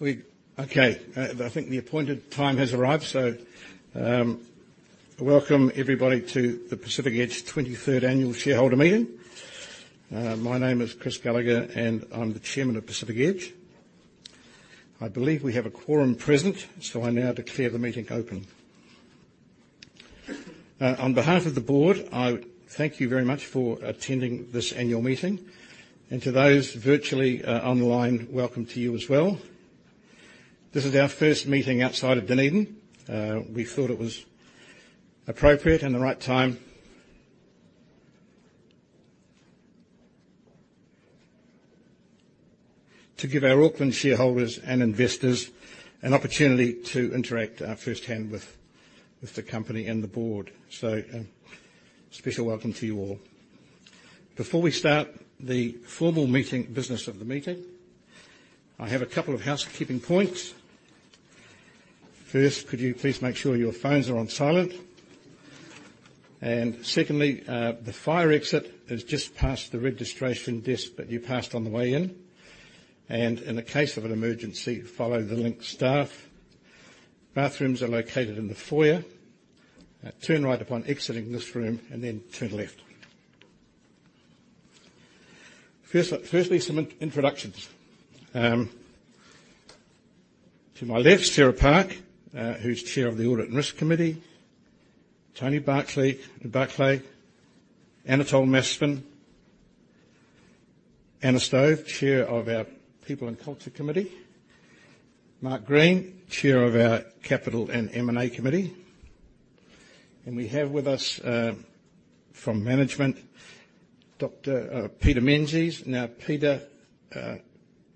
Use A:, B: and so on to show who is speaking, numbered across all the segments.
A: Okay, I think the appointed time has arrived. Welcome everybody to the Pacific Edge 23rd Annual Shareholder Meeting. My name is Chris Gallaher, and I'm the Chairman of Pacific Edge. I believe we have a quorum present. I now declare the meeting open. On behalf of the board, I thank you very much for attending this annual meeting, and to those virtually online, welcome to you as well. This is our first meeting outside of Dunedin. We thought it was appropriate and the right time to give our Auckland shareholders and investors an opportunity to interact firsthand with the company and the board. Special welcome to you all. Before we start the formal meeting, business of the meeting, I have a couple of housekeeping points. First, could you please make sure your phones are on silent? Secondly, the fire exit is just past the registration desk that you passed on the way in. In the case of an emergency, follow the Link staff. Bathrooms are located in the foyer. Turn right upon exiting this room, then turn left. Firstly, some introductions. To my left, Sarah Park, who's Chair of the Audit and Risk Committee. Tony Barclay, Anatole Masfen, Anna Stove, Chair of our People and Culture Committee. Mark Green, Chair of our Capital and M&A Committee. We have with us from management, Dr. Peter Menzies. Now, Peter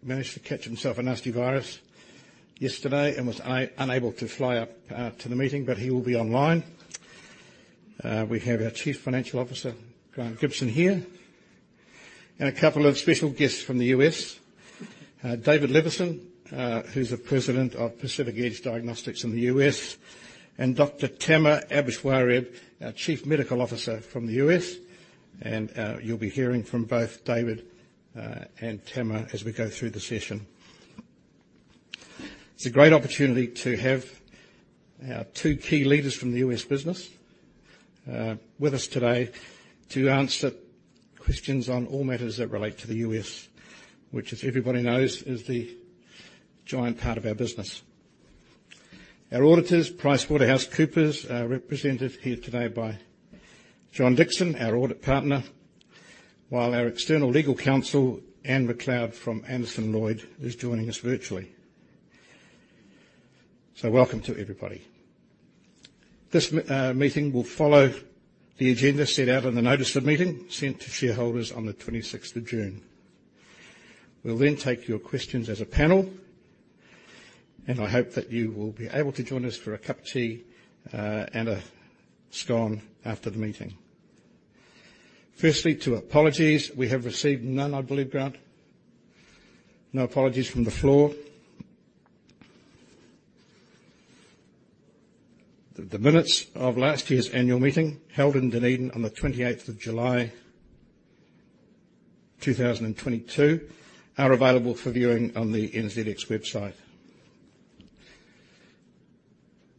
A: managed to catch himself a nasty virus yesterday and was unable to fly up to the meeting, but he will be online. We have our Chief Financial Officer, Grant Gibson, here, and a couple of special guests from the U.S. David Levison, who's the President of Pacific Edge Diagnostics in the U.S., and Dr. Tamer Aboushwareb, our Chief Medical Officer from the U.S.. You'll be hearing from both David and Tamer as we go through the session. It's a great opportunity to have our two key leaders from the U.S. business with us today to answer questions on all matters that relate to the U.S., which, as everybody knows, is the giant part of our business. Our auditors, PricewaterhouseCoopers, are represented here today by John Dixon, our Audit Partner, while our External Legal Counsel, Anne McLeod from Anderson Lloyd, is joining us virtually. Welcome to everybody. This meeting will follow the agenda set out on the notice of meeting, sent to shareholders on the 26th of June. We'll take your questions as a panel, and I hope that you will be able to join us for a cup of tea and a scone after the meeting. Firstly, to apologies, we have received none, I believe, Grant? No apologies from the floor. The minutes of last year's annual meeting, held in Dunedin on the 28th of July, 2022, are available for viewing on the NZX website.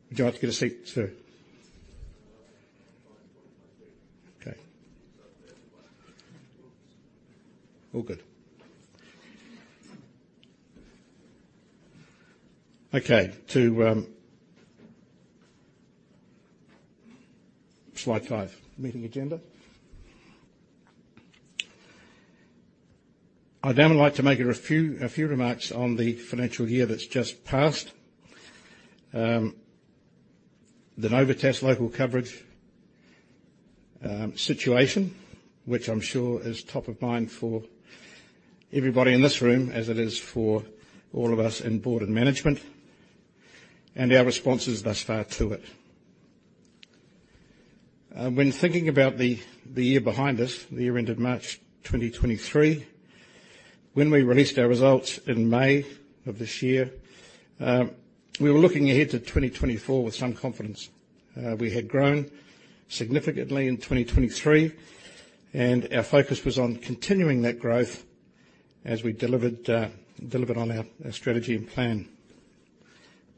A: Would you like to get a seat, sir? Okay. All good. Okay, to slide 5, meeting agenda. I'd now like to make a few remarks on the financial year that's just passed. The Novatest local coverage situation, which I'm sure is top of mind for everybody in this room, as it is for all of us in board and management, and our responses thus far to it. When thinking about the year behind us, the year ended March 2023, when we released our results in May of this year, we were looking ahead to 2024 with some confidence. We had grown significantly in 2023, and our focus was on continuing that growth as we delivered on our strategy and plan.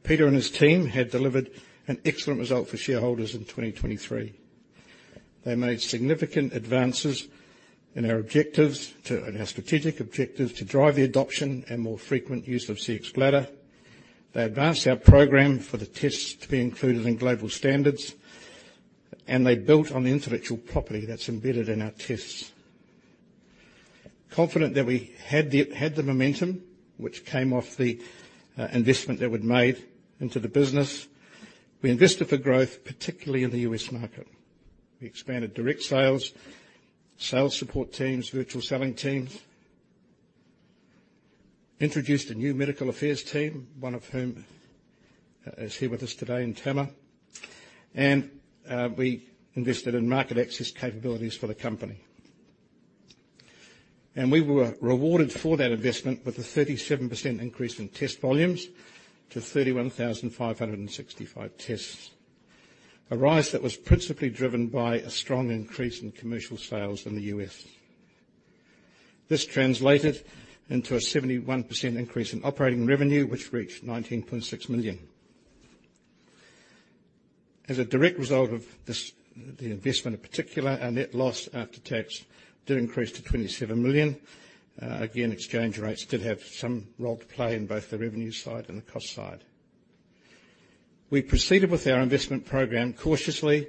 A: Peter and his team had delivered an excellent result for shareholders in 2023. They made significant advances in our strategic objectives to drive the adoption and more frequent use of Cxbladder. They advanced our program for the tests to be included in global standards, and they built on the intellectual property that's embedded in our tests. Confident that we had the momentum, which came off the investment that we'd made into the business, we invested for growth, particularly in the U.S. market. We expanded direct sales support teams, virtual selling teams, introduced a new medical affairs team, one of whom is here with us today in Tamer, and we invested in market access capabilities for the company. We were rewarded for that investment with a 37% increase in test volumes to 31,565 tests. A rise that was principally driven by a strong increase in commercial sales in the U.S. This translated into a 71% increase in operating revenue, which reached $19.6 million. As a direct result of this, the investment in particular, our net loss after tax did increase to $27 million. Again, exchange rates did have some role to play in both the revenue side and the cost side. We proceeded with our investment program cautiously.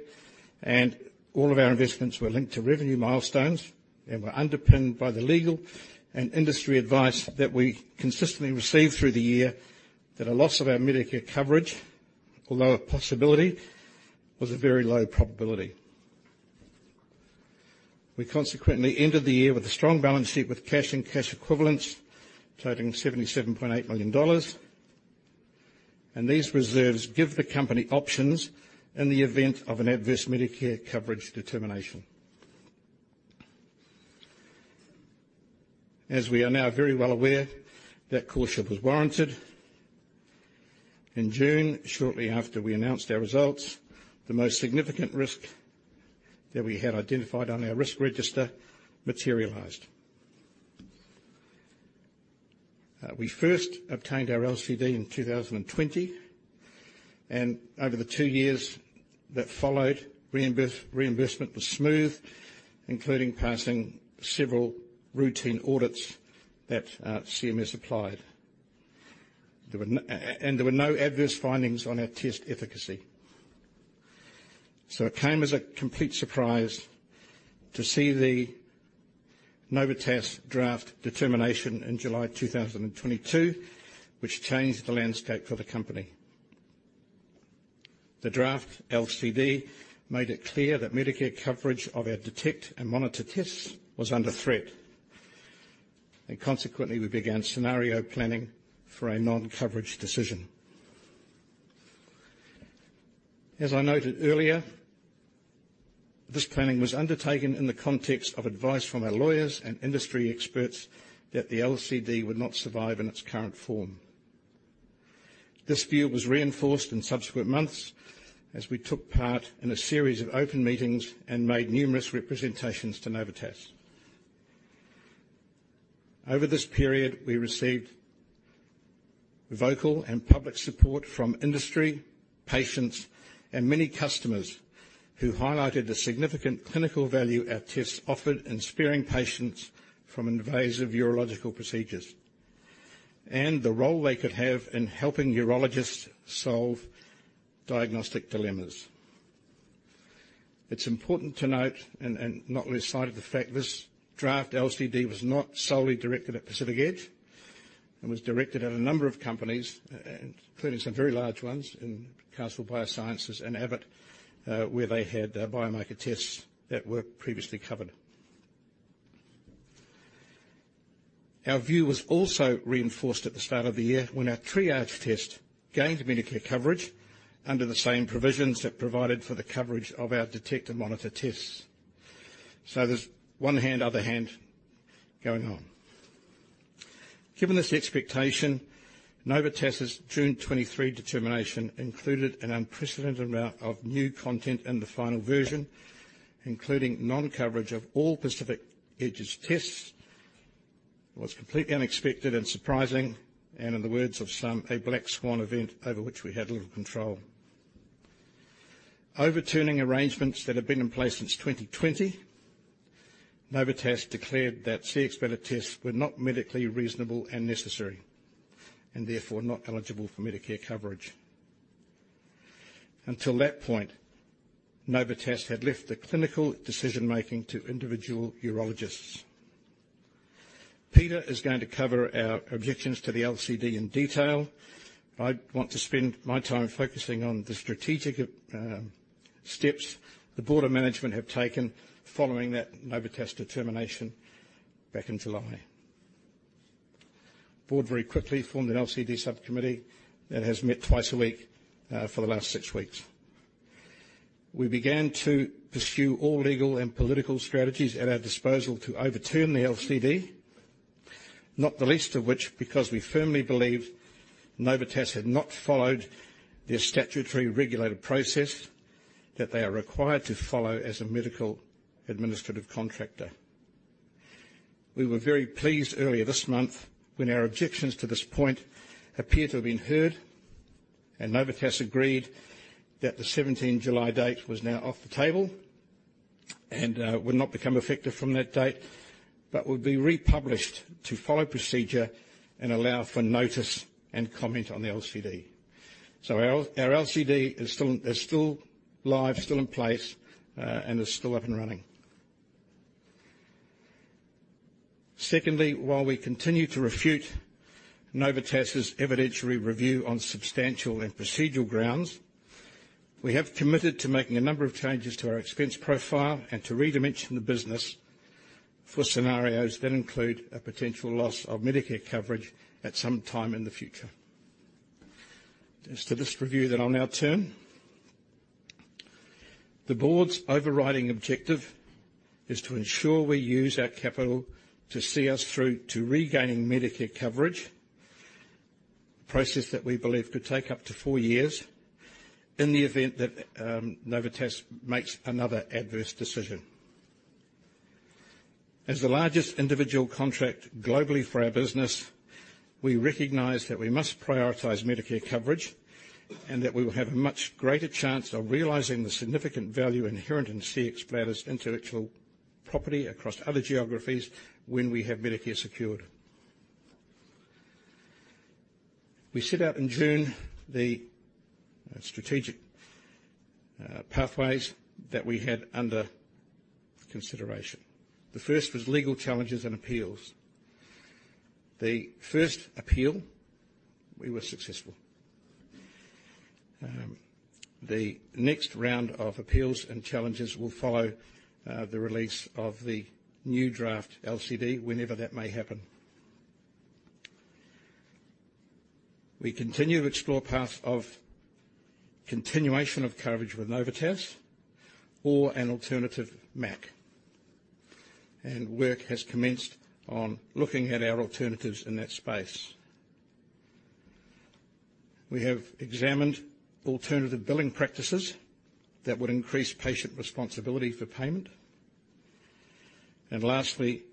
A: All of our investments were linked to revenue milestones, and were underpinned by the legal and industry advice that we consistently received through the year, that a loss of our Medicare coverage, although a possibility, was a very low probability. We consequently ended the year with a strong balance sheet, with cash and cash equivalents totaling $77.8 million. These reserves give the company options in the event of an adverse Medicare coverage determination. As we are now very well aware, that caution was warranted. In June, shortly after we announced our results, the most significant risk that we had identified on our risk register materialized. We first obtained our LCD in 2020, over the two years that followed, reimbursement was smooth, including passing several routine audits that CMS applied. There were no adverse findings on our test efficacy. It came as a complete surprise to see the Novitas draft determination in July 2022, which changed the landscape for the company. The draft LCD made it clear that Medicare coverage of our Detect and Monitor tests was under threat, consequently, we began scenario planning for a non-coverage decision. As I noted earlier, this planning was undertaken in the context of advice from our lawyers and industry experts that the LCD would not survive in its current form. This view was reinforced in subsequent months, as we took part in a series of open meetings and made numerous representations to Novitas. Over this period, we received vocal and public support from industry, patients, and many customers, who highlighted the significant clinical value our tests offered in sparing patients from invasive urological procedures, and the role they could have in helping urologists solve diagnostic dilemmas. It's important to note and not lose sight of the fact, this draft LCD was not solely directed at Pacific Edge, and was directed at a number of companies, including some very large ones, in Castle Biosciences and Abbott, where they had biomarker tests that were previously covered. Our view was also reinforced at the start of the year, when our triage test gained Medicare coverage under the same provisions that provided for the coverage of our detect and monitor tests. There's one hand, other hand going on. Given this expectation, Novitas' June 23 determination included an unprecedented amount of new content in the final version, including non-coverage of all Pacific Edge's tests. It was completely unexpected and surprising, and in the words of some, "a black swan event" over which we had little control. Overturning arrangements that had been in place since 2020, Novitas declared that Cxbladder tests were not medically reasonable and necessary, and therefore not eligible for Medicare coverage. Until that point, Novitas had left the clinical decision-making to individual urologists. Peter is going to cover our objections to the LCD in detail. I want to spend my time focusing on the strategic steps the board of management have taken following that Novitas determination back in July. The board very quickly formed an LCD subcommittee that has met twice a week for the last six weeks. We began to pursue all legal and political strategies at our disposal to overturn the LCD, not the least of which, because we firmly believe Novitas had not followed their statutory regulated process that they are required to follow as a Medicare Administrative Contractor. We were very pleased earlier this month, when our objections to this point appeared to have been heard, and Novitas agreed that the 17th July date was now off the table, and would not become effective from that date, but would be republished to follow procedure and allow for notice and comment on the LCD. Our LCD is still live, still in place, and is still up and running. Secondly, while we continue to refute Novitas' evidentiary review on substantial and procedural grounds, we have committed to making a number of changes to our expense profile and to redimension the business for scenarios that include a potential loss of Medicare coverage at some time in the future. As to this review, I'll now turn. The board's overriding objective is to ensure we use our capital to see us through to regaining Medicare coverage. A process that we believe could take up to 4 years, in the event that Novitas makes another adverse decision. As the largest individual contract globally for our business, we recognize that we must prioritize Medicare coverage, and that we will have a much greater chance of realizing the significant value inherent in Cxbladder's intellectual property across other geographies when we have Medicare secured. We set out in June the strategic pathways that we had under consideration. The first was legal challenges and appeals. The first appeal, we were successful. The next round of appeals and challenges will follow the release of the new draft LCD, whenever that may happen. We continue to explore paths of continuation of coverage with Novitas or an alternative MAC, and work has commenced on looking at our alternatives in that space. We have examined alternative billing practices that would increase patient responsibility for payment. Lastly,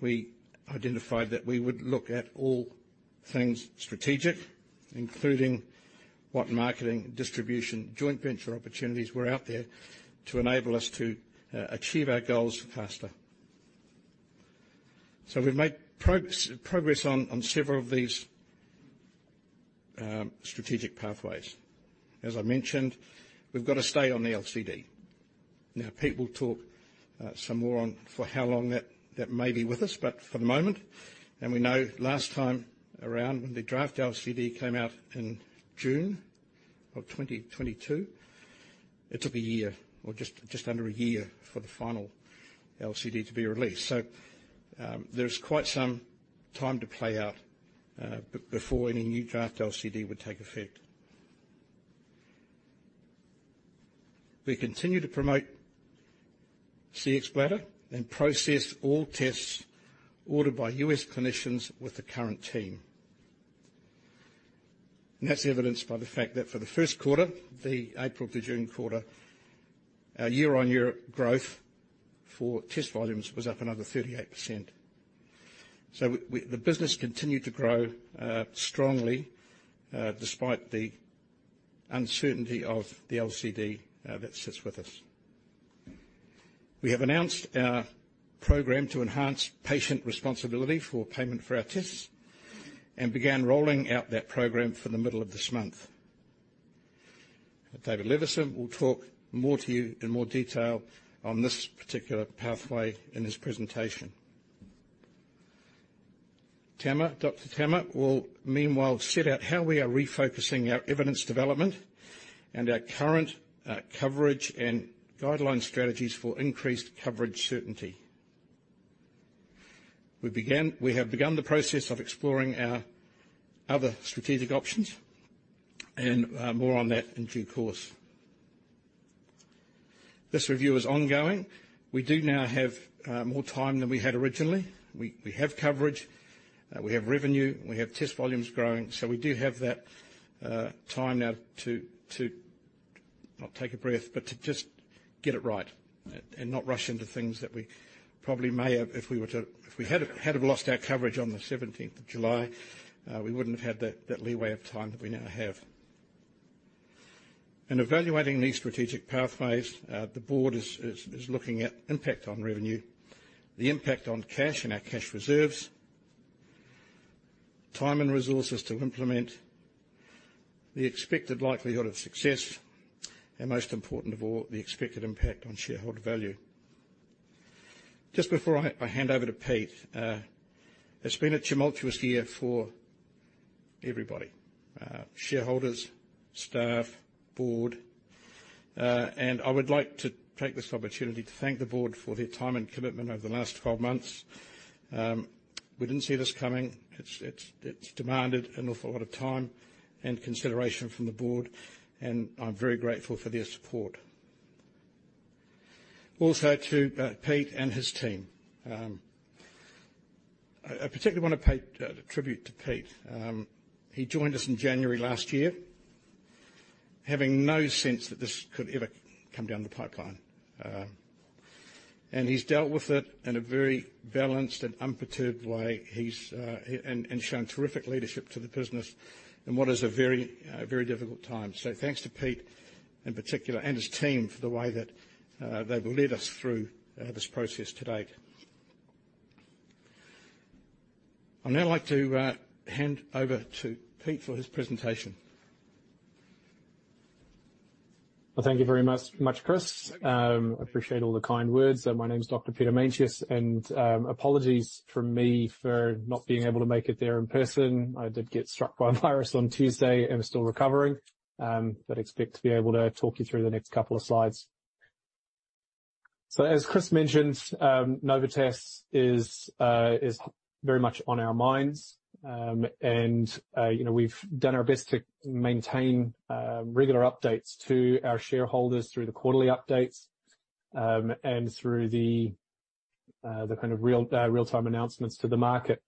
A: we identified that we would look at all things strategic, including what marketing, distribution, joint venture opportunities were out there to enable us to achieve our goals faster. We've made progress on several of these strategic pathways. As I mentioned, we've got to stay on the LCD. Pete will talk some more on for how long that may be with us, but for the moment, we know last time around, when the draft LCD came out in June of 2022, it took a year or just under a year for the final LCD to be released. There's quite some time to play out before any new draft LCD would take effect. We continue to promote Cxbladder and process all tests ordered by U.S. clinicians with the current team. That's evidenced by the fact that for the Q1, the April to June quarter, our year-on-year growth for test volumes was up another 38%. The business continued to grow strongly despite the uncertainty of the LCD that sits with us. We have announced our program to enhance patient responsibility for payment for our tests and began rolling out that program for the middle of this month. David Levison will talk more to you in more detail on this particular pathway in his presentation. Tamer, Dr Tamer, will meanwhile set out how we are refocusing our evidence development and our current coverage and guideline strategies for increased coverage certainty. We have begun the process of exploring our other strategic options, and more on that in due course. This review is ongoing. We do now have more time than we had originally. We have coverage, we have revenue, we have test volumes growing, so we do have that time now to not take a breath, but to just get it right, and not rush into things that we probably may have if we had have lost our coverage on the 17th of July, we wouldn't have had that leeway of time that we now have. In evaluating these strategic pathways, the board is looking at impact on revenue, the impact on cash and our cash reserves, time and resources to implement, the expected likelihood of success, and most important of all, the expected impact on shareholder value. Just before I hand over to Pete, it's been a tumultuous year for everybody, shareholders, staff, board, I would like to take this opportunity to thank the board for their time and commitment over the last 12 months. We didn't see this coming. It's demanded an awful lot of time and consideration from the board, I'm very grateful for their support. Also, to Pete and his team. I particularly want to pay tribute to Pete. He joined us in January last year, having no sense that this could ever come down the pipeline. He's dealt with it in a very balanced and unperturbed way. He's shown terrific leadership to the business in what is a very, very difficult time. Thanks to Pete, in particular, and his team for the way that they've led us through this process to date. I'd now like to hand over to Pete for his presentation.
B: Well, thank you very much, Chris. I appreciate all the kind words. My name is Dr. Peter Meintjes, and apologies from me for not being able to make it there in person. I did get struck by a virus on Tuesday and am still recovering, but expect to be able to talk you through the next couple of slides. As Chris mentioned, Novitas is very much on our minds. You know, we've done our best to maintain regular updates to our shareholders through the quarterly updates, and through the kind of real-time announcements to the market.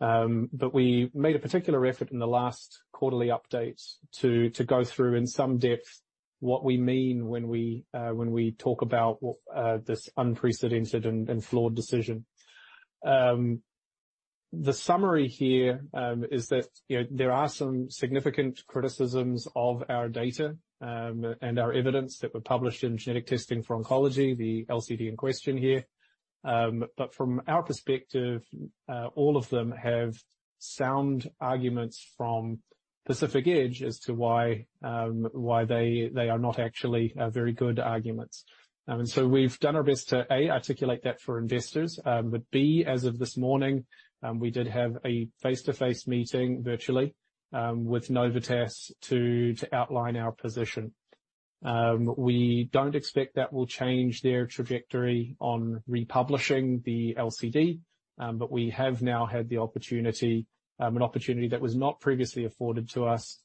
B: We made a particular effort in the last quarterly update to go through in some depth what we mean when we talk about what this unprecedented and flawed decision. The summary here, you know, is that there are some significant criticisms of our data and our evidence that were published in Genetic Testing for Oncology, the LCD in question here. From our perspective, all of them have sound arguments from Pacific Edge as to why they are not actually very good arguments. We've done our best to, A, articulate that for investors. B, as of this morning, we did have a face-to-face meeting virtually with Novitas to outline our position. We don't expect that will change their trajectory on republishing the LCD, but we have now had the opportunity, an opportunity that was not previously afforded to us,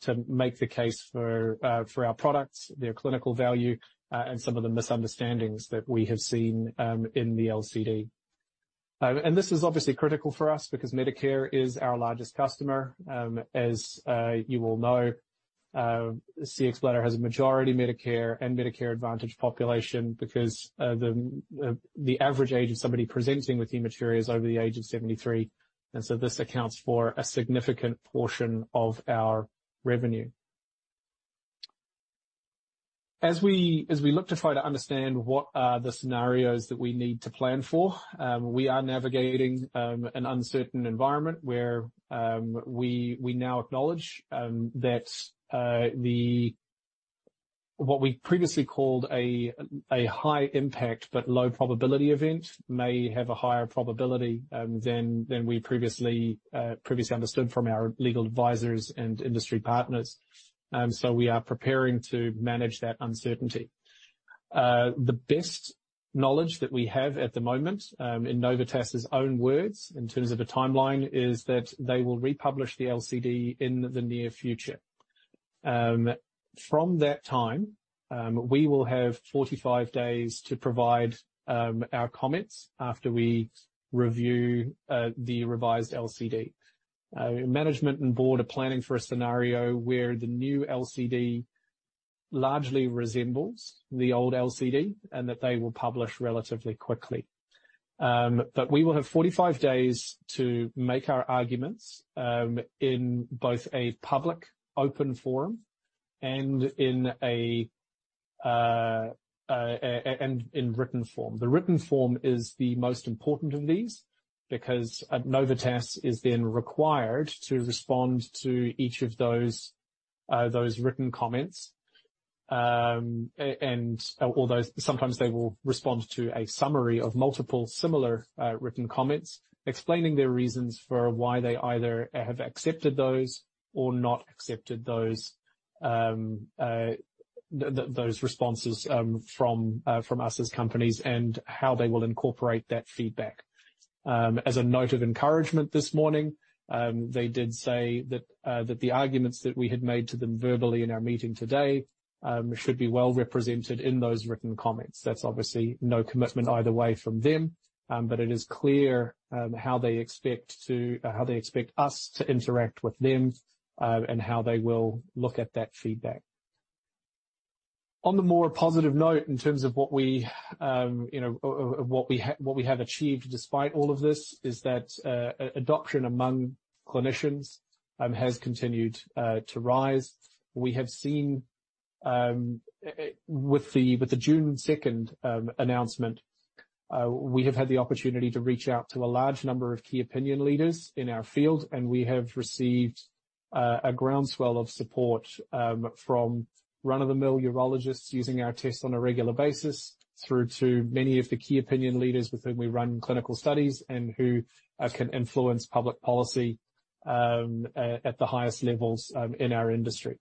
B: to make the case for our products, their clinical value, and some of the misunderstandings that we have seen in the LCD. This is obviously critical for us because Medicare is our largest customer. As you all know, Cxbladder has a majority Medicare and Medicare Advantage population because the average age of somebody presenting with hematuria is over the age of 73, this accounts for a significant portion of our revenue. As we look to try to understand what are the scenarios that we need to plan for, we are navigating an uncertain environment where we now acknowledge that what we previously called a high impact but low probability event may have a higher probability than we previously understood from our legal advisors and industry partners. We are preparing to manage that uncertainty. The best knowledge that we have at the moment, in Novitas' own words, in terms of a timeline, is that they will republish the LCD in the near future. From that time, we will have 45 days to provide our comments after we review the revised LCD. Management and board are planning for a scenario where the new LCD largely resembles the old LCD and that they will publish relatively quickly. We will have 45 days to make our arguments in both a public-open forum and in written form. The written form is the most important of these because Novitas is then required to respond to each of those written comments. Although sometimes they will respond to a summary of multiple similar written comments, explaining their reasons for why they either have accepted those or not accepted those responses from us as companies, and how they will incorporate that feedback. As a note of encouragement this morning, they did say that the arguments that we had made to them verbally in our meeting today, should be well represented in those written comments. That's obviously no commitment either way from them, but it is clear how they expect us to interact with them, and how they will look at that feedback. On the more positive note, in terms of what we, you know, of what we have achieved despite all of this, is that adoption among clinicians, has continued to rise. We have seen with the June 2nd announcement, we have had the opportunity to reach out to a large number of key opinion leaders in our field, and we have received a groundswell of support from run-of-the-mill urologists using our tests on a regular basis, through to many of the key opinion leaders with whom we run clinical studies and who can influence public policy at the highest levels in our industry.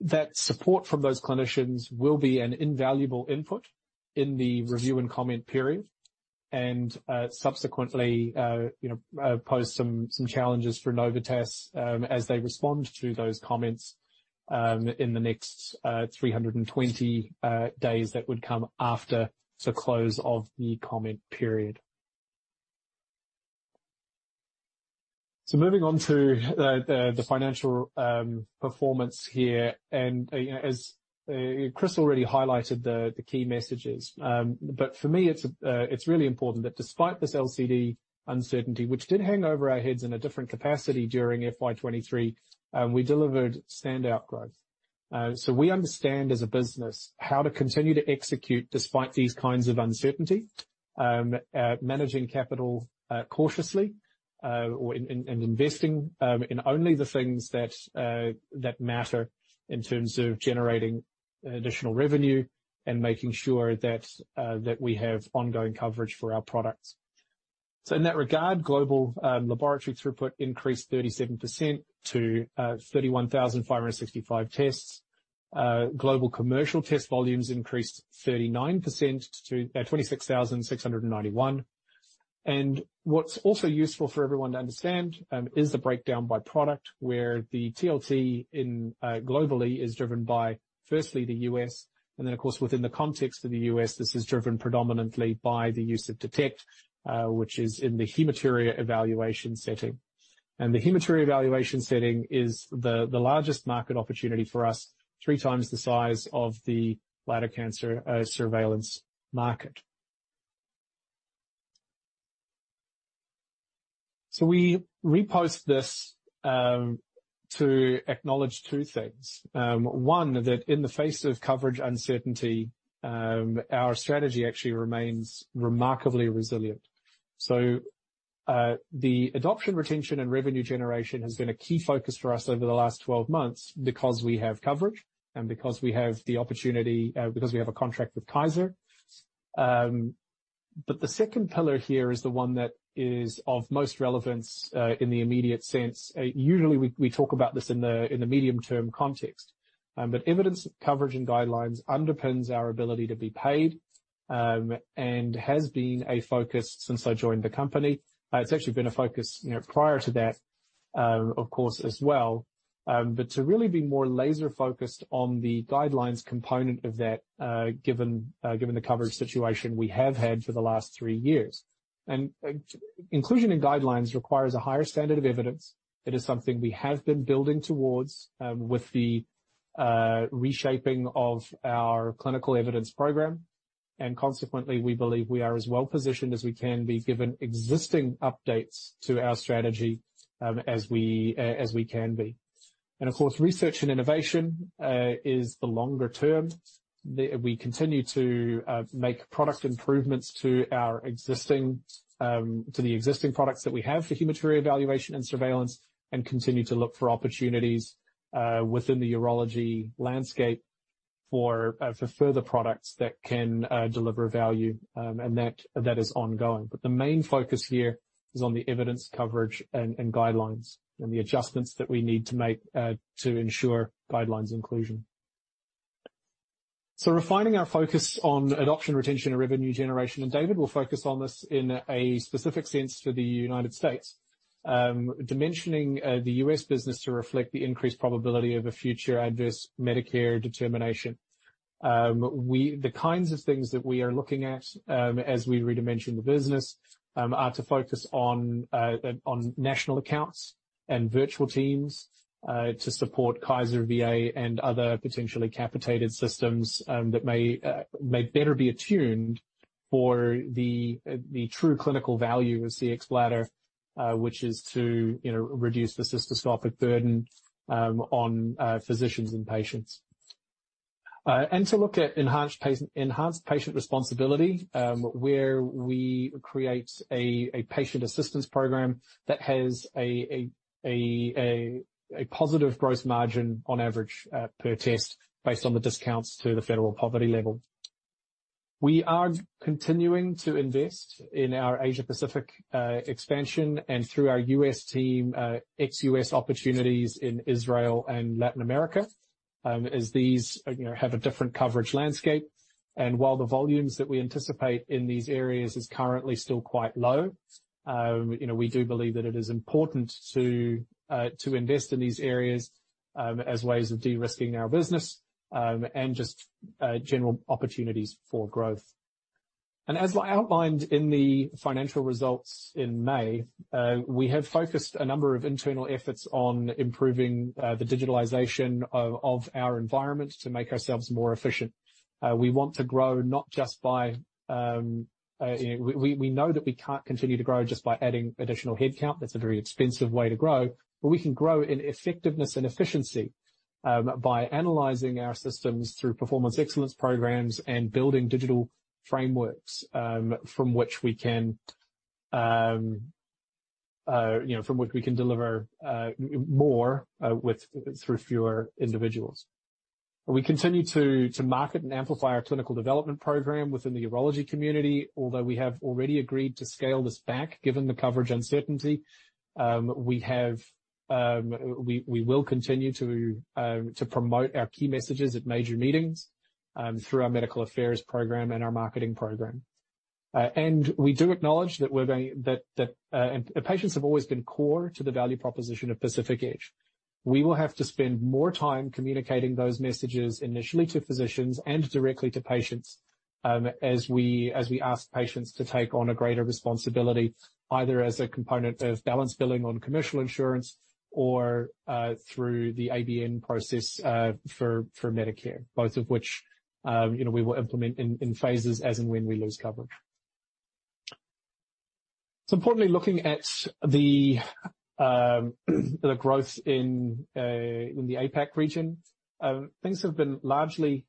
B: That support from those clinicians will be an invaluable input in the review and comment period, and subsequently, you know, pose some challenges for Novitas as they respond to those comments in the next 320 days that would come after the close of the comment period. Moving on to the financial performance here, you know, as Chris already highlighted the key messages. For me, it's really important that despite this LCD uncertainty, which did hang over our heads in a different capacity during FY 2023, we delivered standout growth. We understand as a business how to continue to execute despite these kinds of uncertainty, managing capital cautiously, and investing in only the things that matter in terms of generating additional revenue and making sure that we have ongoing coverage for our products. In that regard, global laboratory throughput increased 37% to 31,565 tests. Global commercial test volumes increased 39% to 26,691. What's also useful for everyone to understand is the breakdown by product, where the TLT in globally is driven by, firstly, the U.S. Then, of course, within the context of the U.S., this is driven predominantly by the use of Detect, which is in the hematuria evaluation setting. The hematuria evaluation setting is the largest market opportunity for us, three times the size of the bladder cancer surveillance market. We repost this to acknowledge two things. One, that in the face of coverage uncertainty, our strategy actually remains remarkably resilient. The adoption, retention, and revenue generation has been a key focus for us over the last 12 months because we have coverage and because we have the opportunity because we have a contract with Kaiser Permanente. The second pillar here is the one that is of most relevance in the immediate sense. Usually, we talk about this in the medium-term context. Evidence, coverage, and guidelines underpins our ability to be paid, and has been a focus since I joined the company. It's actually been a focus, you know, prior to that, of course, as well. To really be more laser-focused on the guidelines component of that, given the coverage situation we have had for the last 3 years. Inclusion in guidelines requires a higher standard of evidence. It is something we have been building towards, with the reshaping of our clinical evidence program, consequently, we believe we are as well positioned as we can be, given existing updates to our strategy, as we can be. Of course, research and innovation is the longer term. We continue to make product improvements to our existing, to the existing products that we have for hematuria evaluation and surveillance, continue to look for opportunities within the urology landscape for further products that can deliver value, that is ongoing. The main focus here is on the evidence, coverage, and guidelines, and the adjustments that we need to make to ensure guidelines inclusion. Refining our focus on adoption, retention, and revenue generation, and David will focus on this in a specific sense for the United States. Dimensioning the U.S. business to reflect the increased probability of a future adverse Medicare determination. The kinds of things that we are looking at, as we redimension the business, are to focus on national accounts and virtual teams to support Kaiser, VA, and other potentially capitated systems that may better be attuned for the true clinical value of Cxbladder, which is to, you know, reduce the cystoscopy burden on physicians and patients. To look at enhanced patient responsibility, where we create a patient assistance program that has a positive gross margin on average per test, based on the discounts to the federal poverty level. We are continuing to invest in our Asia Pacific expansion, and through our U.S. team, ex-U.S. opportunities in Israel and Latin America, as these, you know, have a different coverage landscape. While the volumes that we anticipate in these areas is currently still quite low, you know, we do believe that it is important to invest in these areas as ways of de-risking our business and just general opportunities for growth. As I outlined in the financial results in May, we have focused a number of internal efforts on improving the digitalization of our environment to make ourselves more efficient. We want to grow not just by... We know that we can't continue to grow just by adding additional headcount. That's a very expensive way to grow. We can grow in effectiveness and efficiency by analyzing our systems through performance excellence programs and building digital frameworks, from which we can, you know, from which we can deliver more through fewer individuals. We continue to market and amplify our clinical development program within the urology community. Although we have already agreed to scale this back, given the coverage uncertainty. We will continue to promote our key messages at major meetings through our medical affairs program and our marketing program. We do acknowledge that patients have always been core to the value proposition of Pacific Edge. We will have to spend more time communicating those messages initially to physicians and directly to patients, as we ask patients to take on a greater responsibility, either as a component of balance billing on commercial insurance or through the ABN process for Medicare. Both of which, you know, we will implement in phases as and when we lose coverage. Importantly, looking at the growth in the APAC region, things have been largely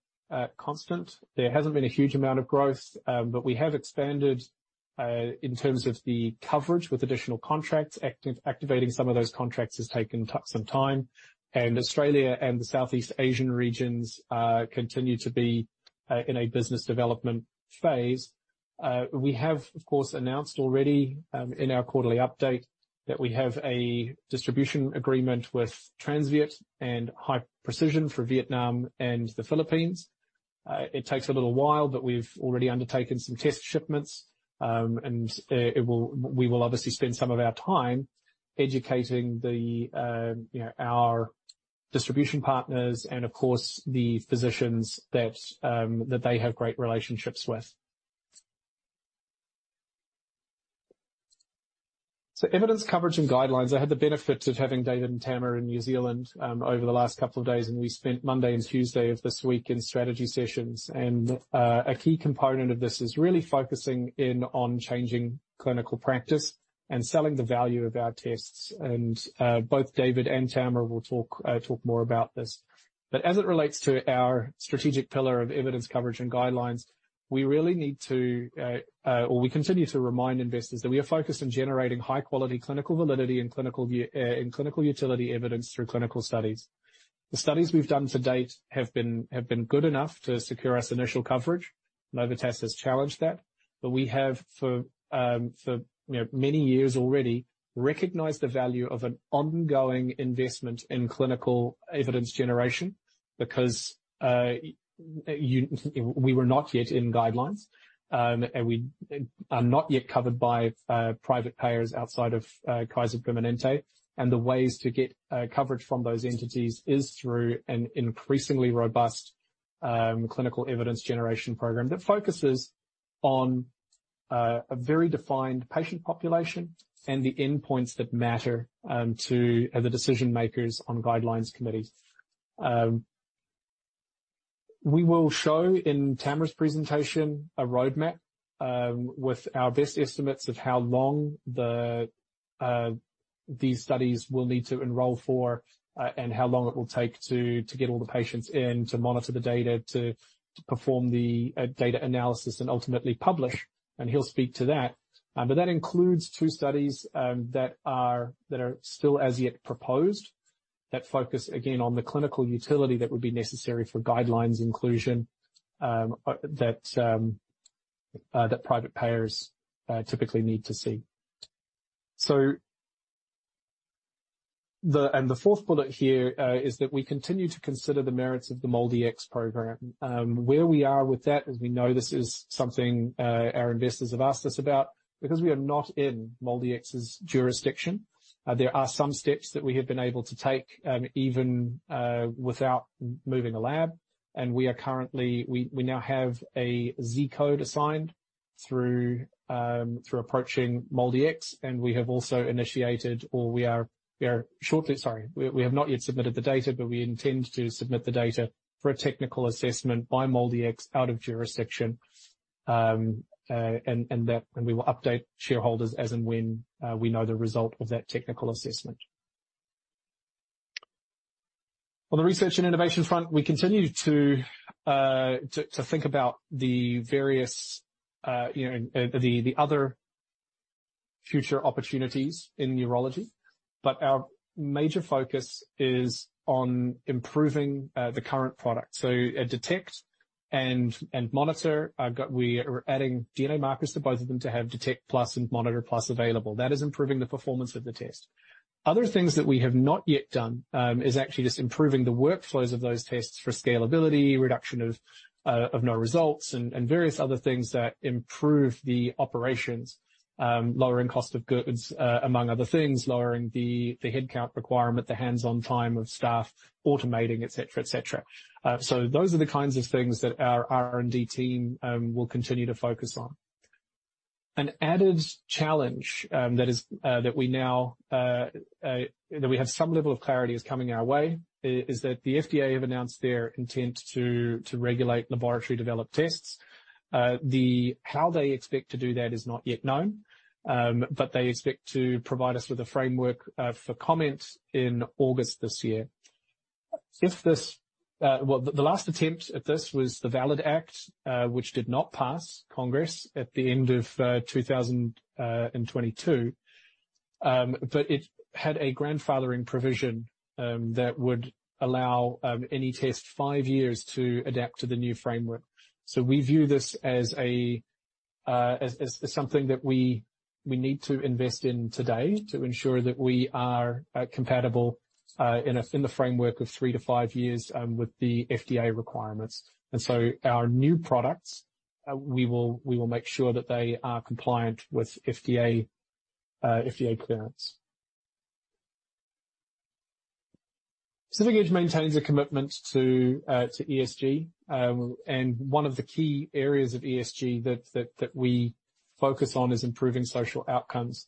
B: constant. There hasn't been a huge amount of growth, but we have expanded in terms of the coverage with additional contracts. Activating some of those contracts has taken some time, and Australia and the Southeast Asian regions continue to be in a business development phase. We have, of course, announced already in our quarterly update that we have a distribution agreement with TransViet and High Precision for Vietnam and the Philippines. It takes a little while, but we've already undertaken some test shipments. We will obviously spend some of our time educating the, you know, our distribution partners and of course, the physicians that they have great relationships with. Evidence, coverage, and guidelines. I had the benefit of having David and Tamer in New Zealand, over the last couple of days, and we spent Monday and Tuesday of this week in strategy sessions. A key component of this is really focusing in on changing clinical practice and selling the value of our tests. Both David and Tamer will talk more about this. As it relates to our strategic pillar of evidence, coverage, and guidelines, we really need to, or we continue to remind investors that we are focused on generating high-quality clinical validity and clinical view and clinical utility evidence through clinical studies. The studies we've done to date have been good enough to secure us initial coverage. Nova Test has challenged that. We have, for, you know, many years already, recognized the value of an ongoing investment in clinical evidence generation because we were not yet in guidelines, and we are not yet covered by private payers outside of Kaiser Permanente. The ways to get coverage from those entities is through an increasingly robust clinical evidence generation program that focuses on a very defined patient population and the endpoints that matter to the decision-makers on guidelines committees. We will show in Tamer's presentation a roadmap with our best estimates of how long these studies will need to enroll for, and how long it will take to get all the patients in, to monitor the data, to perform the data analysis, and ultimately publish. He'll speak to that. That includes two studies that are still as yet proposed, that focus, again, on the clinical utility that would be necessary for guidelines inclusion that private payers typically need to see. The fourth bullet here is that we continue to consider the merits of the MolDX program. Where we are with that, as we know, this is something our investors have asked us about because we are not in MolDX's jurisdiction. There are some steps that we have been able to take, even without moving a lab, and we now have a Z-Code assigned through approaching MolDX, and we have also initiated, or we have not yet submitted the data, but we intend to submit the data for a technical assessment by MolDX out of jurisdiction, and that, we will update shareholders as and when we know the result of that technical assessment. On the research and innovation front, we continue to think about the various, you know, the other future opportunities in neurology, but our major focus is on improving the current product, so Detect and Monitor. We are adding DNA markers to both of them to have Detect+ and Monitor+ available. That is improving the performance of the test. Other things that we have not yet done, is actually just improving the workflows of those tests for scalability, reduction of no results, and various other things that improve the operations, lowering cost of goods, among other things, lowering the headcount requirement, the hands-on time of staff, automating, et cetera, et cetera. So those are the kinds of things that our R&D team will continue to focus on. An added challenge that is that we now that we have some level of clarity is coming our way is that the FDA have announced their intent to regulate laboratory-developed tests. How they expect to do that is not yet known, but they expect to provide us with a framework for comment in August this year. If this, well, the last attempt at this was the VALID Act, which did not pass Congress at the end of 2022. It had a grandfathering provision that would allow any test five years to adapt to the new framework. We view this as something that we need to invest in today to ensure that we are compatible in the framework of three to five years with the FDA requirements. Our new products, we will make sure that they are compliant with FDA clearance. Pacific Edge maintains a commitment to ESG, and one of the key areas of ESG that we focus on is improving social outcomes.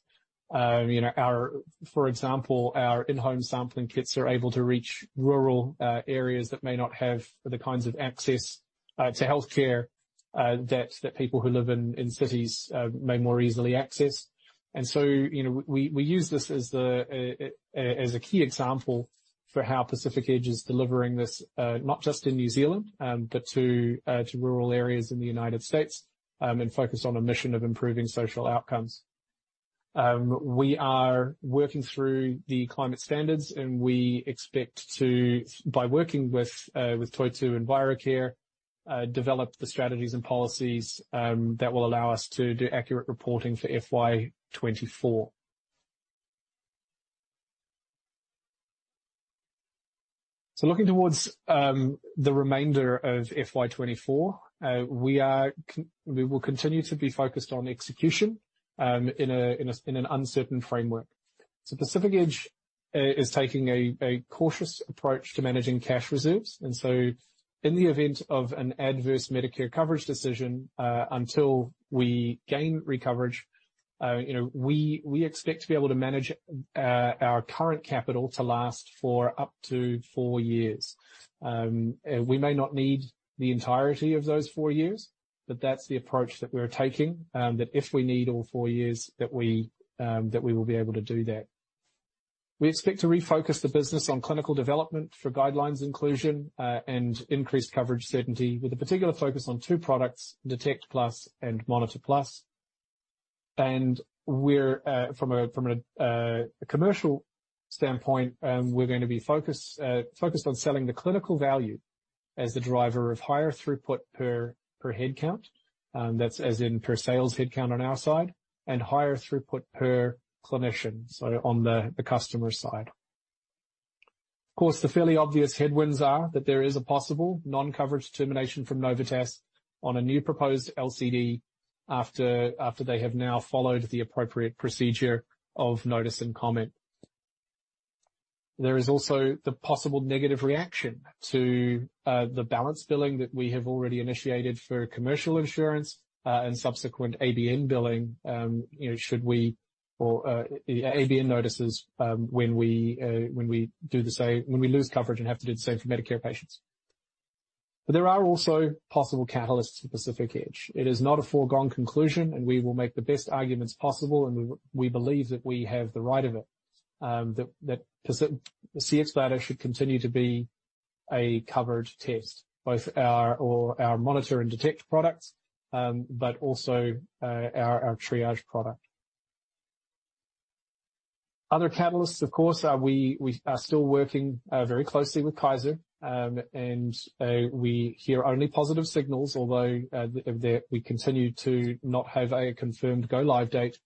B: You know, our, for example, our in-home sampling kits are able to reach rural areas that may not have the kinds of access to healthcare that people who live in cities may more easily access. You know, we use this as a key example for how Pacific Edge is delivering this not just in New Zealand, but to rural areas in the United States, and focus on a mission of improving social outcomes. We are working through the climate standards, and we expect to, by working with Toitū Envirocare, develop the strategies and policies that will allow us to do accurate reporting for FY 2024. Looking towards the remainder of FY 2024, we will continue to be focused on execution in an uncertain framework. Pacific Edge is taking a cautious approach to managing cash reserves, in the event of an adverse Medicare coverage decision, until we gain recovery, you know, we expect to be able to manage our current capital to last for up to four years. We may not need the entirety of those 4 years, but that's the approach that we're taking, that if we need all 4 years, that we will be able to do that. We expect to refocus the business on clinical development for guidelines inclusion and increased coverage certainty, with a particular focus on 2 products, Detect+ and Monitor+. From a commercial standpoint, we're going to be focused on selling the clinical value as the driver of higher throughput per headcount. That's as in per sales headcount on our side, and higher throughput per clinician, so on the customer side. Of course, the fairly obvious headwinds are that there is a possible non-coverage determination from Novitas on a new proposed LCD after they have now followed the appropriate procedure of notice and comment. There is also the possible negative reaction to the balance billing that we have already initiated for commercial insurance and subsequent ABN billing, you know, should we or ABN notices when we do the same, when we lose coverage and have to do the same for Medicare patients. There are also possible catalysts for Pacific Edge. It is not a foregone conclusion, and we will make the best arguments possible, and we believe that we have the right of it, that Cxbladder should continue to be a covered test, both our Monitor and Detect products, but also our Triage product. Other catalysts, of course, are we are still working very closely with Kaiser, and we hear only positive signals, although that we continue to not have a confirmed go-live date.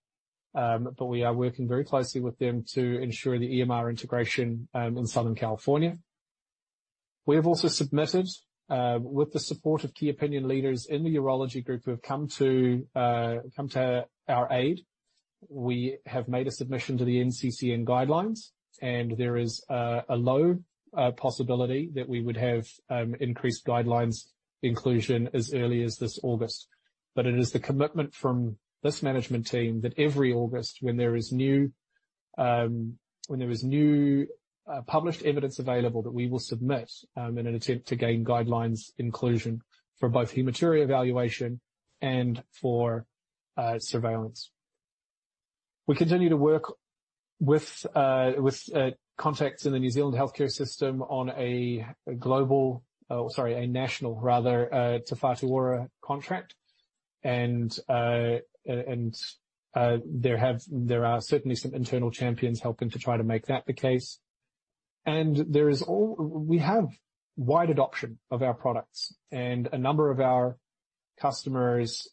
B: We are working very closely with them to ensure the EMR integration in Southern California. We have also submitted, with the support of key opinion leaders in the urology group, who have come to our aid. We have made a submission to the NCCN guidelines. There is a low possibility that we would have increased guidelines inclusion as early as this August. It is the commitment from this management team that every August, when there is new published evidence available, that we will submit in an attempt to gain guidelines inclusion for both hematuria evaluation and for surveillance. We continue to work with contacts in the New Zealand healthcare system on a global, sorry, a national rather, Te Whatu Ora contract. There are certainly some internal champions helping to try to make that the case. There is we have wide adoption of our products, and a number of our customers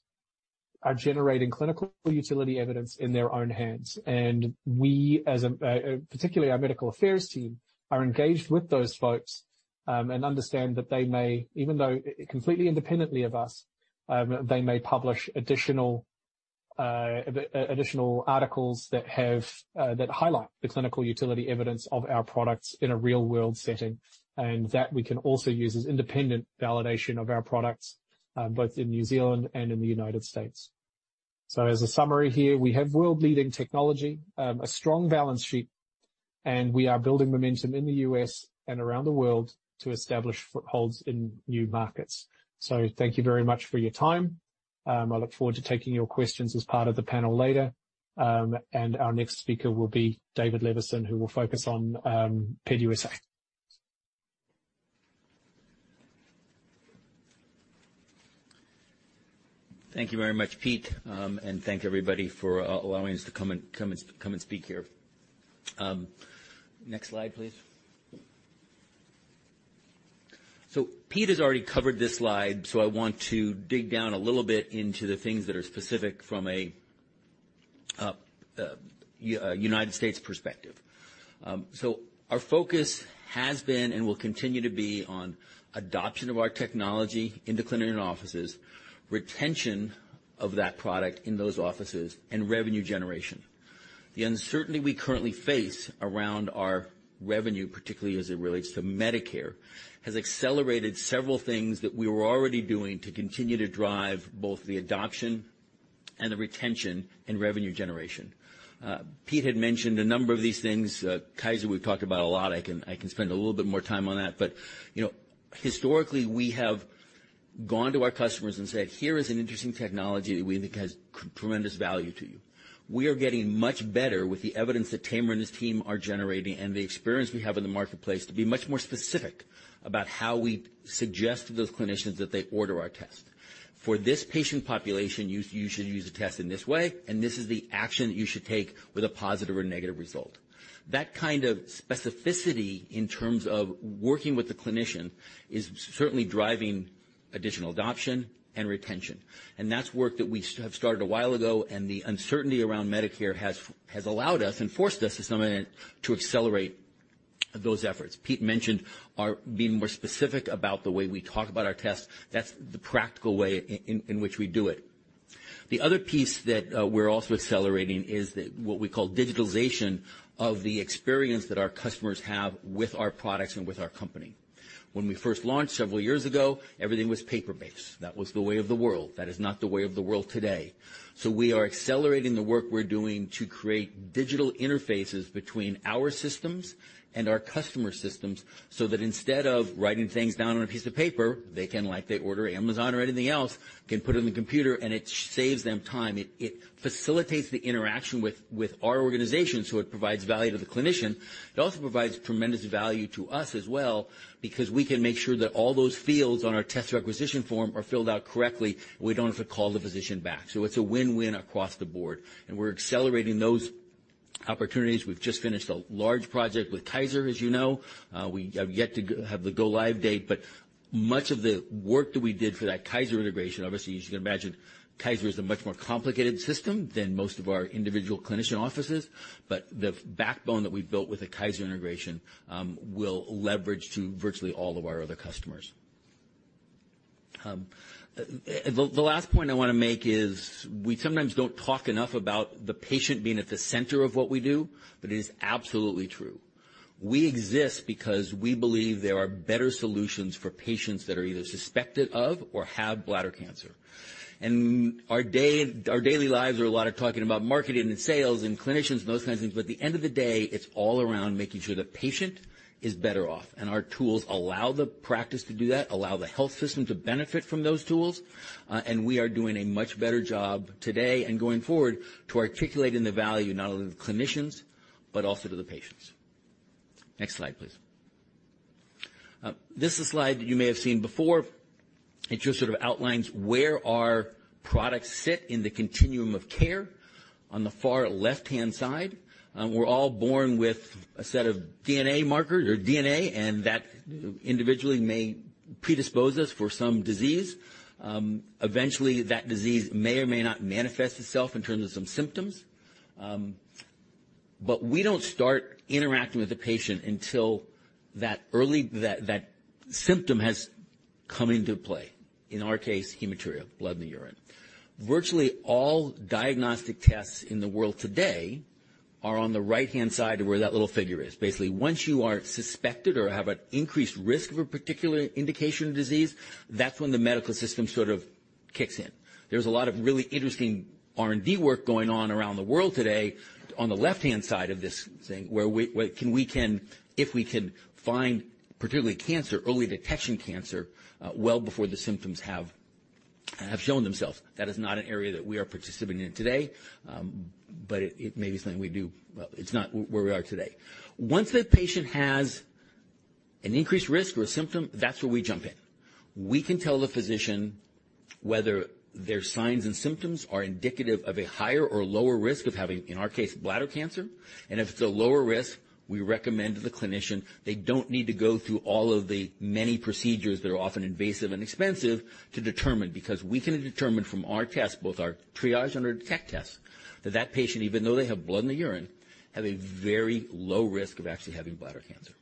B: are generating clinical utility evidence in their own hands. We, as a, particularly our medical affairs team, are engaged with those folks, and understand that they may, even though completely independently of us, they may publish additional articles that have, that highlight the clinical utility evidence of our products in a real-world setting, and that we can also use as independent validation of our products, both in New Zealand and in the United States. As a summary here, we have world-leading technology, a strong balance sheet, and we are building momentum in the U.S. and around the world to establish footholds in new markets. Thank you very much for your time. I look forward to taking your questions as part of the panel later. Our next speaker will be David Levison, who will focus on PEDUSA.
C: Thank you very much, Pete, and thank everybody for allowing us to come and speak here. Next slide, please. Pete has already covered this slide, so I want to dig down a little bit into the things that are specific from a United States perspective. Our focus has been and will continue to be on adoption of our technology into clinic and offices, retention of that product in those offices, and revenue generation. The uncertainty we currently face around our revenue, particularly as it relates to Medicare, has accelerated several things that we were already doing to continue to drive both the adoption and the retention and revenue generation. Pete had mentioned a number of these things. Kaiser, we've talked about a lot. I can spend a little bit more time on that. You know, historically, we have gone to our customers and said, "Here is an interesting technology that we think has tremendous value to you." We are getting much better with the evidence that Tamer and his team are generating and the experience we have in the marketplace to be much more specific about how we suggest to those clinicians that they order our test. For this patient population, you should use a test in this way, and this is the action that you should take with a positive or negative result. That kind of specificity in terms of working with the clinician is certainly driving additional adoption and retention. That's work that we have started a while ago, and the uncertainty around Medicare has allowed us and forced us to some extent, to accelerate those efforts. Pete mentioned being more specific about the way we talk about our tests. That's the practical way in which we do it. The other piece that we're also accelerating is what we call digitalization of the experience that our customers have with our products and with our company. When we first launched several years ago, everything was paper-based. That was the way of the world. That is not the way of the world today. We are accelerating the work we're doing to create digital interfaces between our systems and our customer systems, so that instead of writing things down on a piece of paper, they can, like they order Amazon or anything else, can put it in the computer, and it saves them time. It facilitates the interaction with our organization, so it provides value to the clinician. It also provides tremendous value to us as well, because we can make sure that all those fields on our test requisition form are filled out correctly, and we don't have to call the physician back. It's a win-win across the board, and we're accelerating those opportunities. We've just finished a large project with Kaiser, as you know. We have yet to have the go-live date, much of the work that we did for that Kaiser integration, obviously, as you can imagine, Kaiser is a much more complicated system than most of our individual clinician offices. The backbone that we built with the Kaiser integration, will leverage to virtually all of our other customers. The last point I wanna make is we sometimes don't talk enough about the patient being at the center of what we do, but it is absolutely true. We exist because we believe there are better solutions for patients that are either suspected of or have bladder cancer. Our daily lives are a lot of talking about marketing and sales and clinicians and those kinds of things, but at the end of the day, it's all around making sure the patient is better off, and our tools allow the practice to do that, allow the health system to benefit from those tools. We are doing a much better job today and going forward to articulating the value not only to the clinicians, but also to the patients. Next slide, please. This is a slide you may have seen before. It just sort of outlines where our products sit in the continuum of care. On the far left-hand side, we're all born with a set of DNA markers or DNA, and that individually may predispose us for some disease. Eventually, that disease may or may not manifest itself in terms of some symptoms. But we don't start interacting with the patient until that symptom has come into play. In our case, hematuria, blood in the urine. Virtually all diagnostic tests in the world today are on the right-hand side of where that little figure is. Basically, once you are suspected or have an increased risk of a particular indication of disease, that's when the medical system sort of kicks in. There's a lot of really interesting R&D work going on around the world today on the left-hand side of this thing, where we can find, particularly cancer, early detection cancer, well before the symptoms have shown themselves. That is not an area that we are participating in today, but it may be something we do. Well, it's not where we are today. Once that patient has an increased risk or a symptom, that's where we jump in. We can tell the physician whether their signs and symptoms are indicative of a higher or lower risk of having, in our case, bladder cancer. If it's a lower risk, we recommend to the clinician, they don't need to go through all of the many procedures that are often invasive and expensive to determine, because we can determine from our test, both our Triage and our Detect tests, that that patient, even though they have blood in the urine, have a very low risk of actually having bladder cancer.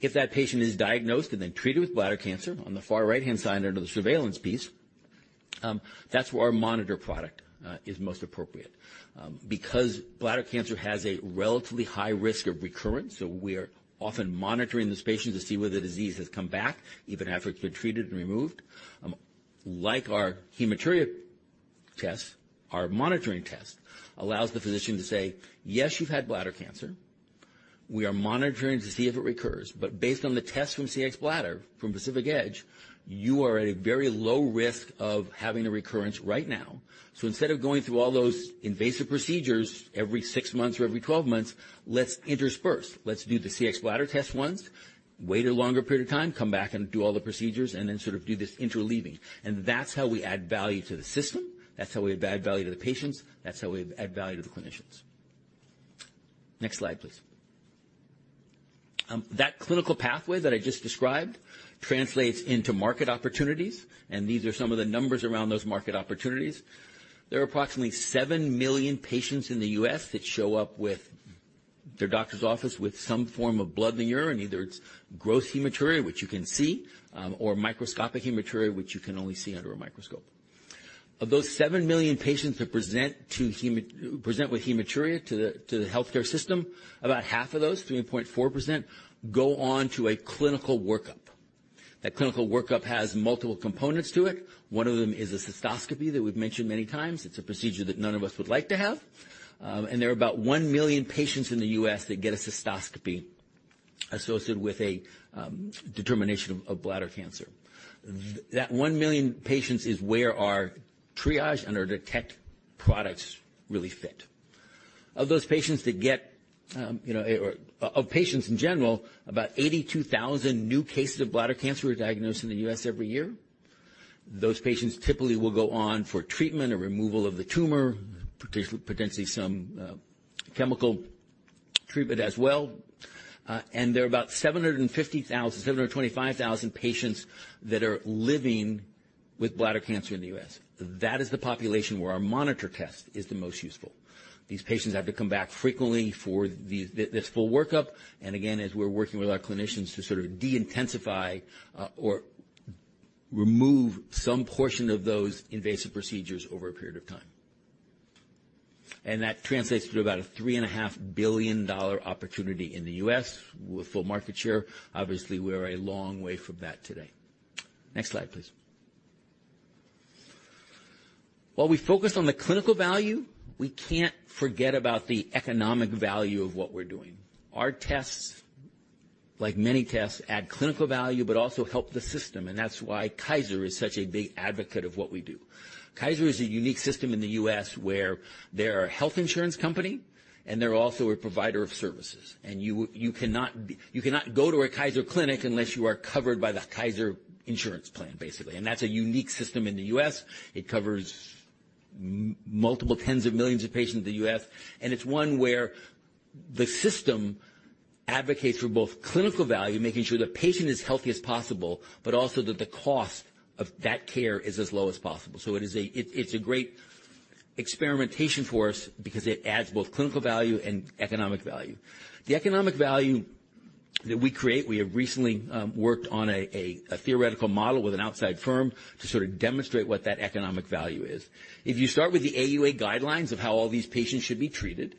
C: If that patient is diagnosed and then treated with bladder cancer, on the far right-hand side under the surveillance piece, that's where our Monitor product is most appropriate. Because bladder cancer has a relatively high risk of recurrence, so we're often monitoring this patient to see whether the disease has come back, even after it's been treated and removed. Like our hematuria test, our monitoring test allows the physician to say, "Yes, you've had bladder cancer. We are monitoring to see if it recurs, but based on the test from Cxbladder, from Pacific Edge, you are at a very low risk of having a recurrence right now. Instead of going through all those invasive procedures every 6 months or every 12 months, let's intersperse. Let's do the Cxbladder test once, wait a longer period of time, come back and do all the procedures, and then sort of do this interleaving. That's how we add value to the system. That's how we add value to the patients. That's how we add value to the clinicians. Next slide, please. That clinical pathway that I just described translates into market opportunities. These are some of the numbers around those market opportunities. There are approximately 7 million patients in the U.S. that show up with their doctor's office with some form of blood in the urine. Either it's gross hematuria, which you can see, or microscopic hematuria, which you can only see under a microscope. Of those 7 million patients that present with hematuria to the healthcare system, about half of those, 3.4%, go on to a clinical workup. That clinical workup has multiple components to it. One of them is a cystoscopy, that we've mentioned many times. It's a procedure that none of us would like to have. There are about 1 million patients in the U.S. that get a cystoscopy associated with a determination of bladder cancer. That 1 million patients is where our Triage and our Detect products really fit. Of those patients that get, you know, or of patients in general, about 82,000 new cases of bladder cancer are diagnosed in the U.S. every year. Those patients typically will go on for treatment or removal of the tumor, potentially some chemical treatment as well. There are about 725,000 patients that are living with bladder cancer in the U.S. That is the population where our monitor test is the most useful. These patients have to come back frequently for this full workup, again, as we're working with our clinicians to sort of de-intensify or remove some portion of those invasive procedures over a period of time. That translates to about a $3.5 billion opportunity in the U.S. with full market share. Obviously, we are a long way from that today. Next slide, please. While we focus on the clinical value, we can't forget about the economic value of what we're doing. Our tests, like many tests, add clinical value, but also help the system, and that's why Kaiser is such a big advocate of what we do. Kaiser is a unique system in the U.S. where they're a health insurance company, and they're also a provider of services. You cannot go to a Kaiser clinic unless you are covered by the Kaiser insurance plan, basically, and that's a unique system in the U.S. It covers multiple tens of millions of patients in the U.S., and it's one where the system advocates for both clinical value, making sure the patient is healthy as possible, but also that the cost of that care is as low as possible. It's a great experimentation for us because it adds both clinical value and economic value. The economic value that we create, we have recently worked on a theoretical model with an outside firm to sort of demonstrate what that economic value is. If you start with the AUA guidelines of how all these patients should be treated,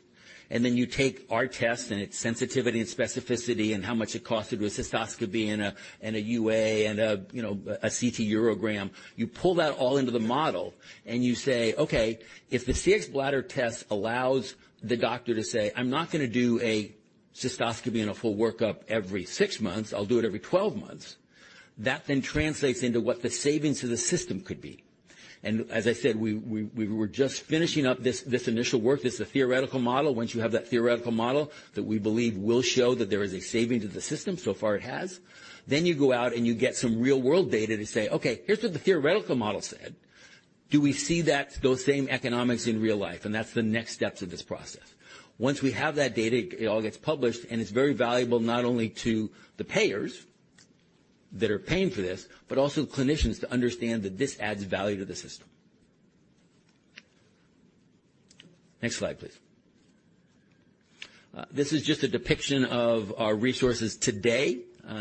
C: then you take our test and its sensitivity and specificity and how much it costs to do a cystoscopy and a UA and a, you know, a CT urogram, you pull that all into the model, and you say, "Okay, if the Cxbladder test allows the doctor to say, 'I'm not going to do a cystoscopy and a full workup every six months, I'll do it every twelve months,' " that then translates into what the savings to the system could be. As I said, we were just finishing up this initial work. This is a theoretical model. Once you have that theoretical model that we believe will show that there is a savings to the system, so far it has, then you go out and you get some real-world data to say, "Okay, here's what the theoretical model said. Do we see that, those same economics in real life?" That's the next steps of this process. Once we have that data, it all gets published, and it's very valuable not only to the payers that are paying for this, but also clinicians to understand that this adds value to the system. Next slide, please. This is just a depiction of our resources today,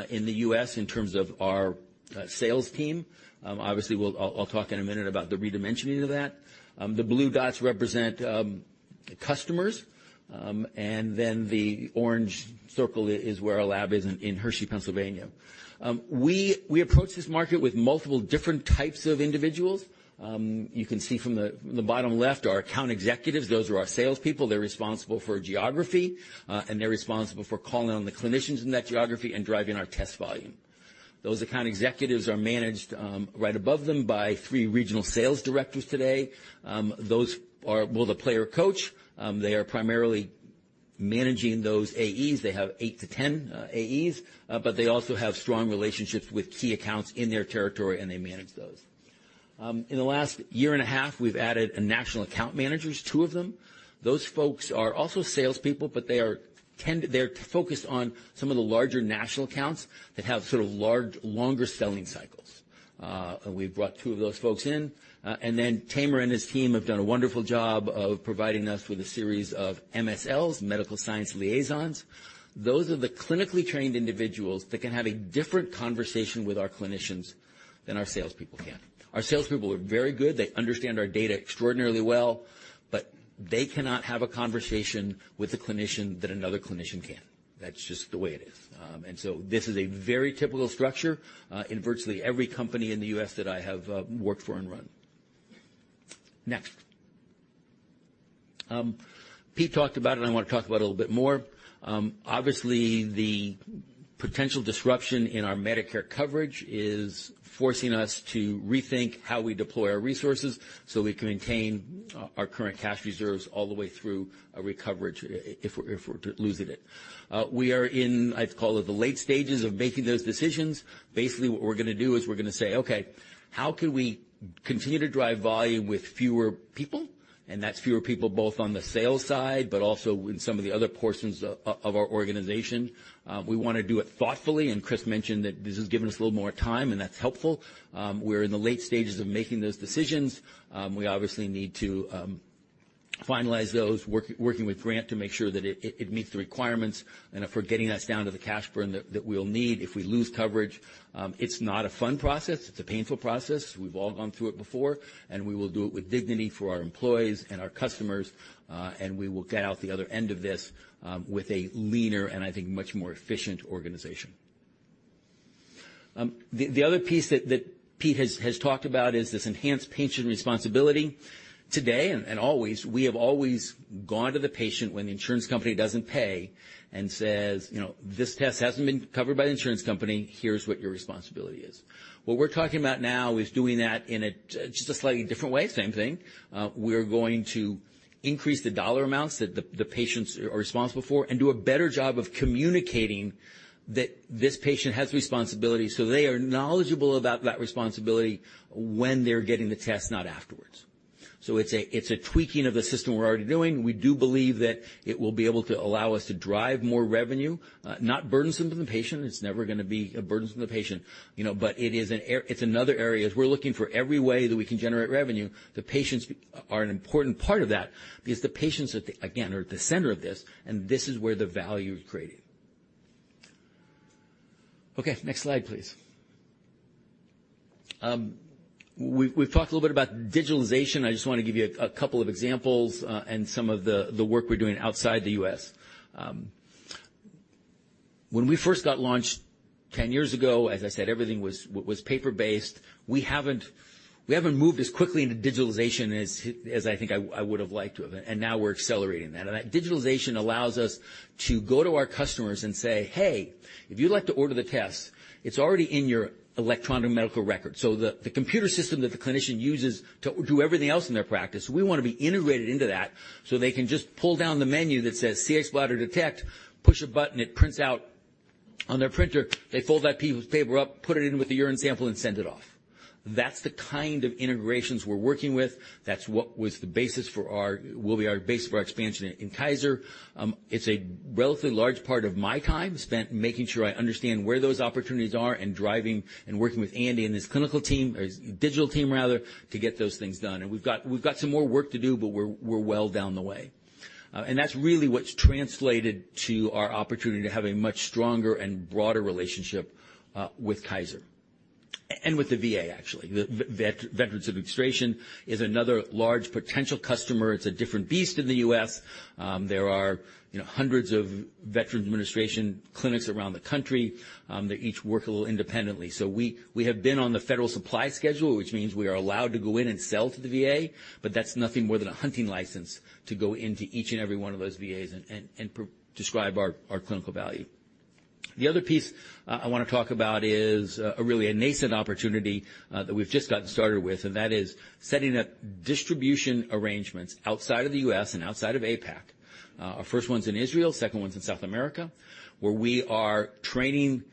C: in the U.S. in terms of our sales team. Obviously, I'll talk in a minute about the redimensioning of that. The blue dots represent customers, and then the orange circle is where our lab is in Hershey, Pennsylvania. We approach this market with multiple different types of individuals. You can see from the bottom left, our account executives, those are our salespeople. They're responsible for geography, and they're responsible for calling on the clinicians in that geography and driving our test volume. Those account executives are managed right above them by 3 regional sales directors today. Those are Well, the player-coach, they are primarily managing those AEs. They have 8 to 10 AEs, but they also have strong relationships with key accounts in their territory, and they manage those. In the last year and a half, we've added national account managers, 2 of them. Those folks are also salespeople, but they're focused on some of the larger national accounts that have sort of large, longer selling cycles. We've brought two of those folks in, and then Tamer and his team have done a wonderful job of providing us with a series of MSLs, Medical Science Liaisons. Those are the clinically trained individuals that can have a different conversation with our clinicians than our salespeople can. Our salespeople are very good. They understand our data extraordinarily well, but they cannot have a conversation with a clinician that another clinician can. That's just the way it is. This is a very typical structure in virtually every company in the U.S. that I have worked for and run. Next. Pete talked about it, and I want to talk about it a little bit more. Obviously, the potential disruption in our Medicare coverage is forcing us to rethink how we deploy our resources, so we can maintain our current cash reserves all the way through a recovery if we're losing it. We are in, I'd call it, the late stages of making those decisions. Basically, what we're going to do is we're going to say, "Okay, how can we continue to drive volume with fewer people?" That's fewer people, both on the sales side, but also in some of the other portions of our organization. We want to do it thoughtfully, and Chris mentioned that this has given us a little more time, and that's helpful. We're in the late stages of making those decisions. We obviously need to finalize those, working with Grant to make sure that it meets the requirements and if we're getting us down to the cash burn that we'll need if we lose coverage. It's not a fun process. It's a painful process. We've all gone through it before, we will do it with dignity for our employees and our customers, and we will get out the other end of this with a leaner, and I think, much more efficient organization. The other piece that Pete has talked about is this enhanced patient responsibility. Today, and always, we have always gone to the patient when the insurance company doesn't pay and says, "You know, this test hasn't been covered by the insurance company. Here's what your responsibility is. What we're talking about now is doing that in a, just a slightly different way, same thing. We're going to increase the dollar amounts that the patients are responsible for and do a better job of communicating that this patient has responsibility, so they are knowledgeable about that responsibility when they're getting the test, not afterwards. It's a tweaking of the system we're already doing. We do believe that it will be able to allow us to drive more revenue, not burdensome to the patient. It's never gonna be a burdensome to the patient, you know, but it is another area. As we're looking for every way that we can generate revenue, the patients are an important part of that because the patients, again, are at the center of this. This is where the value is created. Okay, next slide, please. We've talked a little bit about digitalization. I just want to give you a couple of examples and some of the work we're doing outside the U.S. When we first got launched 10 years ago, as I said, everything was paper-based. We haven't moved as quickly into digitalization as I think I would have liked to have. Now we're accelerating that. That digitalization allows us to go to our customers and say, "Hey, if you'd like to order the test, it's already in your electronic medical record." The computer system that the clinician uses to do everything else in their practice, we want to be integrated into that, so they can just pull down the menu that says, Cxbladder Detect, push a button, it prints out on their printer. They fold that piece of paper up, put it in with the urine sample, and send it off. That's the kind of integrations we're working with. That's what will be our base for our expansion in Kaiser. It's a relatively large part of my time spent making sure I understand where those opportunities are and driving and working with Andy and his clinical team, or his digital team rather, to get those things done. We've got some more work to do, but we're well down the way. That's really what's translated to our opportunity to have a much stronger and broader relationship, with Kaiser and with the VA, actually. The Veterans Administration is another large potential customer. It's a different beast in the U.S. There are, you know, hundreds of Veterans Administration clinics around the country. They each work a little independently. We have been on the federal supply schedule, which means we are allowed to go in and sell to the VA, but that's nothing more than a hunting license to go into each and every one of those VAs and describe our clinical value. The other piece I want to talk about is really a nascent opportunity that we've just gotten started with, and that is setting up distribution arrangements outside of the U.S. and outside of APAC. Our first one's in Israel, second one's in South America, where we are training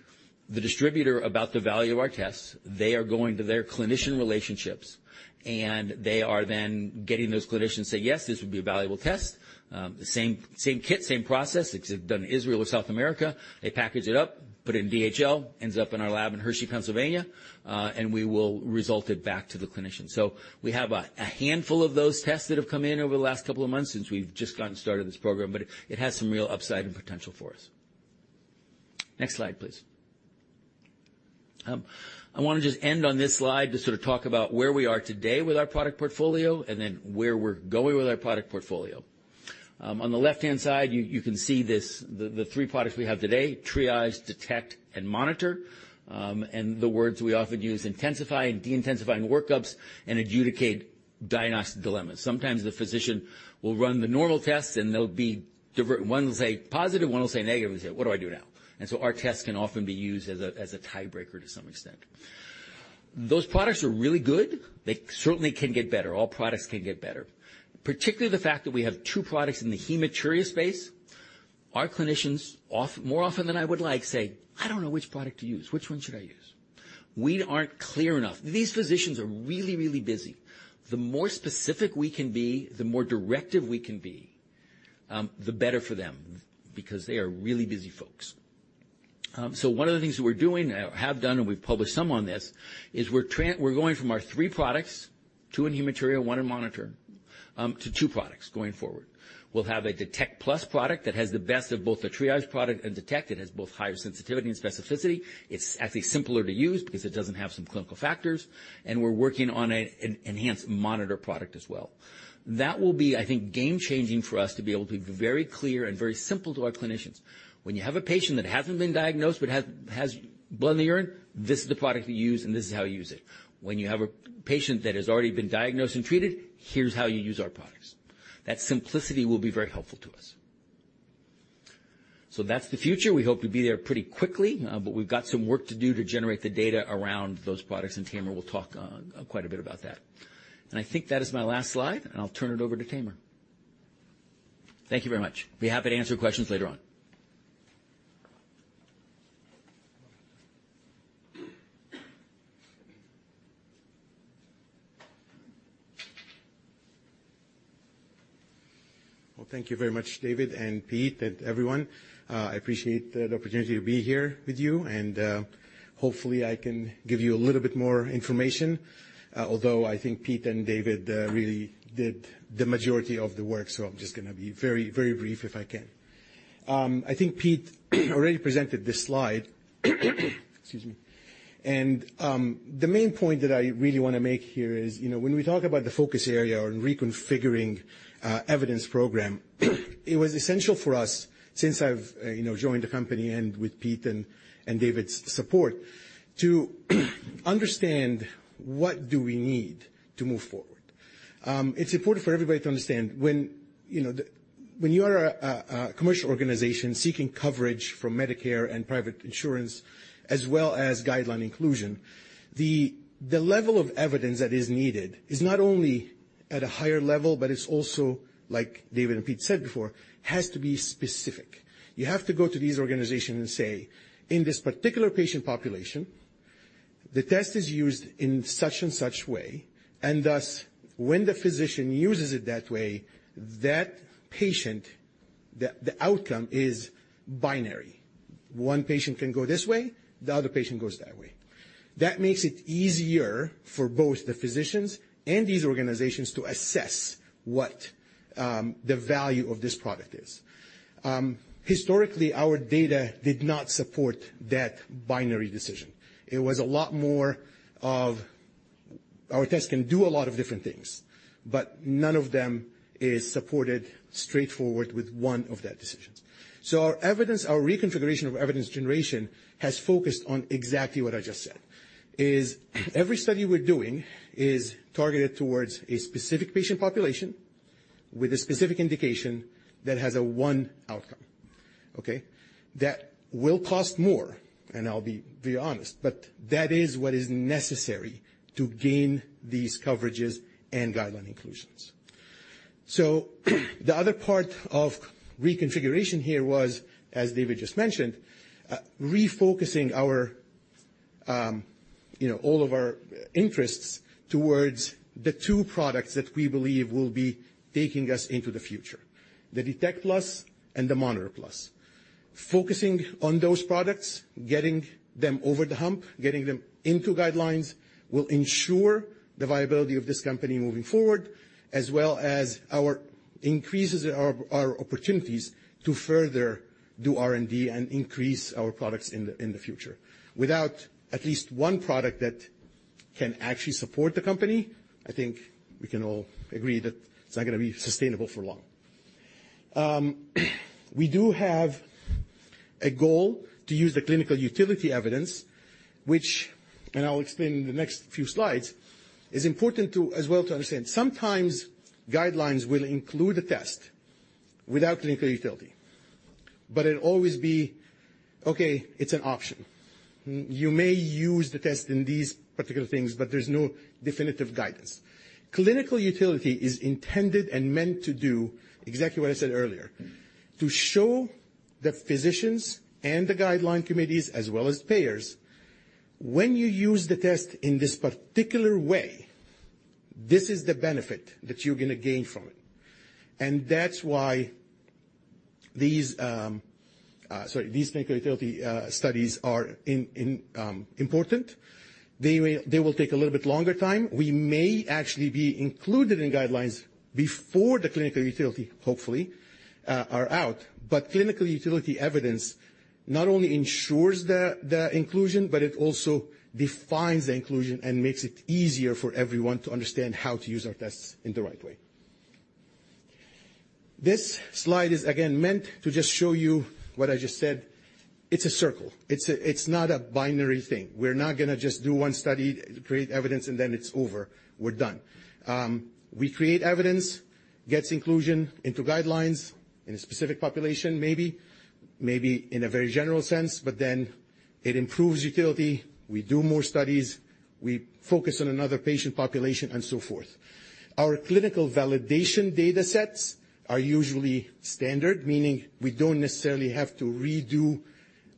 C: the distributor about the value of our tests. They are going to their clinician relationships, and they are then getting those clinicians to say, "Yes, this would be a valuable test." The same kit, same process, except done in Israel or South America. They package it up, put it in DHL, ends up in our lab in Hershey, Pennsylvania, and we will result it back to the clinician. We have a handful of those tests that have come in over the last couple of months since we've just gotten started this program, but it has some real upside and potential for us. Next slide, please. I want to just end on this slide to sort of talk about where we are today with our product portfolio and then where we're going with our product portfolio. On the left-hand side, you can see the three products we have today: Triage, Detect, and Monitor. And the words we often use, intensifying, deintensifying workups, and adjudicate diagnostic dilemmas. Sometimes the physician will run the normal tests, they'll be one will say positive, one will say negative, and say, "What do I do now?" Our tests can often be used as a tiebreaker to some extent. Those products are really good. They certainly can get better. All products can get better. Particularly the fact that we have two products in the hematuria space, our clinicians more often than I would like, say: "I don't know which product to use. Which one should I use?" We aren't clear enough. These physicians are really, really busy. The more specific we can be, the more directive we can be, the better for them, because they are really busy folks. One of the things that we're doing, have done, and we've published some on this, is we're going from our 3 products, 2 in hematuria, 1 in monitor, to 2 products going forward. We'll have a Detect+ product that has the best of both the Triage product and Detect. It has both higher sensitivity and specificity. It's actually simpler to use because it doesn't have some clinical factors, and we're working on an enhanced Monitor product as well. That will be, I think, game-changing for us to be able to be very clear and very simple to our clinicians. When you have a patient that hasn't been diagnosed, but has blood in the urine, this is the product you use, and this is how you use it. When you have a patient that has already been diagnosed and treated, here's how you use our products. That simplicity will be very helpful to us. That's the future. We hope to be there pretty quickly, but we've got some work to do to generate the data around those products, and Tamer will talk quite a bit about that. I think that is my last slide, and I'll turn it over to Tamer. Thank you very much. Be happy to answer questions later on.
D: Well, thank you very much, David and Pete and everyone. I appreciate the opportunity to be here with you, and hopefully, I can give you a little bit more information, although I think Pete and David really did the majority of the work, so I'm just gonna be very, very brief, if I can. I think Pete already presented this slide. Excuse me. The main point that I really want to make here is, you know, when we talk about the focus area on reconfiguring evidence program, it was essential for us, since I've, you know, joined the company and with Pete and David's support, to understand what do we need to move forward. It's important for everybody to understand when, you know, when you are a commercial organization seeking coverage from Medicare and private insurance, as well as guideline inclusion, the level of evidence that is needed is not only at a higher level, but it's also, like David and Pete said before, has to be specific. You have to go to these organizations and say, "In this particular patient population, the test is used in such and such way, and thus, when the physician uses it that way, the outcome is binary. One patient can go this way, the other patient goes that way. That makes it easier for both the physicians and these organizations to assess what the value of this product is. Historically, our data did not support that binary decision. It was a lot more of our tests can do a lot of different things, none of them is supported straightforward with one of that decisions. Our evidence, our reconfiguration of evidence generation has focused on exactly what I just said, is every study we're doing is targeted towards a specific patient population with a specific indication that has a 1 outcome, okay? That will cost more, and I'll be honest, but that is what is necessary to gain these coverages and guideline inclusions. The other part of reconfiguration here was, as David just mentioned, refocusing our, you know, all of our interests towards the two products that we believe will be taking us into the future: the DetectPlus and the MonitorPlus. Focusing on those products, getting them over the hump, getting them into guidelines, will ensure the viability of this company moving forward, as well as our increases, our opportunities to further do R&D and increase our products in the future. Without at least one product that can actually support the company, I think we can all agree that it's not gonna be sustainable for long. We do have a goal to use the clinical utility evidence, which, and I'll explain in the next few slides, is important as well to understand. Sometimes guidelines will include a test without clinical utility, but it'll always be, "Okay, it's an option. You may use the test in these particular things, there's no definitive guidance. Clinical utility is intended and meant to do exactly what I said earlier, to show the physicians and the guideline committees, as well as payers, when you use the test in this particular way, this is the benefit that you're gonna gain from it. That's why these, sorry, these clinical utility studies are important. They will take a little bit longer time. We may actually be included in guidelines before the clinical utility, hopefully, are out. Clinical utility evidence not only ensures the inclusion, but it also defines the inclusion and makes it easier for everyone to understand how to use our tests in the right way. This slide is, again, meant to just show you what I just said. It's a circle. It's not a binary thing. We're not gonna just do one study, create evidence, it's over, we're done. We create evidence, gets inclusion into guidelines in a specific population, maybe in a very general sense, it improves utility. We do more studies, we focus on another patient population, so forth. Our clinical validation data sets are usually standard, meaning we don't necessarily have to redo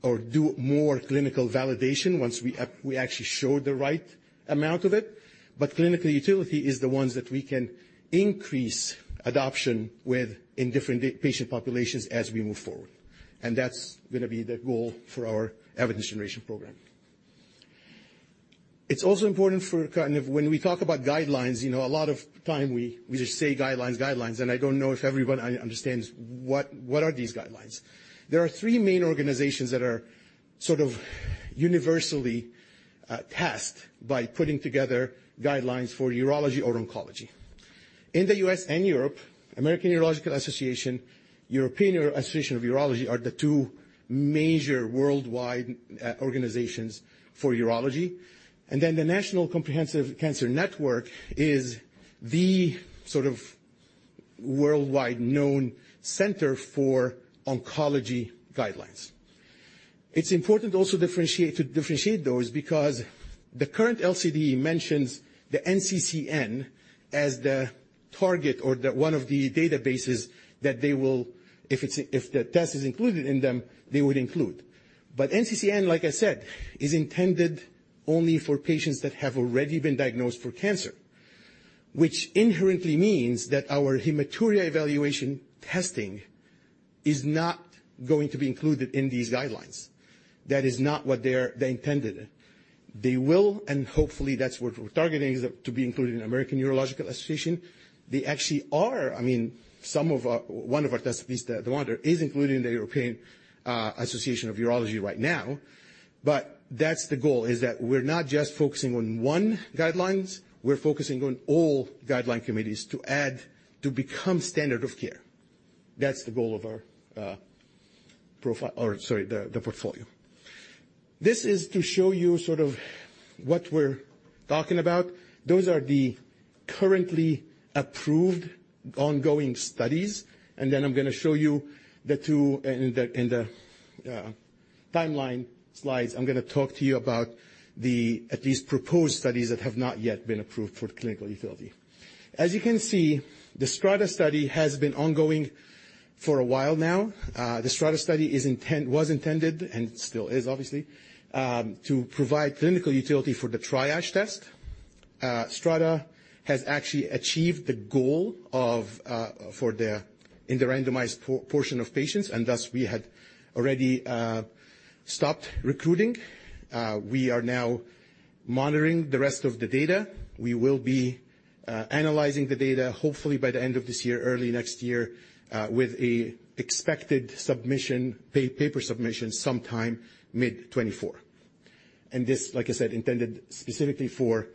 D: or do more clinical validation once we actually show the right amount of it. Clinical utility is the ones that we can increase adoption with in different patient populations as we move forward, and that's gonna be the goal for our evidence generation program. It's also important for kind of when we talk about guidelines, you know, a lot of time we just say, "Guidelines, guidelines," and I don't know if everyone understands what are these guidelines? There are three main organizations that are sort of universally tasked by putting together guidelines for urology or oncology. In the US and Europe, American Urological Association, European Association of Urology, are the two major worldwide organizations for urology. The National Comprehensive Cancer Network is the sort of worldwide known center for oncology guidelines. It's important to also differentiate those because the current LCD mentions the NCCN as the target or one of the databases that they will... if the test is included in them, they would include. NCCN, like I said, is intended only for patients that have already been diagnosed for cancer, which inherently means that our hematuria evaluation testing is not going to be included in these guidelines. That is not what they intended. They will, and hopefully, that's what we're targeting, is it to be included in American Urological Association. They actually are, I mean, one of our test piece, the Monitor, is included in the European Association of Urology right now. That's the goal, is that we're not just focusing on one guidelines, we're focusing on all guideline committees to add, to become standard of care. That's the goal of our profile or, sorry, the portfolio. This is to show you sort of what we're talking about. Those are the currently approved ongoing studies, and then I'm gonna show you the two... in the timeline slides, I'm gonna talk to you about the, at least proposed studies that have not yet been approved for clinical utility. As you can see, the STRATA study has been ongoing for a while now. The STRATA study was intended, and still is obviously, to provide clinical utility for the Triage test. STRATA has actually achieved the goal of, for the, in the randomized portion of patients, and thus we had already stopped recruiting. We are now monitoring the rest of the data. We will be analyzing the data, hopefully by the end of this year, early next year, with a expected submission, paper submission, sometime mid 2024. This, like I said, intended specifically for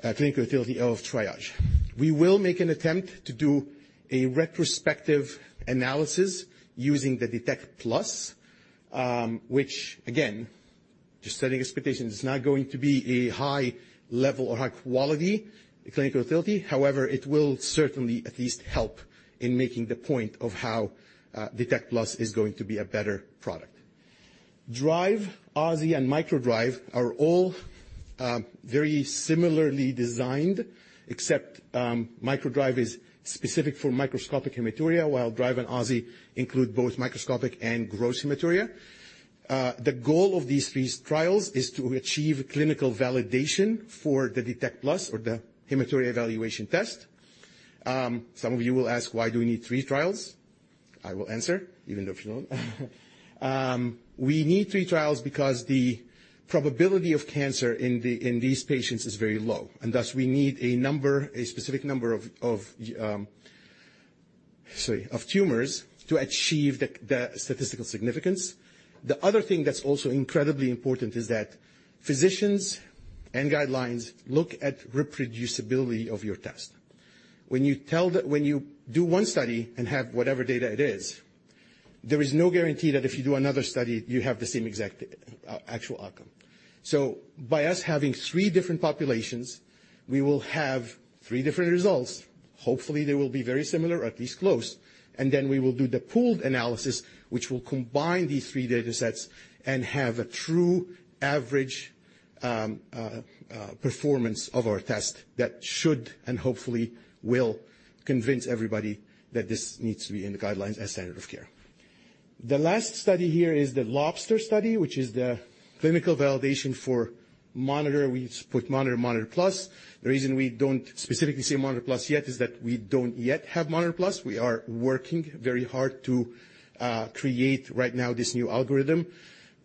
D: clinical utility of Triage. We will make an attempt to do a retrospective analysis using the Detect+, which again, just setting expectations, is not going to be a high level or high quality clinical utility. However, it will certainly at least help in making the point of how Detect+ is going to be a better product. DRIVE, AUSSIE, and MicroDRIVE are all very similarly designed, except MicroDRIVE is specific for microscopic hematuria, while DRIVE and AUSSIE include both microscopic and gross hematuria. The goal of these three trials is to achieve clinical validation for the Detect+ or the hematuria evaluation test. Some of you will ask, "Why do we need three trials?" I will answer, even if you don't. We need 3 trials because the probability of cancer in these patients is very low, and thus we need a number, a specific number of sorry, of tumors to achieve the statistical significance. The other thing that's also incredibly important is that physicians and guidelines look at reproducibility of your test. When you do 1 study and have whatever data it is, there is no guarantee that if you do another study, you have the same exact actual outcome. By us having 3 different populations, we will have 3 different results. Hopefully, they will be very similar or at least close, and then we will do the pooled analysis, which will combine these 3 datasets and have a true average performance of our test. That should, and hopefully will, convince everybody that this needs to be in the guidelines as standard of care. The last study here is the LOBSTER study, which is the clinical validation for Monitor. We put Monitor Plus. The reason we don't specifically say Monitor Plus yet is that we don't yet have Monitor Plus. We are working very hard to create right now, this new algorithm.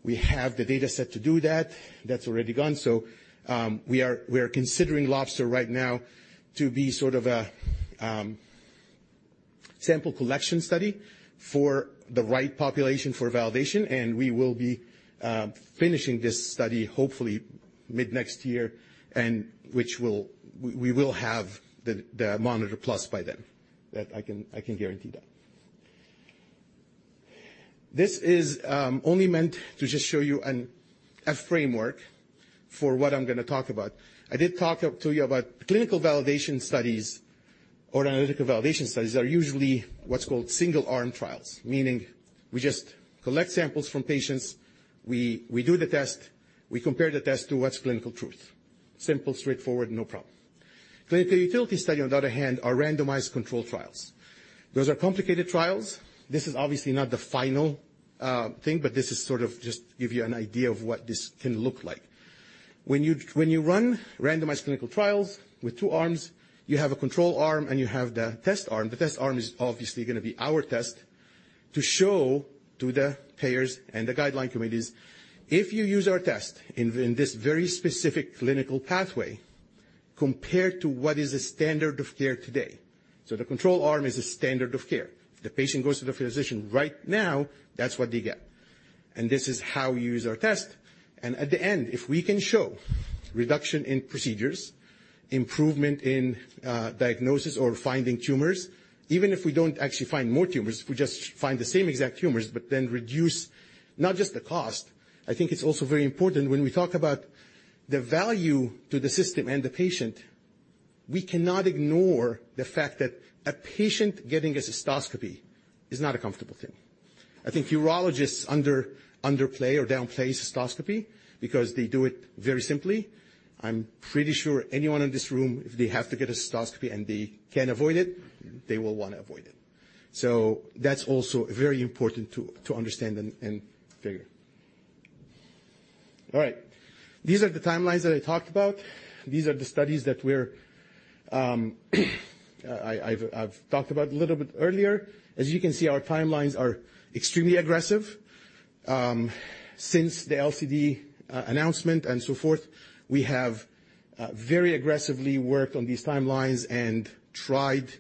D: We have the data set to do that. That's already gone. We are considering LOBSTER right now to be sort of a sample collection study for the right population, for validation, and we will be finishing this study hopefully mid-next year, which we will have the Monitor Plus by then. That I can guarantee that. This is only meant to just show you an, a framework for what I'm gonna talk about. I did talk up to you about clinical validation studies or analytical validation studies are usually what's called single-arm trials, meaning we just collect samples from patients, we do the test, we compare the test to what's clinical truth. Simple, straightforward, no problem. Clinical utility study, on the other hand, are randomized controlled trials. Those are complicated trials. This is obviously not the final thing, but this is sort of just to give you an idea of what this can look like. When you run randomized clinical trials with two arms, you have a control arm, and you have the test arm. The test arm is obviously gonna be our test, to show to the payers and the guideline committees, if you use our test in this very specific clinical pathway, compared to what is the standard of care today. The control arm is the standard of care. If the patient goes to the physician right now, that's what they get, and this is how we use our test, and at the end, if we can show reduction in procedures, improvement in diagnosis or finding tumors, even if we don't actually find more tumors, if we just find the same exact tumors, but then reduce not just the cost... I think it's also very important when we talk about the value to the system and the patient, we cannot ignore the fact that a patient getting a cystoscopy is not a comfortable thing. I think urologists underplay or downplay cystoscopy because they do it very simply. I'm pretty sure anyone in this room, if they have to get a cystoscopy and they can avoid it, they will want to avoid it. That's also very important to understand and figure. All right. These are the timelines that I talked about. These are the studies that we're I've talked about a little bit earlier. As you can see, our timelines are extremely aggressive. Since the LCD announcement and so forth, we have very aggressively worked on these timelines and tried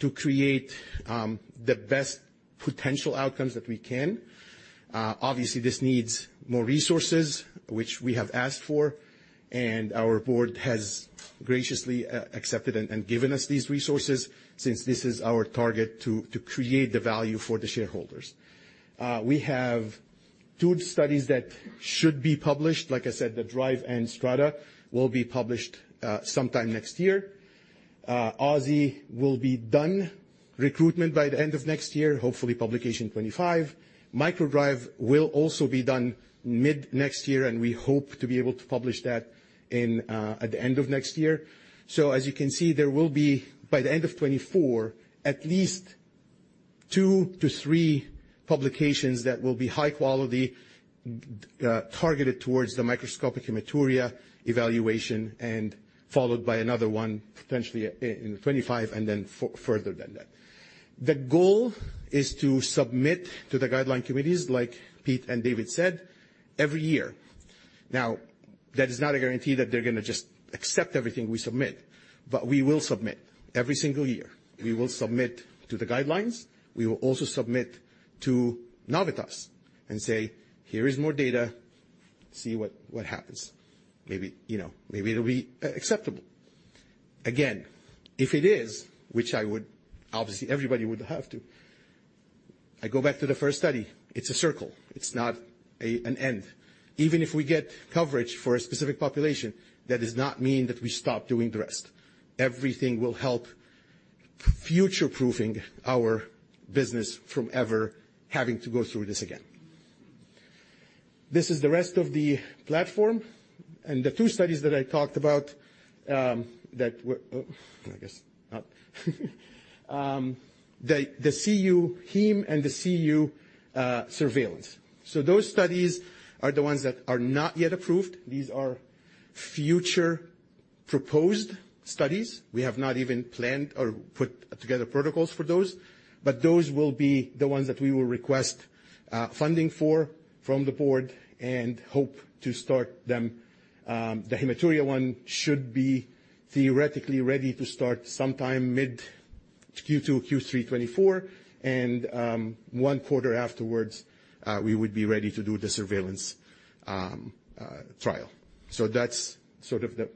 D: to create the best potential outcomes that we can. Obviously, this needs more resources, which we have asked for, and our board has graciously accepted and given us these resources since this is our target to create the value for the shareholders. We have two studies that should be published. Like I said, the DRIVE and STRATA will be published sometime next year. AUSSIE will be done recruitment by the end of next year, hopefully publication 2025. MicroDRIVE will also be done mid-next year, and we hope to be able to publish that at the end of next year. As you can see, there will be, by the end of 2024, at least 2-3 publications that will be high quality, targeted towards the microscopic hematuria evaluation, and followed by another one potentially in 2025, and then further than that. The goal is to submit to the guideline committees, like Pete and David said, every year. Now, that is not a guarantee that they're gonna just accept everything we submit, but we will submit every single year. We will submit to the guidelines. We will also submit to Novitas and say, "Here is more data. See what happens." Maybe, you know, maybe it'll be acceptable. Again, if it is, which I would obviously, everybody would have to... I go back to the first study. It's a circle. It's not an end. Even if we get coverage for a specific population, that does not mean that we stop doing the rest. Everything will help future-proofing our business from ever having to go through this again. This is the rest of the platform, and the two studies that I talked about, that were, oh, I guess not. The CU Heme and the CU Surveillance. Those studies are the ones that are not yet approved. These are future proposed studies. We have not even planned or put together protocols for those, but those will be the ones that we will request funding for from the board and hope to start them. The hematuria one should be theoretically ready to start sometime mid Q2, Q3 2024, and one quarter afterwards, we would be ready to do the surveillance trial. That's sort of the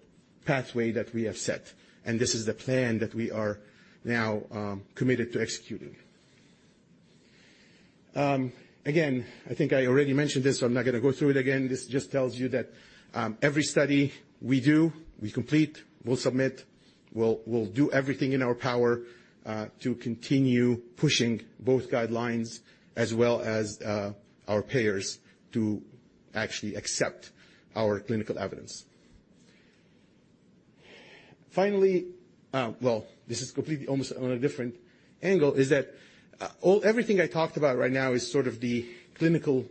D: pathway that we have set, and this is the plan that we are now committed to executing. Again, I think I already mentioned this, so I'm not gonna go through it again. This just tells you that every study we do, we complete, we'll submit, we'll do everything in our power to continue pushing both guidelines as well as our payers to actually accept our clinical evidence. Finally, well, this is completely almost on a different angle, is that everything I talked about right now is sort of the clinical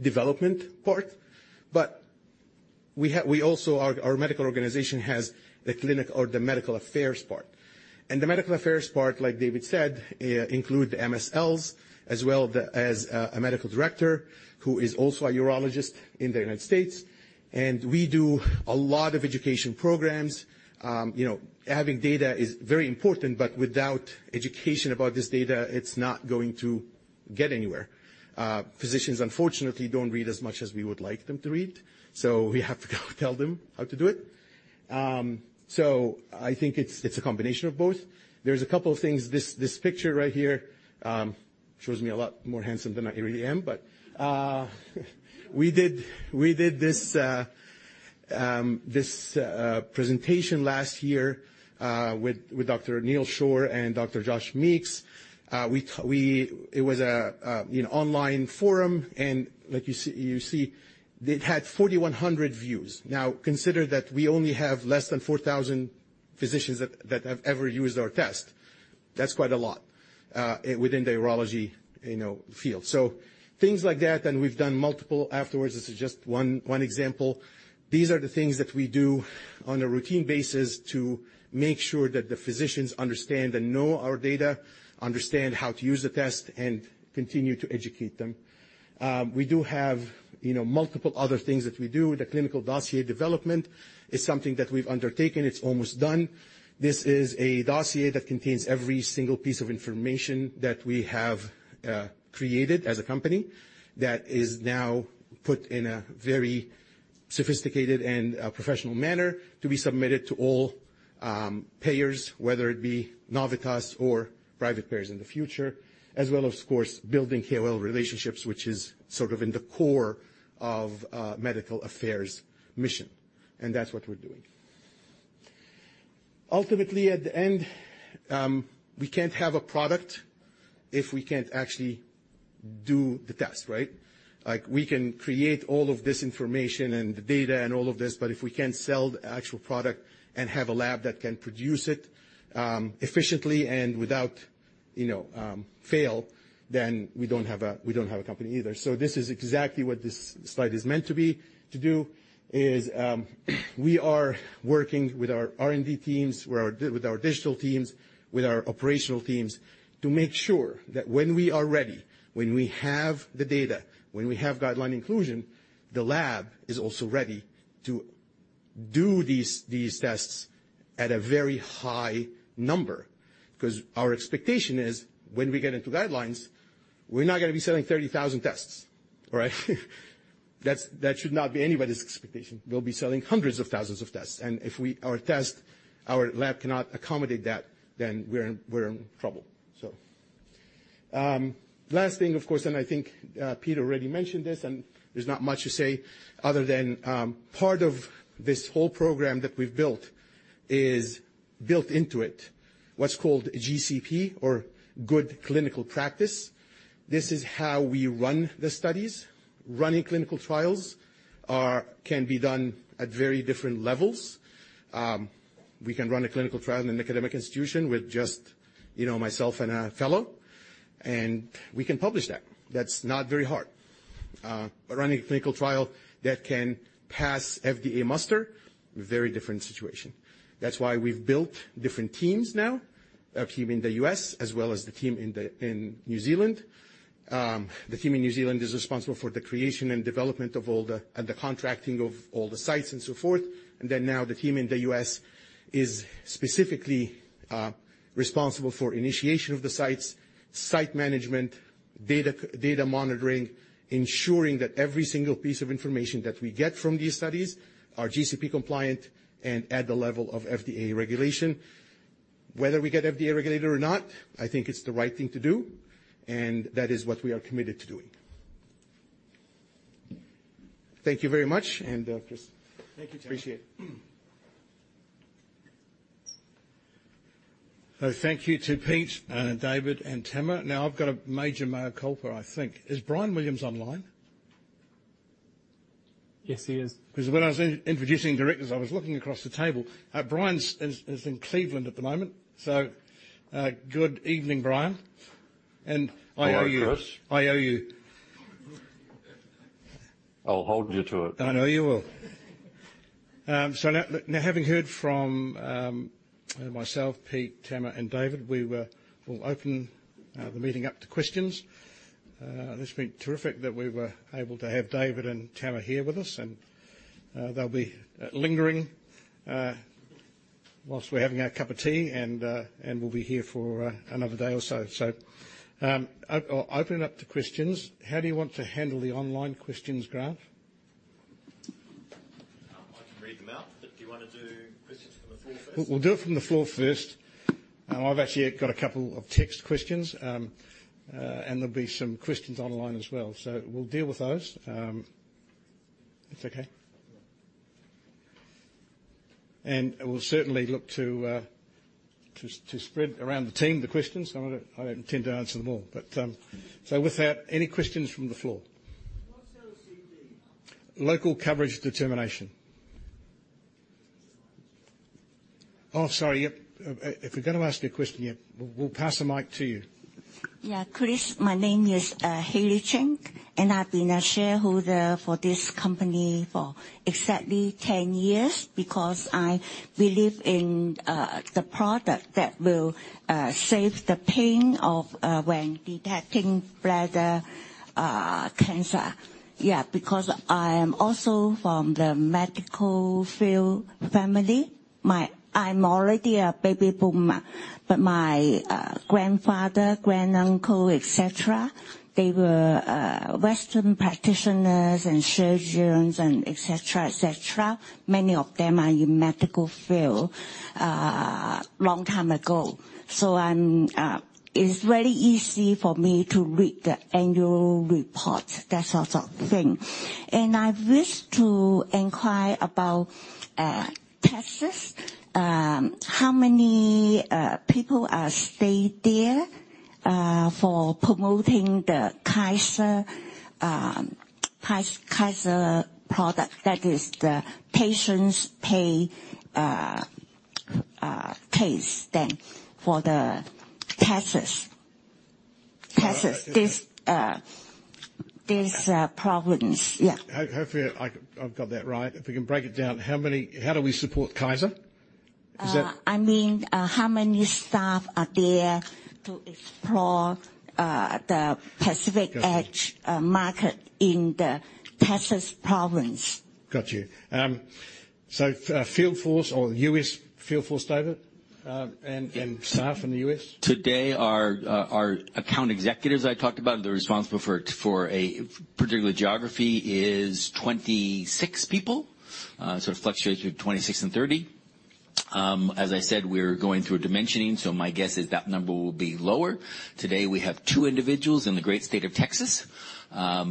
D: development part, but we also, our medical organization has the clinic or the medical affairs part. The medical affairs part, like David said, include the MSLs, as well the, as a medical director, who is also a urologist in the United States, and we do a lot of education programs. You know, having data is very important, but without education about this data, it's not going to get anywhere. Physicians, unfortunately, don't read as much as we would like them to read, we have to tell them how to do it. I think it's a combination of both. There's a couple of things. This picture right here shows me a lot more handsome than I really am, we did this presentation last year with Dr. Neal Shore and Dr. Josh Meeks. It was a, you know, online forum, like you see, it had 4,100 views. Consider that we only have less than 4,000 physicians that have ever used our test. That's quite a lot within the urology, you know, field. Things like that, we've done multiple afterwards. This is just one example. These are the things that we do on a routine basis to make sure that the physicians understand and know our data, understand how to use the test, and continue to educate them. We do have, you know, multiple other things that we do. The clinical dossier development is something that we've undertaken. It's almost done. This is a dossier that contains every single piece of information that we have, created as a company, that is now put in a very sophisticated and professional manner to be submitted to all payers, whether it be Novitas or private payers in the future, as well as, of course, building KOL relationships, which is sort of in the core of medical affairs mission, and that's what we're doing. Ultimately, at the end, we can't have a product if we can't actually do the test, right? We can create all of this information and the data and all of this, but if we can't sell the actual product and have a lab that can produce it efficiently and without, you know, fail, then we don't have a, we don't have a company either. This is exactly what this slide is meant to be, to do, is we are working with our R&D teams, with our digital teams, with our operational teams, to make sure that when we are ready, when we have the data, when we have guideline inclusion, the lab is also ready to do these tests at a very high number. 'Cause our expectation is when we get into guidelines, we're not gonna be selling 30,000 tests, all right? That's, that should not be anybody's expectation. We'll be selling hundreds of thousands of tests, and if our test, our lab cannot accommodate that, then we're in trouble. Last thing, of course, and I think Pete already mentioned this, and there's not much to say other than part of this whole program that we've built is built into it, what's called GCP or Good Clinical Practice. This is how we run the studies. Running clinical trials are, can be done at very different levels. We can run a clinical trial in an academic institution with just, you know, myself and a fellow, and we can publish that. That's not very hard. But running a clinical trial that can pass FDA muster, very different situation. That's why we've built different teams now, a team in the US as well as the team in New Zealand. The team in New Zealand is responsible for the creation and development of all the, and the contracting of all the sites and so forth. Now the team in the US is specifically responsible for initiation of the sites, site management, data monitoring, ensuring that every single piece of information that we get from these studies are GCP compliant and at the level of FDA regulation. Whether we get FDA regulated or not, I think it's the right thing to do, and that is what we are committed to doing. Thank you very much, and, Chris.
C: Thank you, Tamer.
B: Appreciate it.
A: Thank you to Pete, David, and Tamer. I've got a major mea culpa, I think. Is Bryan Williams online?
E: Yes, he is.
A: 'Cause when I was introducing directors, I was looking across the table. Brian's is in Cleveland at the moment, so good evening, Brian, and I owe.
F: Hello, Chris.
A: I owe you.
F: I'll hold you to it.
A: I know you will. Now, now, having heard from myself, Pete, Tamer, and David, we will open the meeting up to questions. It's been terrific that we were able to have David and Tamer here with us, and they'll be lingering whilst we're having our cup of tea, and we'll be here for another day or so. I'll open it up to questions. How do you want to handle the online questions, Grant?
E: I can read them out, but do you wanna do questions from the floor first?
A: We'll do it from the floor first. I've actually got a couple of text questions, there'll be some questions online as well, we'll deal with those. If that's okay. I will certainly look to spread around the team the questions. I'm not, I don't intend to answer them all, but... With that, any questions from the floor?
G: What's LCD?
A: Local Coverage Determination. Oh, sorry. Yep, if you're gonna ask a question, yeah, we'll pass the mic to you.
H: Chris, my name is Haley Cheng, and I've been a shareholder for this company for exactly 10 years because I believe in the product that will save the pain of when detecting bladder cancer. I am also from the medical field family. I'm already a baby boomer, my grandfather, grand uncle, et cetera, they were Western practitioners and surgeons and et cetera, et cetera. Many of them are in medical field long time ago. It's very easy for me to read the annual report, that sort of thing. I wish to inquire about Texas. How many people are stayed there for promoting the Kaiser product? That is, the patients pay pays then for the Texas, this province.
A: Hopefully I've got that right. If we can break it down, how do we support Kaiser?
H: I mean, how many staff are there to explore the Pacific Edge market in the Texas province?
A: Got you. field force or the U.S. field force, David, and staff in the U.S.
C: Today, our account executives I talked about, they're responsible for a particular geography is 26 people. It fluctuates between 26 and 30. As I said, we're going through a dimensioning, my guess is that number will be lower. Today, we have 2 individuals in the great state of Texas.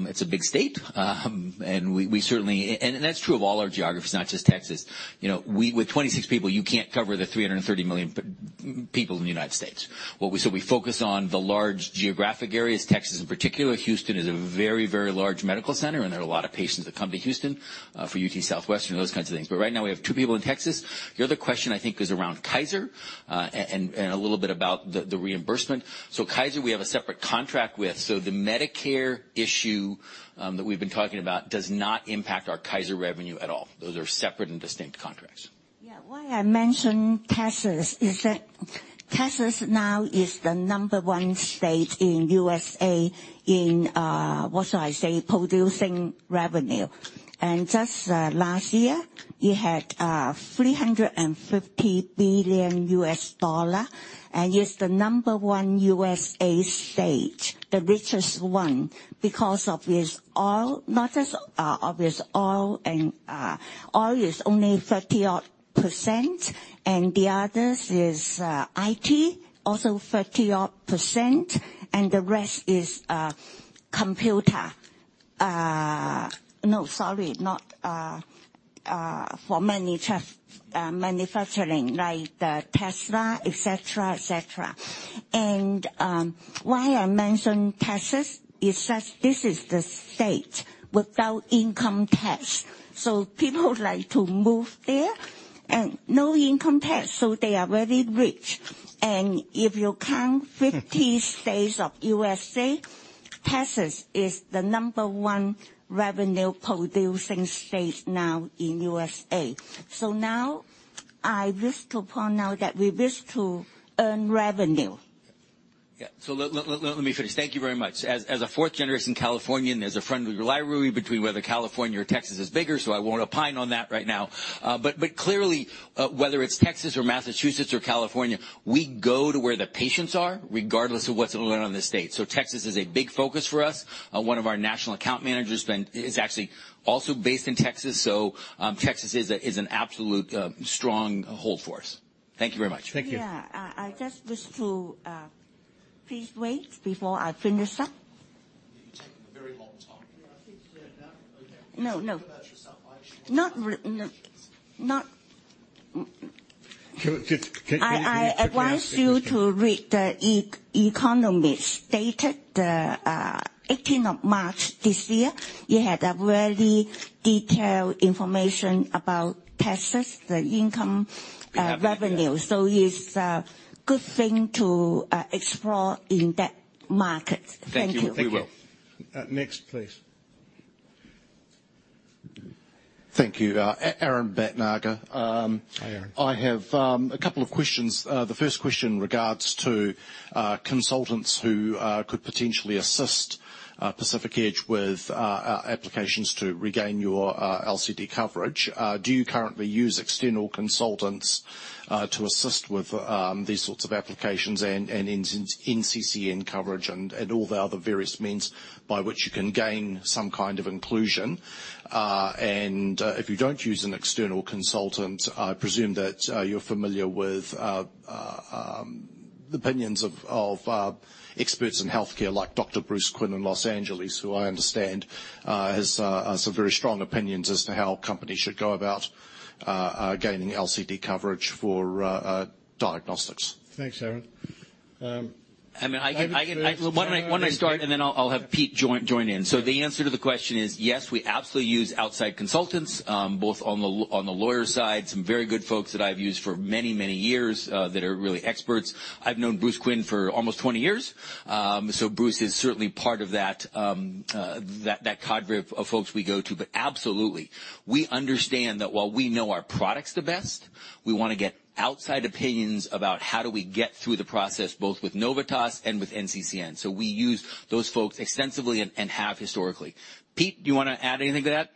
C: It's a big state, and we certainly that's true of all our geographies, not just Texas. You know, we with 26 people, you can't cover the 330 million people in the United States. We focus on the large geographic areas, Texas in particular. Houston is a very large medical center, and there are a lot of patients that come to Houston for UT Southwestern, those kinds of things. Right now we have 2 people in Texas. The other question, I think, is around Kaiser, and a little bit about the reimbursement. Kaiser, we have a separate contract with. The Medicare issue, that we've been talking about does not impact our Kaiser revenue at all. Those are separate and distinct contracts.
H: Yeah. Why I mentioned Texas is that Texas now is the number one state in U.S.A. in producing revenue. Just last year, it had $350 billion, and it's the number one U.S.A. state, the richest one, because of its oil, not just of its oil, and oil is only 30-odd%, and the others is IT, also 30-odd%, and the rest is computer. No, sorry, not for many tough manufacturing, like the Tesla, et cetera, et cetera. Why I mentioned Texas is that this is the state without income tax, people like to move there. No income tax, they are very rich. If you count 50 states of U.S.A., Texas is the number one revenue-producing state now in U.S.A. Now I wish to point out that we wish to earn revenue.
C: Yeah. Let me finish. Thank you very much. As a fourth generation Californian, there's a friendly rivalry between whether California or Texas is bigger. I won't opine on that right now. Clearly, whether it's Texas or Massachusetts or California, we go to where the patients are, regardless of what's going on in the state. Texas is a big focus for us. One of our national account managers is actually also based in Texas. Texas is an absolute strong hold for us. Thank you very much.
A: Thank you.
H: Yeah, I just wish to. Please wait before I finish up.
E: You're taking a very long time.
H: No, no.
E: About yourself.
H: No.
A: Can, could, can-
H: I advise you to read The Economist, dated the 18th of March this year. It had a very detailed information about Texas, the income, revenue.
A: Yeah.
H: It's a good thing to explore in that market. Thank you.
C: Thank you. We will.
A: Next, please.
I: Thank you. Aaron Bhatnagar.
A: Hi, Aaron.
I: I have a couple of questions. The first question regards to consultants who could potentially assist Pacific Edge with applications to regain your LCD coverage. Do you currently use external consultants to assist with these sorts of applications and NCCN coverage and all the other various means by which you can gain some kind of inclusion? If you don't use an external consultant, I presume that you're familiar with opinions of experts in healthcare, like Dr. Bruce Quinn in Los Angeles, who I understand has some very strong opinions as to how companies should go about gaining LCD coverage for diagnostics.
A: Thanks, Aaron.
C: I mean, I can.
A: David-
C: Why don't I, why don't I start, and then I'll have Pete join in. The answer to the question is yes, we absolutely use outside consultants, both on the lawyer side, some very good folks that I've used for many, many years that are really experts. I've known Bruce Quinn for almost 20 years. Bruce is certainly part of that cadre of folks we go to. Absolutely, we understand that while we know our products the best, we wanna get outside opinions about how do we get through the process, both with Novitas and with NCCN. We use those folks extensively and have historically. Pete, do you wanna add anything to that?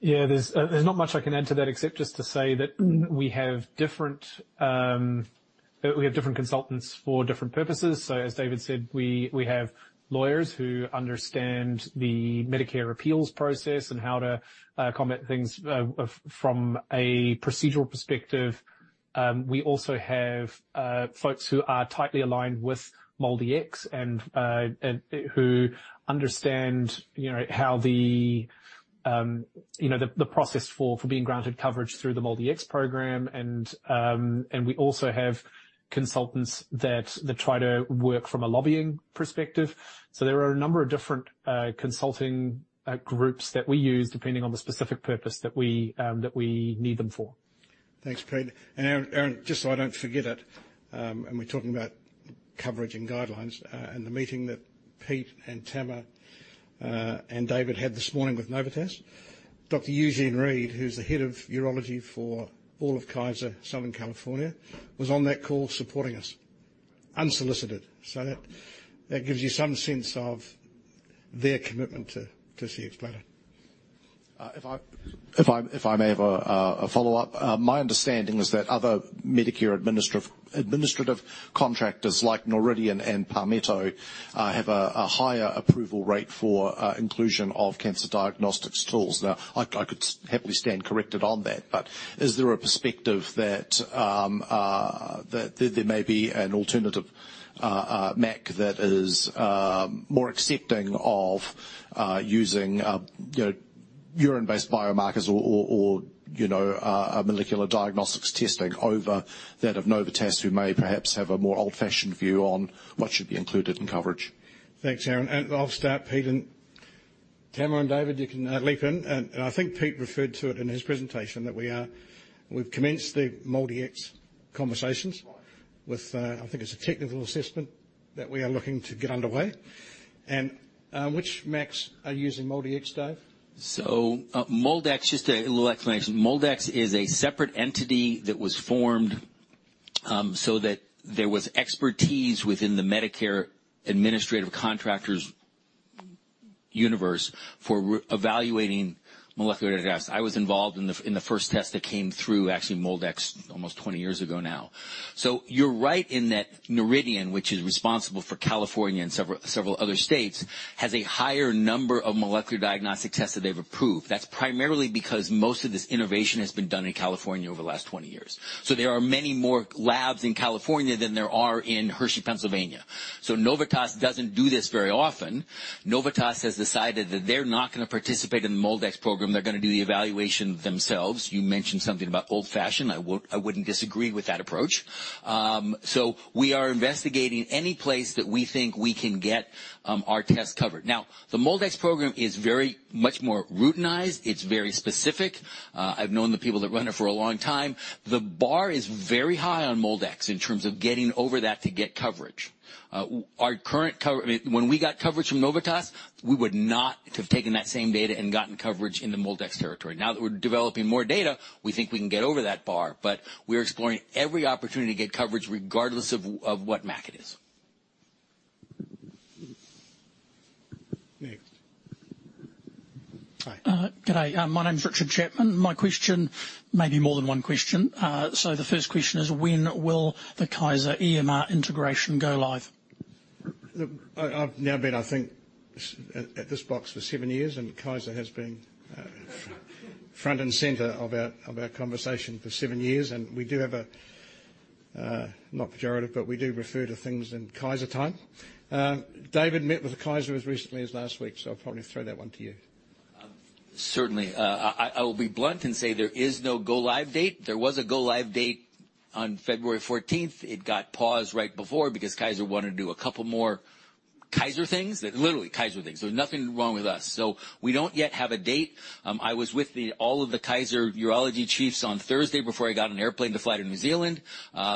B: Yeah, there's there's not much I can add to that, except just to say that we have different consultants for different purposes. As David said, we have lawyers who understand the Medicare appeals process and how to combat things from a procedural perspective. We also have folks who are tightly aligned with MolDX and who understand, you know, how the, you know, the process for being granted coverage through the MolDX program. We also have consultants that try to work from a lobbying perspective. There are a number of different consulting groups that we use, depending on the specific purpose that we need them for.
A: Thanks, Pete. Aaron, just so I don't forget it, and we're talking about coverage and guidelines, and the meeting that Pete and Tamer, and David had this morning with Novitas. Dr. Eugene Rhee, who's the head of urology for all of Kaiser Southern California, was on that call supporting us, unsolicited. That, that gives you some sense of their commitment to Cxbladder.
I: If I may have a follow-up. My understanding is that other Medicare administrative contractors like Noridian and Palmetto have a higher approval rate for inclusion of cancer diagnostics tools. I could happily stand corrected on that, but is there a perspective that there may be an alternative MAC that is more accepting of using, you know, urine-based biomarkers or, you know, a molecular diagnostics testing over that of Novitas, who may perhaps have a more old-fashioned view on what should be included in coverage?
A: Thanks, Aaron. I'll start, Pete and Tamer and David, you can leap in. I think Pete referred to it in his presentation, that we've commenced the MolDX conversations with, I think it's a technical assessment that we are looking to get underway. Which MACs are using MolDX, Dave?
C: MolDX, just a little explanation. MolDX is a separate entity that was formed so that there was expertise within the Medicare Administrative Contractors' universe for re-evaluating molecular tests. I was involved in the, in the first test that came through, actually, MolDX, almost 20 years ago now. You're right in that Noridian, which is responsible for California and several other states, has a higher number of molecular diagnostic tests that they've approved. That's primarily because most of this innovation has been done in California over the last 20 years. There are many more labs in California than there are in Hershey, Pennsylvania. Novitas doesn't do this very often. Novitas has decided that they're not gonna participate in the MolDX program. They're gonna do the evaluation themselves. You mentioned something about old-fashioned. I wouldn't disagree with that approach. We are investigating any place that we think we can get our test covered. The MolDX program is very much more routinized. It's very specific. I've known the people that run it for a long time. The bar is very high on MolDX in terms of getting over that to get coverage. I mean, when we got coverage from Novitas, we would not have taken that same data and gotten coverage in the MolDX territory. Now that we're developing more data, we think we can get over that bar, but we're exploring every opportunity to get coverage, regardless of what MAC it is.
A: Next. Hi.
J: Good day. My name is Richard Chapman. My question may be more than one question. The first question is, when will the Kaiser EMR integration go live?
A: Look, I've now been, I think, at this box for 7 years, and Kaiser has been front and center of our conversation for 7 years, and we do have a, not pejorative, but we do refer to things in Kaiser time. David met with Kaiser as recently as last week, so I'll probably throw that one to you.
C: Certainly, I will be blunt and say there is no go-live date. There was a go-live date on February 14th. It got paused right before because Kaiser wanted to do 2 more Kaiser things. Literally, Kaiser things. There was nothing wrong with us. We don't yet have a date. I was with all of the Kaiser Urology chiefs on Thursday before I got on an airplane to fly to New Zealand.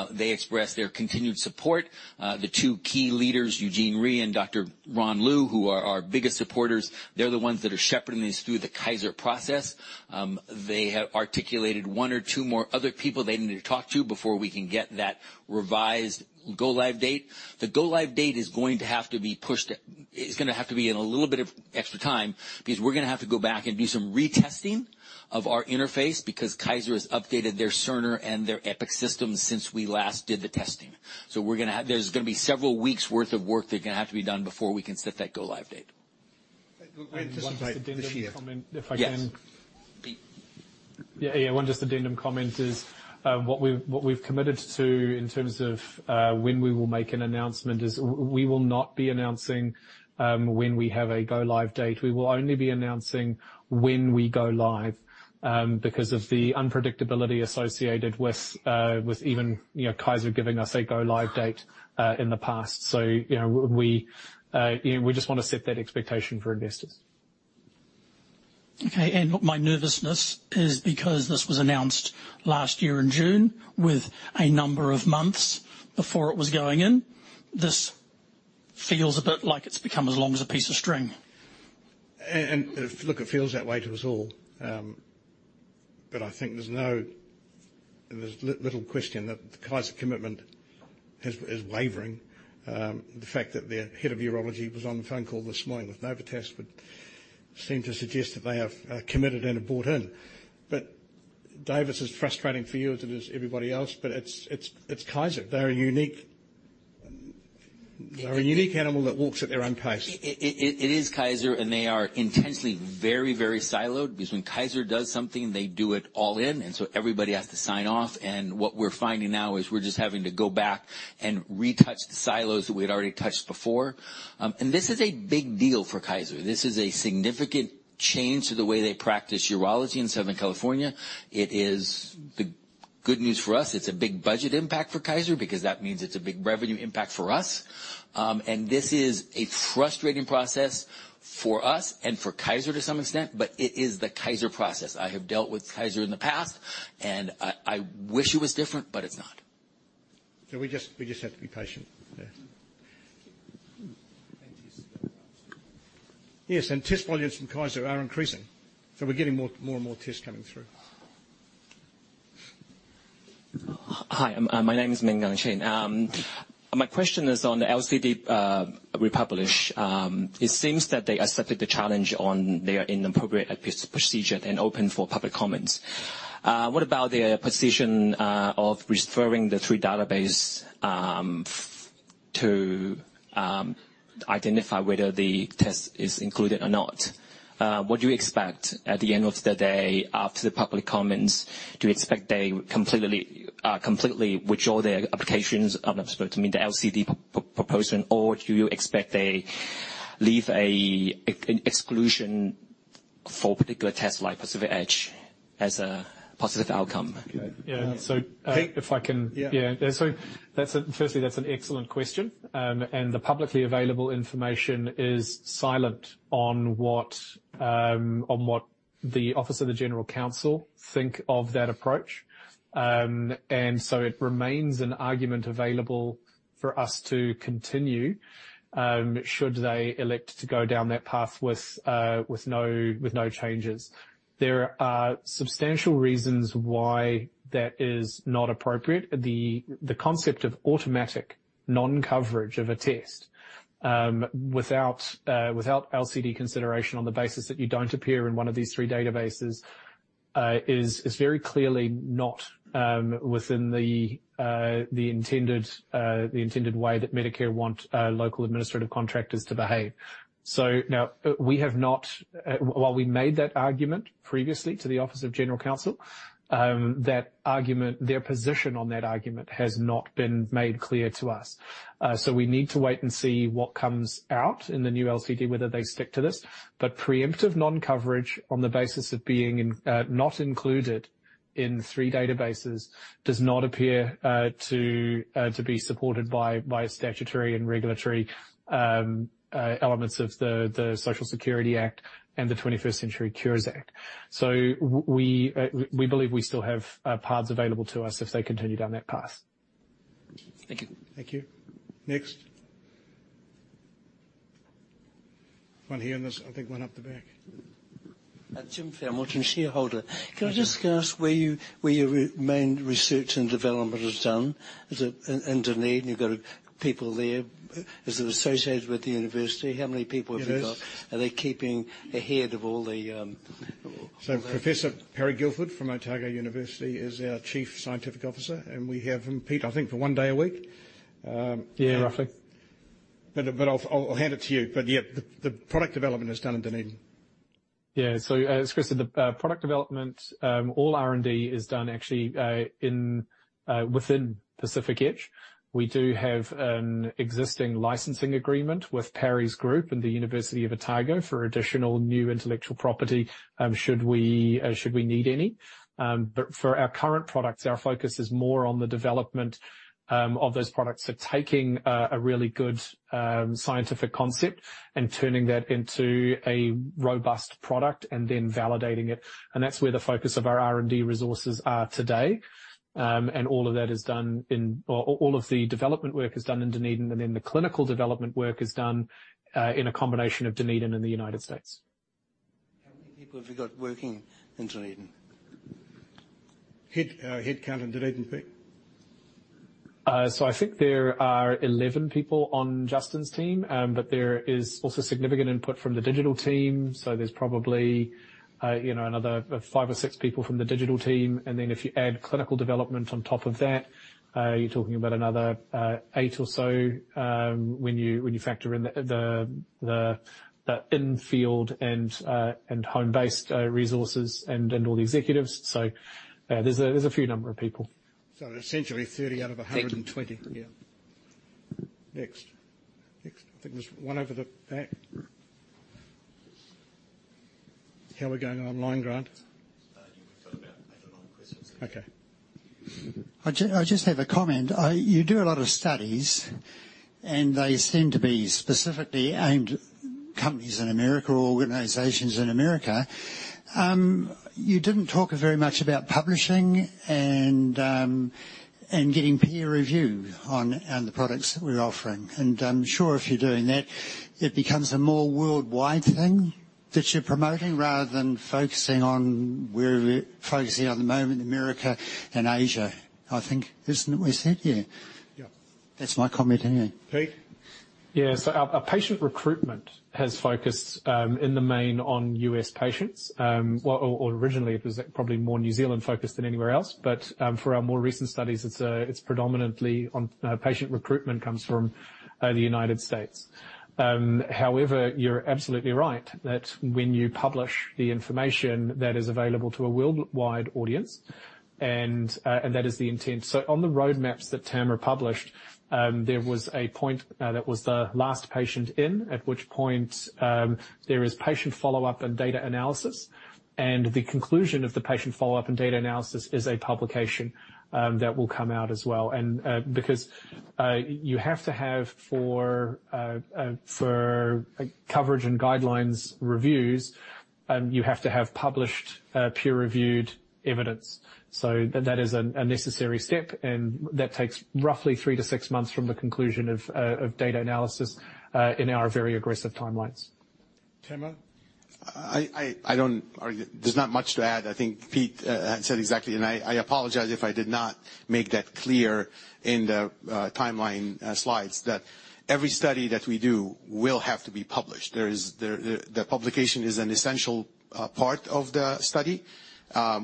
C: They expressed their continued support. The 2 key leaders, Eugene Rhee and Dr. Ron Lu, who are our biggest supporters, they're the ones that are shepherding us through the Kaiser process. They have articulated 1 or 2 more other people they need to talk to before we can get that revised go-live date. The go-live date is going to have to be pushed. It's gonna have to be in a little bit of extra time, because we're gonna have to go back and do some retesting of our interface, because Kaiser has updated their Cerner and their Epic systems since we last did the testing. There's gonna be several weeks' worth of work that are gonna have to be done before we can set that go-live date.
A: Just one addendum comment, if I can.
C: Yes.
B: Yeah, 1 just addendum comment is, what we've committed to in terms of, when we will make an announcement is we will not be announcing, when we have a go-live date. We will only be announcing when we go live, because of the unpredictability associated with even, you know, Kaiser giving us a go-live date, in the past. You know, we just want to set that expectation for investors.
J: Okay, my nervousness is because this was announced last year in June, with a number of months before it was going in. This feels a bit like it's become as long as a piece of string.
A: Look, it feels that way to us all. I think there's no. There's little question that the Kaiser commitment is wavering. The fact that their head of urology was on the phone call this morning with Novitas would seem to suggest that they are committed and bought in. David, this is frustrating for you as it is everybody else, but it's Kaiser. They're a unique.
C: Yes.
A: They're a unique animal that walks at their own pace.
C: It is Kaiser, and they are intensely, very, very siloed, because when Kaiser does something, they do it all in, and so everybody has to sign off. What we're finding now is we're just having to go back and retouch the silos that we had already touched before. This is a big deal for Kaiser. This is a significant change to the way they practice urology in Southern California. It is the good news for us. It's a big budget impact for Kaiser, because that means it's a big revenue impact for us. This is a frustrating process for us and for Kaiser to some extent, but it is the Kaiser process. I have dealt with Kaiser in the past, and I wish it was different, but it's not.
A: We just have to be patient. Yes, test volumes from Kaiser are increasing, we're getting more and more tests coming through.
K: Hi, my name is Minggang Chen. My question is on the LCD republish. It seems that they accepted the challenge on their inappropriate procedure and open for public comments. What about their position of referring the 3 database to identify whether the test is included or not? What do you expect at the end of the day, after the public comments, do you expect they completely withdraw their applications? I'm supposed to mean the LCD proposal, or do you expect they leave an exclusion for particular tests like Pacific Edge as a positive outcome?
B: Yeah.
A: Yeah.
B: Firstly, that's an excellent question. The publicly available information is silent on what the office of the general counsel think of that approach. It remains an argument available for us to continue should they elect to go down that path with no changes. There are substantial reasons why that is not appropriate. The concept of automatic non-coverage of a test without LCD consideration on the basis that you don't appear in 1 of these 3 databases is very clearly not within the intended way that Medicare want local administrative contractors to behave. Now, we have not, while we made that argument previously to the Office of General Counsel, that argument, their position on that argument has not been made clear to us. We need to wait and see what comes out in the new LCD, whether they stick to this, but preemptive non-coverage on the basis of being in, not included in three databases does not appear to be supported by statutory and regulatory elements of the Social Security Act and the 21st Century Cures Act. We believe we still have paths available to us if they continue down that path.
K: Thank you.
A: Thank you. Next. One here, and there's, I think, one up the back.
L: Jim Fairmorton, shareholder.
A: Hi.
L: Can I just ask where your main research and development is done? Is it in Dunedin, you've got a people there? Is it associated with the university? How many people have you got?
A: It is.
L: Are they keeping ahead of all the?
A: Professor Parry Guilford from University of Otago is our Chief Scientific Officer, and we have him, Pete, I think, for one day a week.
B: Yeah, roughly.
A: I'll hand it to you. Yeah, the product development is done in Dunedin.
B: As Chris said, the product development, all R&D is done within Pacific Edge. We do have an existing licensing agreement with Parry's group and the University of Otago for additional new intellectual property, should we need any. For our current products, our focus is more on the development of those products. Taking a really good scientific concept and turning that into a robust product and then validating it, and that's where the focus of our R&D resources are today. All of the development work is done in Dunedin, and then the clinical development work is done in a combination of Dunedin and the United States.
L: How many people have you got working in Dunedin?
A: Head count in Dunedin, Pete?
B: I think there are 11 people on Justin's team, but there is also significant input from the digital team, so there's probably, you know, another 5 or 6 people from the digital team. Then if you add clinical development on top of that, you're talking about another 8 or so, when you factor in the infield and home-based resources and all the executives. There's a few number of people.
A: Essentially, 30 out of 120.
L: Thank you.
A: Yeah. Next. Next, I think there's one over the back. How are we going online, Grant?
E: You've got about eight or nine questions.
A: Okay.
L: I just have a comment. You do a lot of studies, they seem to be specifically aimed companies in America or organizations in America. You didn't talk very much about publishing and getting peer review on the products that we're offering. I'm sure if you're doing that, it becomes a more worldwide thing that you're promoting, rather than focusing on where we're focusing at the moment, America and Asia, I think. Isn't that we said? Yeah.
A: Yeah.
L: That's my comment anyway.
A: Pete?
B: Yeah. Our patient recruitment has focused in the main on U.S. patients. Well, or originally it was probably more New Zealand focused than anywhere else, for our more recent studies, it's predominantly on patient recruitment comes from the United States. However, you're absolutely right that when you publish the information, that is available to a worldwide audience, and that is the intent. On the roadmaps that Tamer published, there was a point that was the last patient in, at which point, there is patient follow-up and data analysis, and the conclusion of the patient follow-up and data analysis is a publication that will come out as well. Because, you have to have for coverage and guidelines reviews, you have to have published, peer-reviewed evidence. That is a necessary step, and that takes roughly 3 to 6 months from the conclusion of data analysis, in our very aggressive timelines.
A: Tamer?
D: I don't argue. There's not much to add. I think Pete said exactly. I apologize if I did not make that clear in the timeline slides, that every study that we do will have to be published. The publication is an essential part of the study.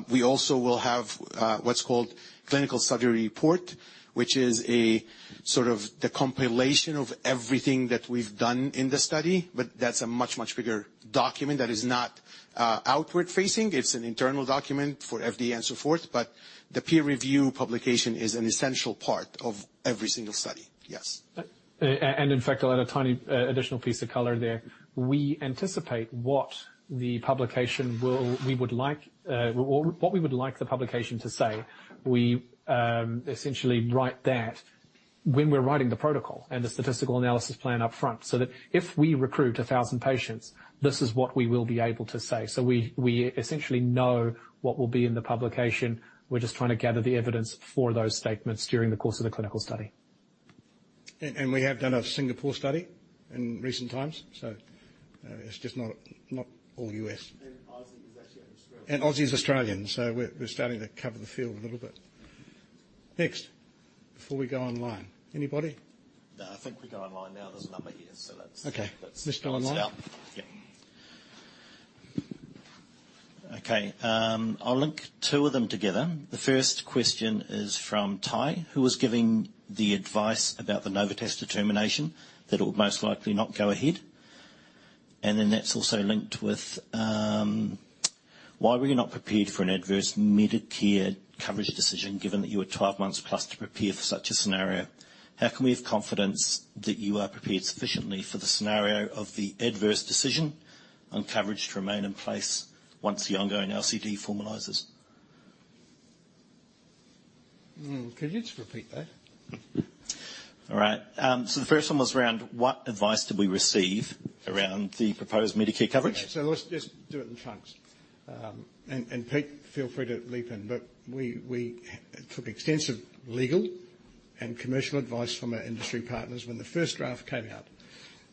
D: We also will have what's called clinical study report, which is a sort of the compilation of everything that we've done in the study. That's a much, much bigger document that is not outward facing. It's an internal document for FDA and so forth. The peer review publication is an essential part of every single study. Yes.
B: In fact, I'll add a tiny additional piece of color there. We would like, or what we would like the publication to say. We essentially write that when we're writing the protocol and the statistical analysis plan up front, so that if we recruit 1,000 patients, this is what we will be able to say. We essentially know what will be in the publication. We're just trying to gather the evidence for those statements during the course of the clinical study.
A: We have done a Singapore study in recent times, so it's just not all U.S.
E: AUSSIE is actually on Australian.
A: AUSSIE is Australian, so we're starting to cover the field a little bit. Next, before we go online, anybody?
G: No, I think we go online now. There's a number here, so let's-
A: Okay.
G: Let's start.
A: Mr. Online?
G: Yeah. Okay, I'll link two of them together. The first question is from Ty, who was giving the advice about the Novitas determination, that it will most likely not go ahead. That's also linked with, why were you not prepared for an adverse Medicare coverage decision, given that you had 12 months plus to prepare for such a scenario? How can we have confidence that you are prepared sufficiently for the scenario of the adverse decision on coverage to remain in place once the ongoing LCD formalizes?
A: Hmm, could you just repeat that?
G: All right, the first one was around what advice did we receive around the proposed Medicare coverage?
A: Let's just do it in chunks. Pete, feel free to leap in, but we took extensive legal and commercial advice from our industry partners when the first draft came out,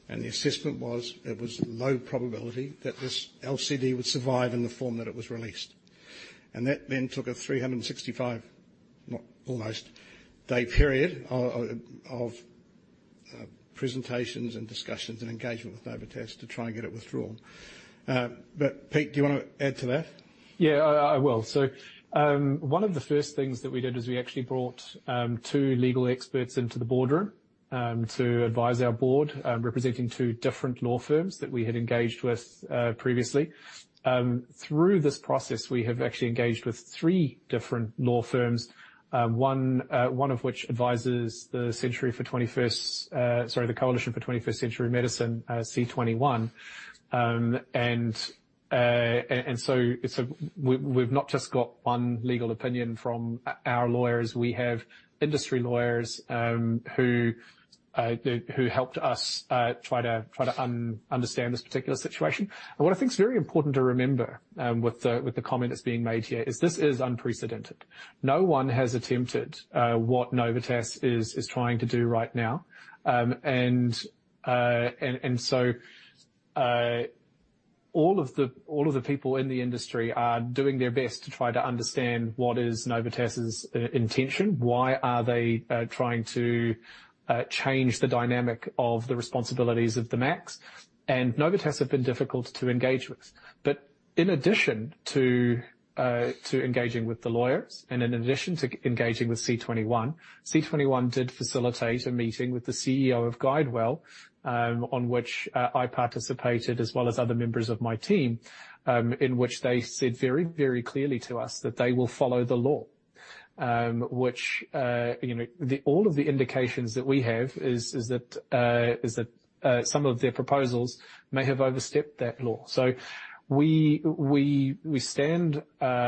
A: and the assessment was it was low probability that this LCD would survive in the form that it was released. That then took a 365, not almost, day period of presentations and discussions and engagement with Novitas to try and get it withdrawn. Pete, do you want to add to that?
B: Yeah, I will. One of the first things that we did is we actually brought two legal experts into the boardroom to advise our board, representing two different law firms that we had engaged with previously. Through this process, we have actually engaged with three different law firms, one of which advises the Century for 21st, sorry, the Coalition for 21st Century Medicine, C21. We've not just got one legal opinion from our lawyers. We have industry lawyers, who helped us try to understand this particular situation. What I think is very important to remember, with the, with the comment that's being made here, is this is unprecedented. No one has attempted what Novitas is trying to do right now. All of the people in the industry are doing their best to try to understand what is Novitas's intention. Why are they trying to change the dynamic of the responsibilities of the MACs? Novitas have been difficult to engage with. In addition to engaging with the lawyers and in addition to engaging with C21 did facilitate a meeting with the CEO of GuideWell, on which I participated, as well as other members of my team. In which they said very clearly to us that they will follow the law. Which, you know, the, all of the indications that we have is that some of their proposals may have overstepped that law. We stand by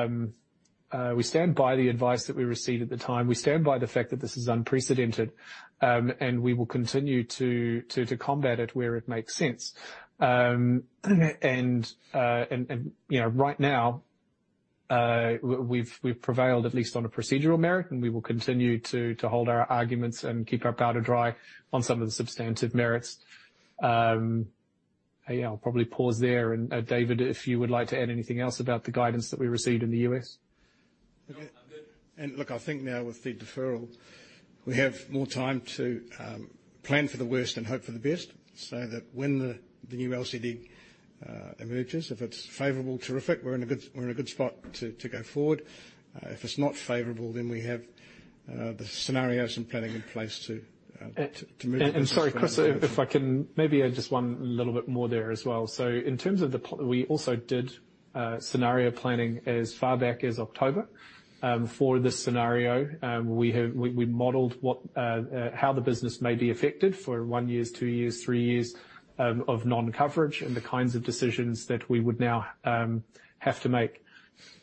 B: the advice that we received at the time. We stand by the fact that this is unprecedented, and we will continue to combat it where it makes sense. You know, right now, we've prevailed, at least on a procedural merit, and we will continue to hold our arguments and keep our powder dry on some of the substantive merits. Yeah, I'll probably pause there. David, if you would like to add anything else about the guidance that we received in the US?
A: Look, I think now with the deferral, we have more time to plan for the worst and hope for the best. When the new LCD emerges, if it's favorable, terrific, we're in a good spot to go forward. If it's not favorable, then we have the scenarios and planning in place to move.
B: Sorry, Chris, if I can maybe add just one little bit more there as well. In terms of the We also did scenario planning as far back as October for this scenario. We have, we modeled what how the business may be affected for 1 years, 2 years, 3 years of non-coverage, and the kinds of decisions that we would now have to make.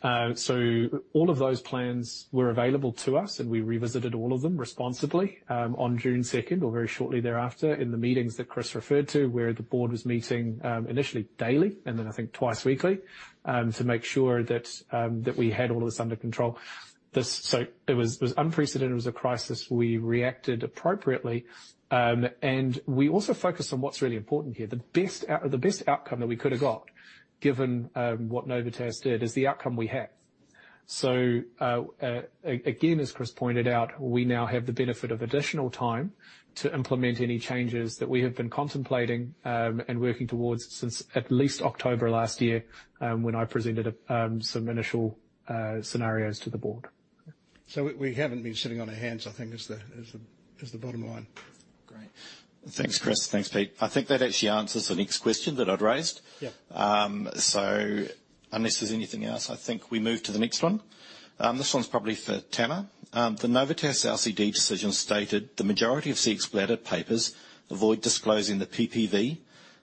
B: All of those plans were available to us, and we revisited all of them responsibly on June second, or very shortly thereafter, in the meetings that Chris referred to, where the board was meeting initially, daily, and then I think twice weekly to make sure that we had all of this under control. This, so it was, it was unprecedented. It was a crisis. We reacted appropriately, and we also focused on what's really important here. The best outcome that we could have got, given what Novitas did, is the outcome we had. As Chris pointed out, we now have the benefit of additional time to implement any changes that we have been contemplating, and working towards since at least October of last year, when I presented some initial scenarios to the board.
A: We haven't been sitting on our hands, I think is the bottom line.
B: Great.
G: Thanks, Chris. Thanks, Pete. I think that actually answers the next question that I'd raised.
A: Yeah.
G: Unless there's anything else, I think we move to the next one. This one's probably for Tanner. The Novitas LCD decision stated the majority of Cxbladder papers avoid disclosing the PPV,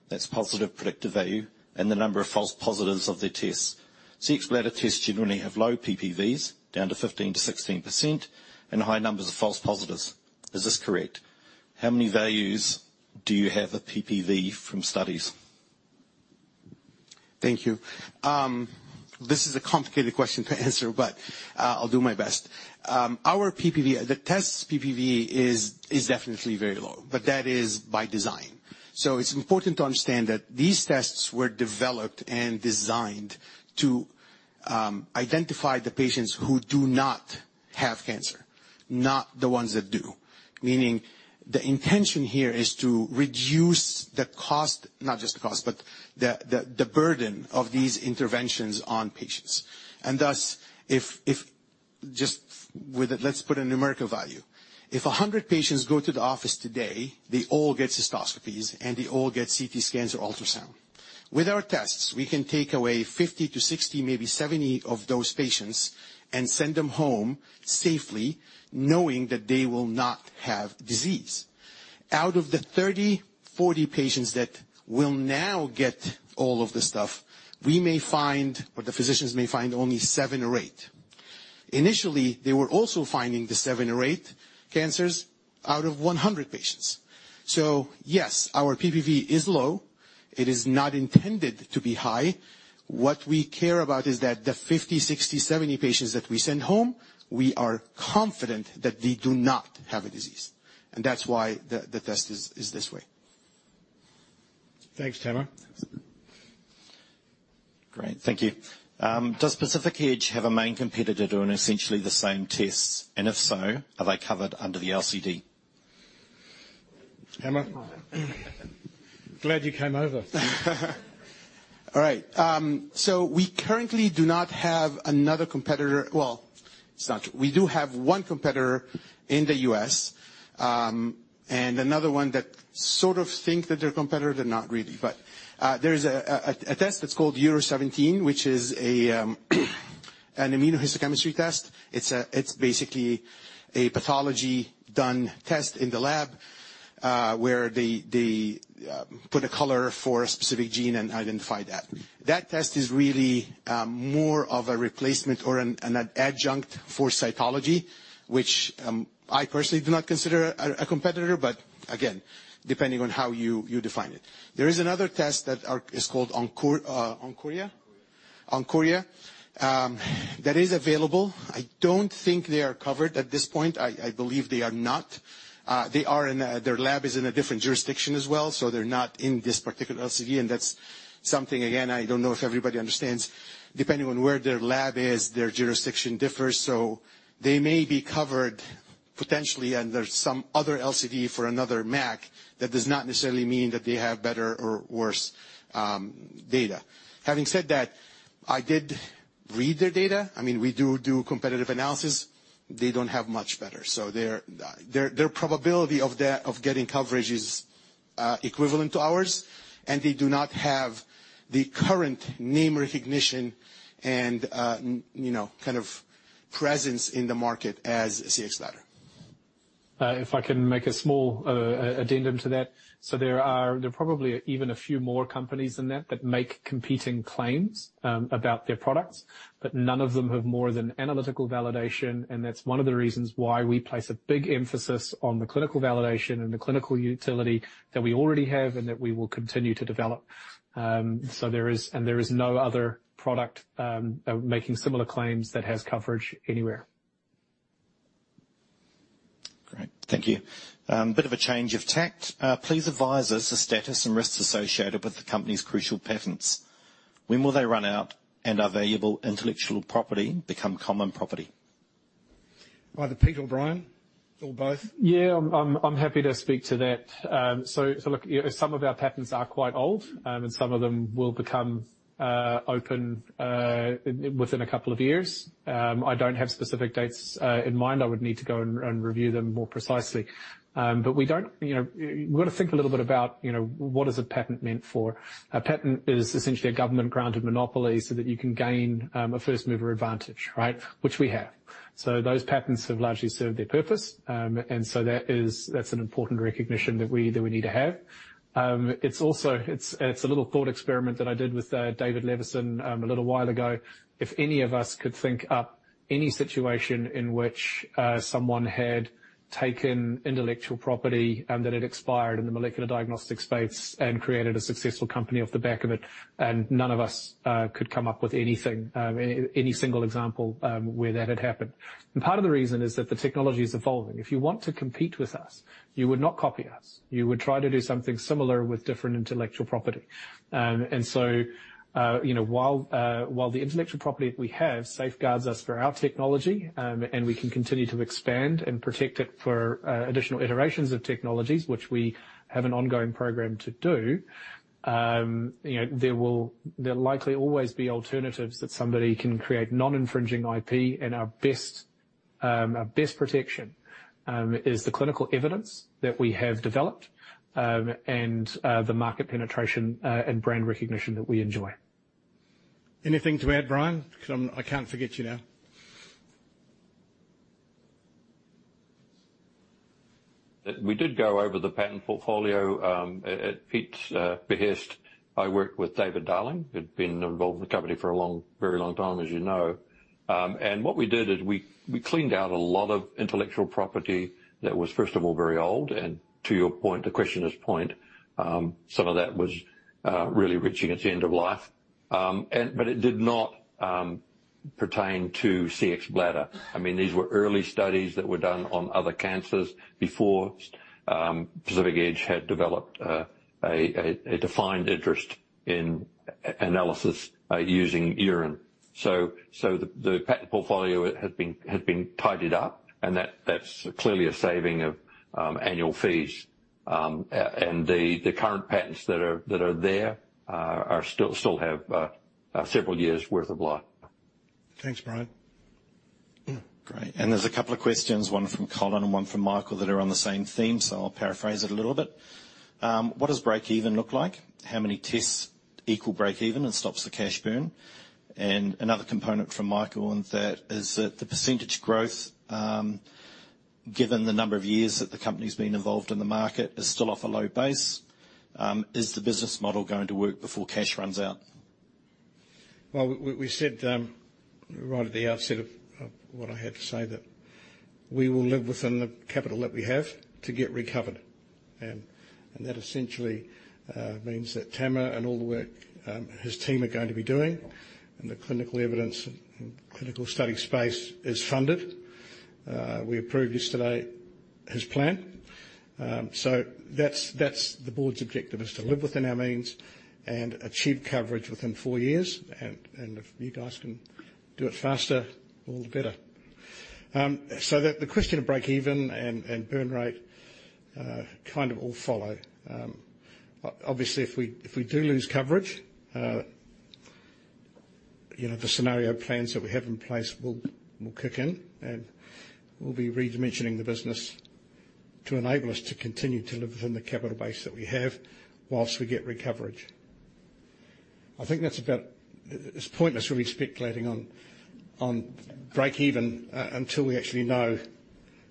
G: that's Positive Predictive Value, and the number of false positives of their tests. Cxbladder tests generally have low PPVs, down to 15%-16%, and high numbers of false positives. Is this correct? How many values do you have a PPV from studies?
D: Thank you. This is a complicated question to answer, but I'll do my best. Our PPV, the test's PPV is definitely very low, but that is by design. It's important to understand that these tests were developed and designed to identify the patients who do not have cancer, not the ones that do. Meaning, the intention here is to reduce the cost, not just the cost, but the burden of these interventions on patients. Thus, if just with it, let's put a numerical value. If 100 patients go to the office today, they all get cystoscopies, and they all get CT scans or ultrasound. With our tests, we can take away 50 to 60, maybe 70 of those patients and send them home safely, knowing that they will not have disease. Out of the 30, 40 patients that will now get all of the stuff, we may find, or the physicians may find, only 7 or 8. Initially, they were also finding the 7 or 8 cancers out of 100 patients. Yes, our PPV is low. It is not intended to be high. What we care about is that the 50, 60, 70 patients that we send home, we are confident that they do not have a disease, and that's why the test is this way.
A: Thanks, Tamer.
G: Great, thank you. Does Pacific Edge have a main competitor doing essentially the same tests, and if so, are they covered under the LCD?
A: Tamer? Glad you came over.
D: All right, we currently do not have another competitor. Well, it's not true. We do have one competitor in the U.S., and another one that sort of thinks that they're a competitor, they're not really. There is a test that's called URO17, which is an immunohistochemistry test. It's basically a pathology-done test in the lab, where they put a color for a specific gene and identify that. That test is really more of a replacement or an adjunct for cytology, which I personally do not consider a competitor, but again, depending on how you define it. There is another test that is called Oncuria?
G: Oncuria.
D: Oncuria. That is available. I don't think they are covered at this point. I believe they are not. Their lab is in a different jurisdiction as well, so they're not in this particular LCD, and that's something, again, I don't know if everybody understands. Depending on where their lab is, their jurisdiction differs. They may be covered potentially under some other LCD for another MAC. That does not necessarily mean that they have better or worse data. Having said that, I did read their data. I mean, we do competitive analysis. They don't have much better. Their probability of getting coverage is equivalent to ours, and they do not have the current name recognition and you know, kind of presence in the market as Cxbladder.
B: If I can make a small addendum to that. There are probably even a few more companies than that make competing claims about their products, but none of them have more than analytical validation. That's one of the reasons why we place a big emphasis on the clinical validation and the clinical utility that we already have and that we will continue to develop. There is no other product making similar claims that has coverage anywhere.
G: Great, thank you. bit of a change of tact. Please advise us the status and risks associated with the company's crucial patents. When will they run out, and are valuable intellectual property become common property?
A: Either Pete or Bryan, or both.
B: Yeah, I'm happy to speak to that. Look, some of our patents are quite old, and some of them will become open within 2 years. I don't have specific dates in mind. I would need to go and review them more precisely. You know, we've got to think a little bit about, you know, what is a patent meant for? A patent is essentially a government-granted monopoly so that you can gain a first-mover advantage, right? Which we have. Those patents have largely served their purpose. That is, that's an important recognition that we need to have. It's also, it's a little thought experiment that I did with David Levison a little while ago. If any of us could think up any situation in which someone had taken intellectual property and that it expired in the molecular diagnostics space and created a successful company off the back of it, and none of us could come up with anything, any single example where that had happened. Part of the reason is that the technology is evolving. If you want to compete with us, you would not copy us. You would try to do something similar with different intellectual property. You know, while the intellectual property that we have safeguards us for our technology, and we can continue to expand and protect it for additional iterations of technologies, which we have an ongoing program to do, you know, there'll likely always be alternatives that somebody can create non-infringing IP. Our best protection is the clinical evidence that we have developed and the market penetration and brand recognition that we enjoy.
A: Anything to add, Bryan? Because I'm, I can't forget you now.
F: We did go over the patent portfolio at Pete's behest. I worked with David Darling, who'd been involved in the company for a long, very long time, as you know. What we did is we cleaned out a lot of intellectual property that was, first of all, very old. To your point, the questioner's point, some of that was really reaching its end of life. It did not pertain to Cxbladder. I mean, these were early studies that were done on other cancers before Pacific Edge had developed a defined interest in analysis using urine. So the patent portfolio has been tidied up, and that's clearly a saving of annual fees. The current patents that are there still have several years' worth of life.
A: Thanks, Bryan.
G: Great. There's a couple of questions, one from Colin and one from Michael, that are on the same theme, so I'll paraphrase it a little bit. What does breakeven look like? How many tests equal breakeven and stops the cash burn? Another component from Michael on that is that the % growth, given the number of years that the company's been involved in the market, is still off a low base. Is the business model going to work before cash runs out?
A: Well, we said right at the outset of what I had to say, that we will live within the capital that we have to get recovered. That essentially means that Tamer and all the work his team are going to be doing, and the clinical evidence and clinical study space is funded. We approved yesterday his plan. That's the board's objective, is to live within our means and achieve coverage within four years. If you guys can do it faster, all the better. The question of breakeven and burn rate kind of all follow. obviously, if we do lose coverage, you know, the scenario plans that we have in place will kick in, and we'll be redimensioning the business to enable us to continue to live within the capital base that we have whilst we get recoverage. I think that's about... It's pointless really speculating on breakeven until we actually know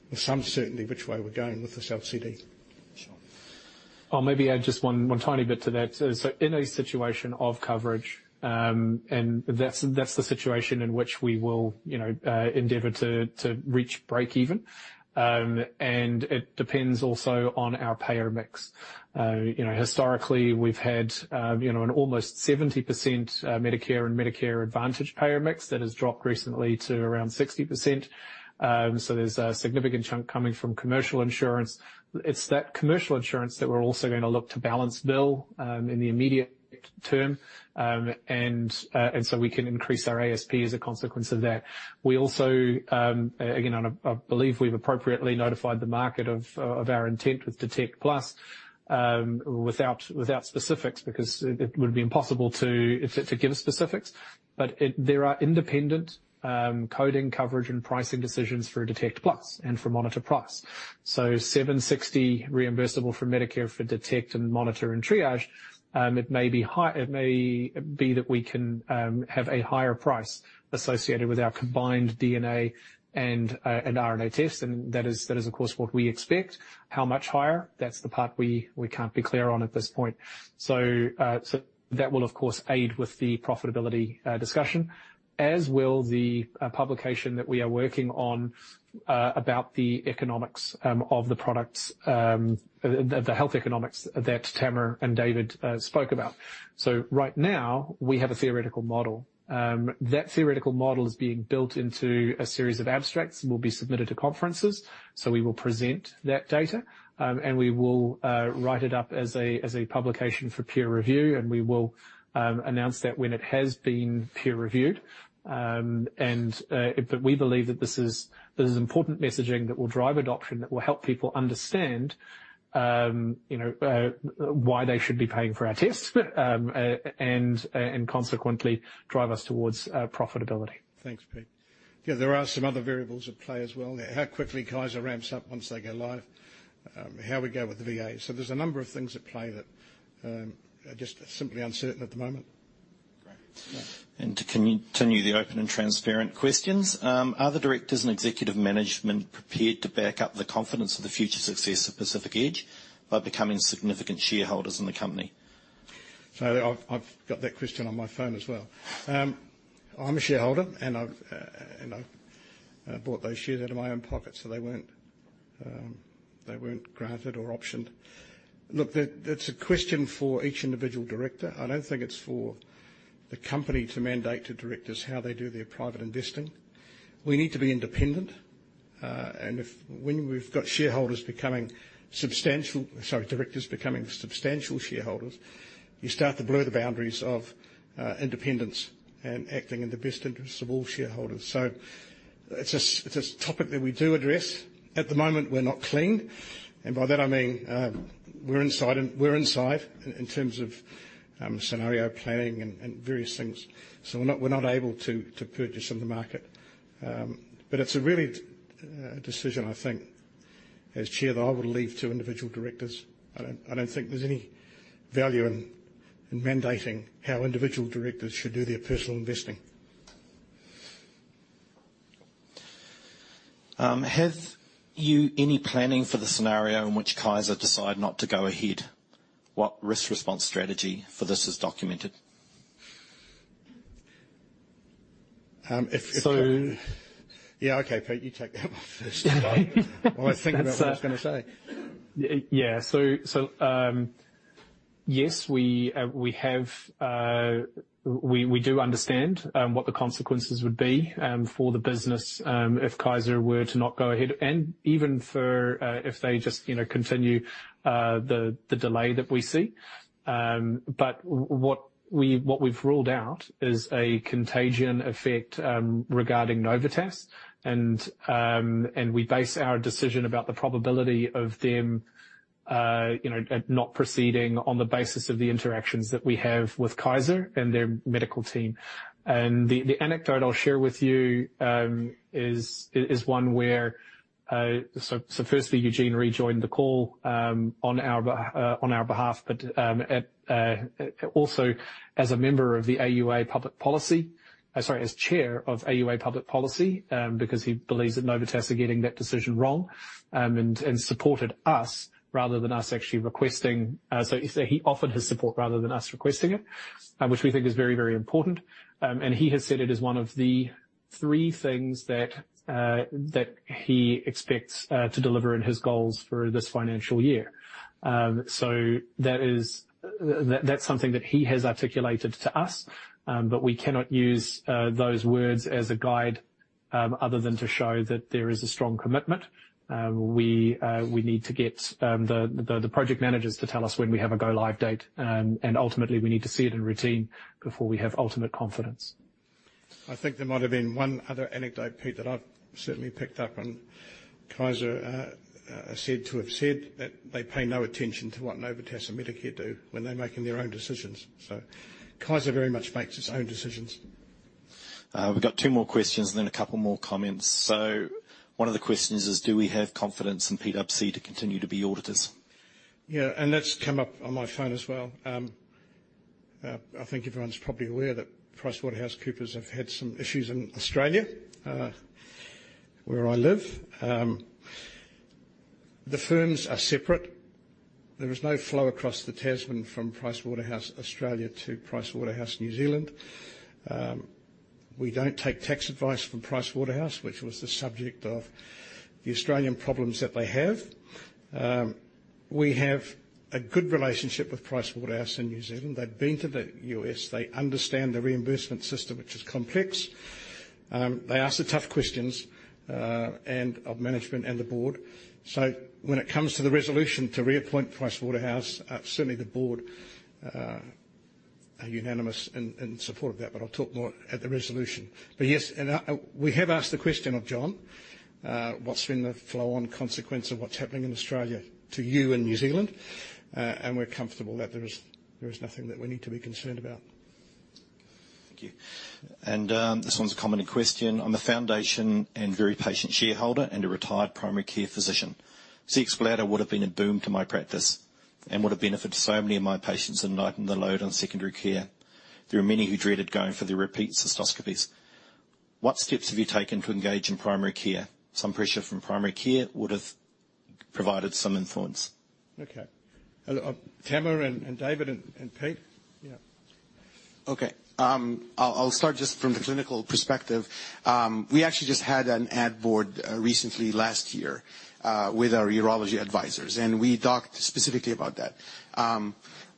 A: with some certainty which way we're going with this LCD.
G: Sure.
B: I'll maybe add just one tiny bit to that. In a situation of coverage, and that's the situation in which we will, you know, endeavor to reach breakeven. It depends also on our payer mix. You know, historically, we've had, you know, an almost 70%, Medicare and Medicare Advantage payer mix. That has dropped recently to around 60%. There's a significant chunk coming from commercial insurance. It's that commercial insurance that we're also going to look to balance bill, in the immediate term. We can increase our ASP as a consequence of that. We also, again, and I believe we've appropriately notified the market of our intent with Detect+, without specifics, because it would be impossible to give specifics. There are independent coding, coverage, and pricing decisions for Cxbladder Detect+ and for Monitor+. $760 reimbursable for Medicare, for Cxbladder Detect and Cxbladder Monitor and Cxbladder Triage. It may be that we can have a higher price associated with our combined DNA and RNA tests, and that is, of course, what we expect. How much higher? That's the part we can't be clear on at this point. That will, of course, aid with the profitability discussion, as will the publication that we are working on about the economics of the products, the health economics that Tamer and David spoke about. Right now, we have a theoretical model. That theoretical model is being built into a series of abstracts and will be submitted to conferences. We will present that data, and we will write it up as a publication for peer review, and we will announce that when it has been peer-reviewed. We believe that this is important messaging that will drive adoption, that will help people understand, you know, why they should be paying for our tests, and consequently drive us towards profitability.
A: Thanks, Pete. Yeah, there are some other variables at play as well. How quickly Kaiser ramps up once they go live, how we go with the VA. There's a number of things at play that are just simply uncertain at the moment.
G: Great.
A: Yeah.
G: To continue the open and transparent questions, are the directors and executive management prepared to back up the confidence of the future success of Pacific Edge by becoming significant shareholders in the company?
A: I've got that question on my phone as well. I'm a shareholder, I've bought those shares out of my own pocket, so they weren't granted or optioned. That's a question for each individual director. I don't think it's for the company to mandate to directors how they do their private investing. We need to be independent, if, when we've got directors becoming substantial shareholders, you start to blur the boundaries of independence and acting in the best interest of all shareholders. It's a topic that we do address. At the moment, we're not clean, by that I mean, we're inside and we're inside in terms of scenario planning and various things, we're not able to purchase on the market. It's a really decision, I think, as chair, that I would leave to individual directors. I don't think there's any value in mandating how individual directors should do their personal investing.
G: Have you any planning for the scenario in which Kaiser decide not to go ahead? What risk response strategy for this is documented?
A: Yeah, okay, Pete, you take that one first. While I think about what I was gonna say.
B: Yes, we have, we do understand what the consequences would be for the business if Kaiser were to not go ahead, and even if they just, you know, continue the delay that we see. But what we, what we've ruled out is a contagion effect regarding Novitas. And we base our decision about the probability of them, you know, not proceeding on the basis of the interactions that we have with Kaiser and their medical team. The anecdote I'll share with you, is one where, firstly, Eugene rejoined the call, on our behalf, but, at, also as a member of the AUA Public Policy, sorry, as Chair of AUA Public Policy, because he believes that Novitas are getting that decision wrong. Supported us, rather than us actually requesting. He offered his support rather than us requesting it, which we think is very, very important. He has said it is one of the three things that he expects to deliver in his goals for this financial year. That is, that's something that he has articulated to us, but we cannot use those words as a guide, other than to show that there is a strong commitment. We need to get the project managers to tell us when we have a go live date. Ultimately, we need to see it in routine before we have ultimate confidence.
A: I think there might have been one other anecdote, Pete, that I've certainly picked up on. Kaiser are said to have said that they pay no attention to what Novitas and Medicare do when they're making their own decisions. Kaiser very much makes its own decisions.
G: We've got 2 more questions and then a couple more comments. One of the questions is, do we have confidence in PwC to continue to be auditors?
B: Yeah, that's come up on my phone as well. I think everyone's probably aware that PricewaterhouseCoopers have had some issues in Australia, where I live. The firms are separate. There is no flow across the Tasman from Pricewaterhouse, Australia, to Pricewaterhouse, New Zealand. We don't take tax advice from Pricewaterhouse, which was the subject of the Australian problems that they have. We have a good relationship with Pricewaterhouse in New Zealand. They've been to the U.S., they understand the reimbursement system, which is complex. They ask the tough questions and of management and the board. When it comes to the resolution to reappoint Pricewaterhouse, certainly, the board are unanimous in support of that, but I'll talk more at the resolution. Yes, and, we have asked the question of John, "What's been the flow-on consequence of what's happening in Australia to you in New Zealand?" We're comfortable that there is nothing that we need to be concerned about.
G: Thank you. This one's a common question. I'm a foundation and very patient shareholder and a retired primary care physician. Cxbladder would have been a boom to my practice and would have benefited so many of my patients and lightened the load on secondary care. There are many who dreaded going for the repeat cystoscopies. What steps have you taken to engage in primary care? Some pressure from primary care would have provided some influence.
A: Okay. Tamer, and David, and Pete? Yeah.
D: Okay. I'll start just from the clinical perspective. We actually just had an ad board recently, last year, with our urology advisors, and we talked specifically about that.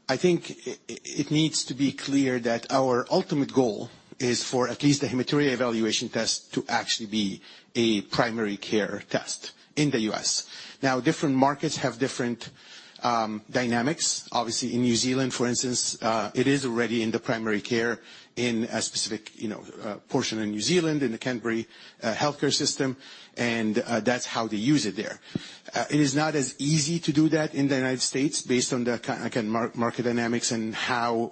D: I think it needs to be clear that our ultimate goal is for at least the hematuria evaluation test to actually be a primary care test in the U.S. Now, different markets have different dynamics. Obviously, in New Zealand, for instance, it is already in the primary care in a specific portion in New Zealand, in the Canterbury healthcare system, and that's how they use it there. It is not as easy to do that in the United States based on the market dynamics and how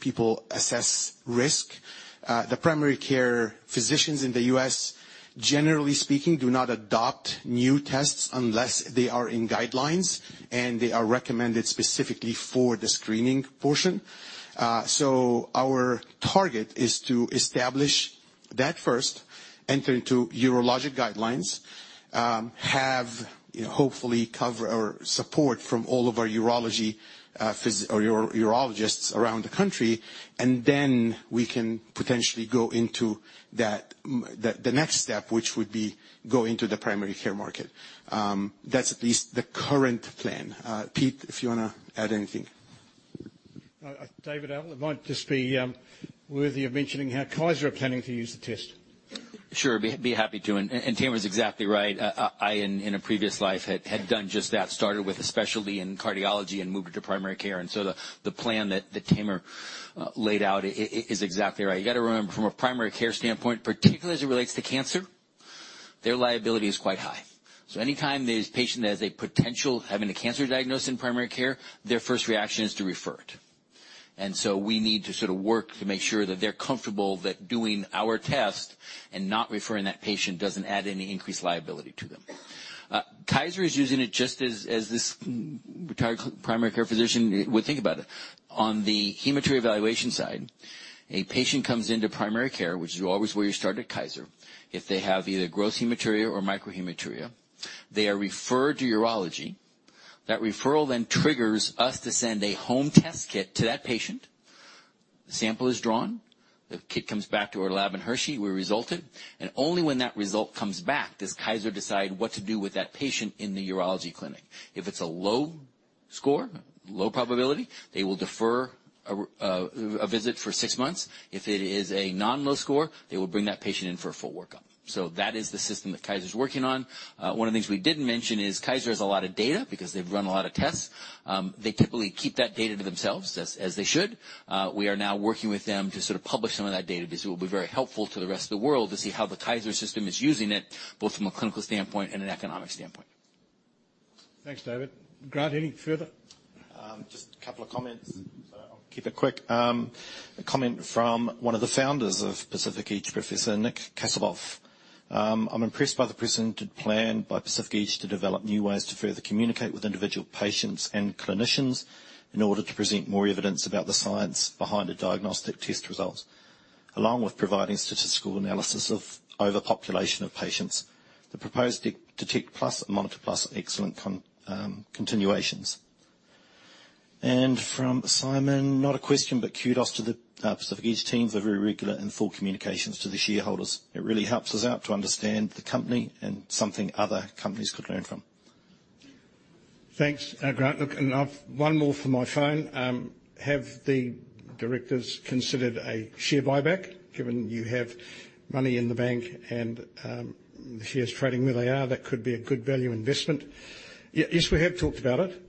D: people assess risk. The primary care physicians in the US, generally speaking, do not adopt new tests unless they are in guidelines and they are recommended specifically for the screening portion. Our target is to establish that first, enter into urologic guidelines, have, you know, hopefully cover or support from all of our urology, or urologists around the country. Then we can potentially go into that, the next step, which would be go into the primary care market. That's at least the current plan. Pete, if you wanna add anything.
A: David, it might just be worthy of mentioning how Kaiser are planning to use the test.
C: Sure. Be happy to, and Tamer is exactly right. I in a previous life, had done just that, started with a specialty in cardiology and moved to primary care, the plan that Tamer laid out is exactly right. You gotta remember, from a primary care standpoint, particularly as it relates to cancer, their liability is quite high. Anytime there's a patient that has a potential having a cancer diagnosis in primary care, their first reaction is to refer it. We need to sort of work to make sure that they're comfortable that doing our test and not referring that patient doesn't add any increased liability to them. Kaiser is using it just as this retired primary care physician would think about it. On the hematuria evaluation side, a patient comes into primary care, which is always where you start at Kaiser. If they have either gross hematuria or microhematuria, they are referred to urology. That referral then triggers us to send a home test kit to that patient. The sample is drawn, the kit comes back to our lab in Hershey, we result it, and only when that result comes back does Kaiser decide what to do with that patient in the urology clinic. If it's a low score, low probability, they will defer a visit for 6 months. If it is a non-low score, they will bring that patient in for a full workup. That is the system that Kaiser's working on. One of the things we didn't mention is Kaiser has a lot of data because they've run a lot of tests. They typically keep that data to themselves, as they should. We are now working with them to sort of publish some of that data, because it will be very helpful to the rest of the world to see how the Kaiser system is using it, both from a clinical standpoint and an economic standpoint.
A: Thanks, David. Grant, any further?
E: Just a couple of comments. I'll keep it quick. A comment from one of the founders of Pacific Edge, Professor Nick Kasabov. "I'm impressed by the presented plan by Pacific Edge to develop new ways to further communicate with individual patients and clinicians in order to present more evidence about the science behind the diagnostic test results, along with providing statistical analysis of overpopulation of patients. The proposed Cxbladder Detect+ and Cxbladder Monitor+ are excellent continuations." From Simon: "Not a question, but kudos to the Pacific Edge teams for very regular and full communications to the shareholders. It really helps us out to understand the company and something other companies could learn from.
A: Thanks, Grant. I've one more from my phone. "Have the directors considered a share buyback, given you have money in the bank and the shares trading where they are, that could be a good value investment?" Yeah. Yes, we have talked about it.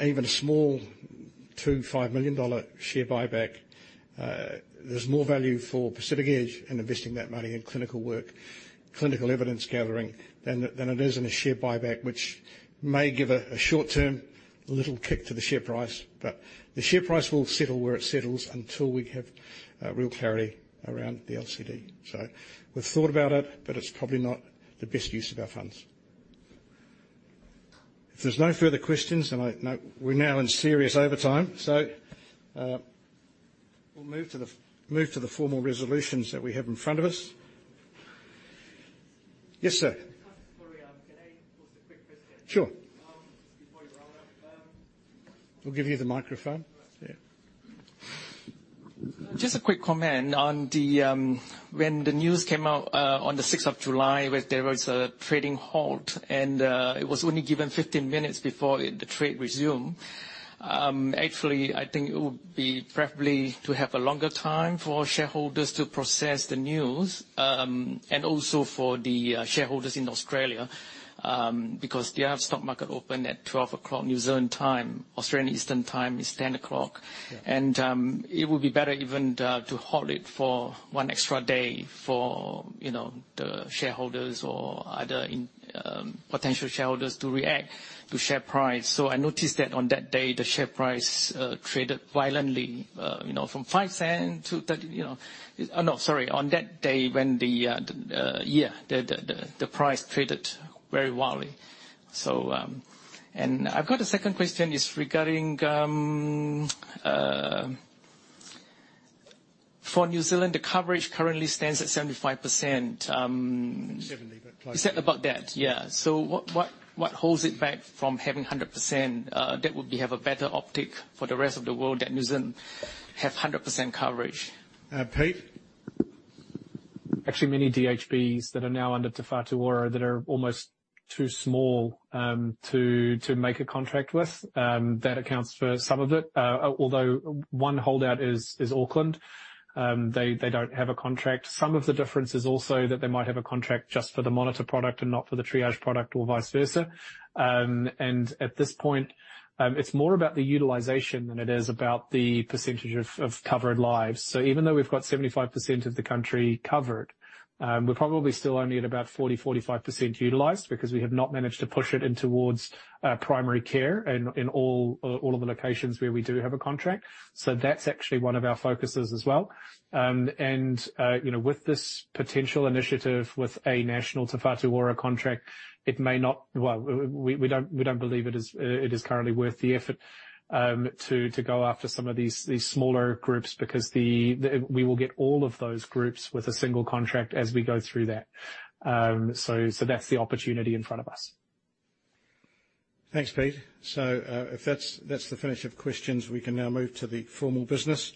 A: Even a small 2-5 million dollar share buyback, there's more value for Pacific Edge in investing that money in clinical work, clinical evidence gathering, than it is in a share buyback, which may give a short-term little kick to the share price. The share price will settle where it settles until we have real clarity around the LCD. We've thought about it, but it's probably not the best use of our funds. If there's no further questions, then we're now in serious overtime, so we'll move to the formal resolutions that we have in front of us. Yes, sir?
G: Sorry, can I ask a quick question?
A: Sure.
G: Before you round up?
A: We'll give you the microphone. Yeah.
G: Just a quick comment on the when the news came out on the 6th of July, where there was a trading halt, and it was only given 15 minutes before it, the trade resumed. Actually, I think it would be preferably to have a longer time for shareholders to process the news, and also for the shareholders in Australia, because they have stock market open at 12 o'clock New Zealand time. Australian Eastern Time is 10 o'clock.
A: Yeah.
G: It would be better even to hold it for 1 extra day for, you know, the shareholders or other potential shareholders to react to share price. I noticed that on that day, the share price traded violently, you know, from 0.05 to 0.30, you know... no, sorry, on that day when the price traded very wildly. I've got a second question, is regarding for New Zealand, the coverage currently stands at 75%.
A: 70, but close.
G: About that, yeah. What holds it back from having 100%? That would have a better optic for the rest of the world that New Zealand have 100% coverage.
A: Pete?
B: Actually, many DHBs that are now under Te Whatu Ora that are almost too small to make a contract with, that accounts for some of it. One holdout is Auckland. They don't have a contract. Some of the difference is also that they might have a contract just for the monitor product and not for the triage product, or vice versa. At this point, it's more about the utilization than it is about the percentage of covered lives. Even though we've got 75% of the country covered, we're probably still only at about 40-45% utilized because we have not managed to push it in towards primary care in all of the locations where we do have a contract. That's actually one of our focuses as well. You know, with this potential initiative with a national Te Whatu Ora contract, we don't believe it is currently worth the effort to go after some of these smaller groups, because we will get all of those groups with a single contract as we go through that. That's the opportunity in front of us.
A: Thanks, Pete. If that's the finish of questions, we can now move to the formal business.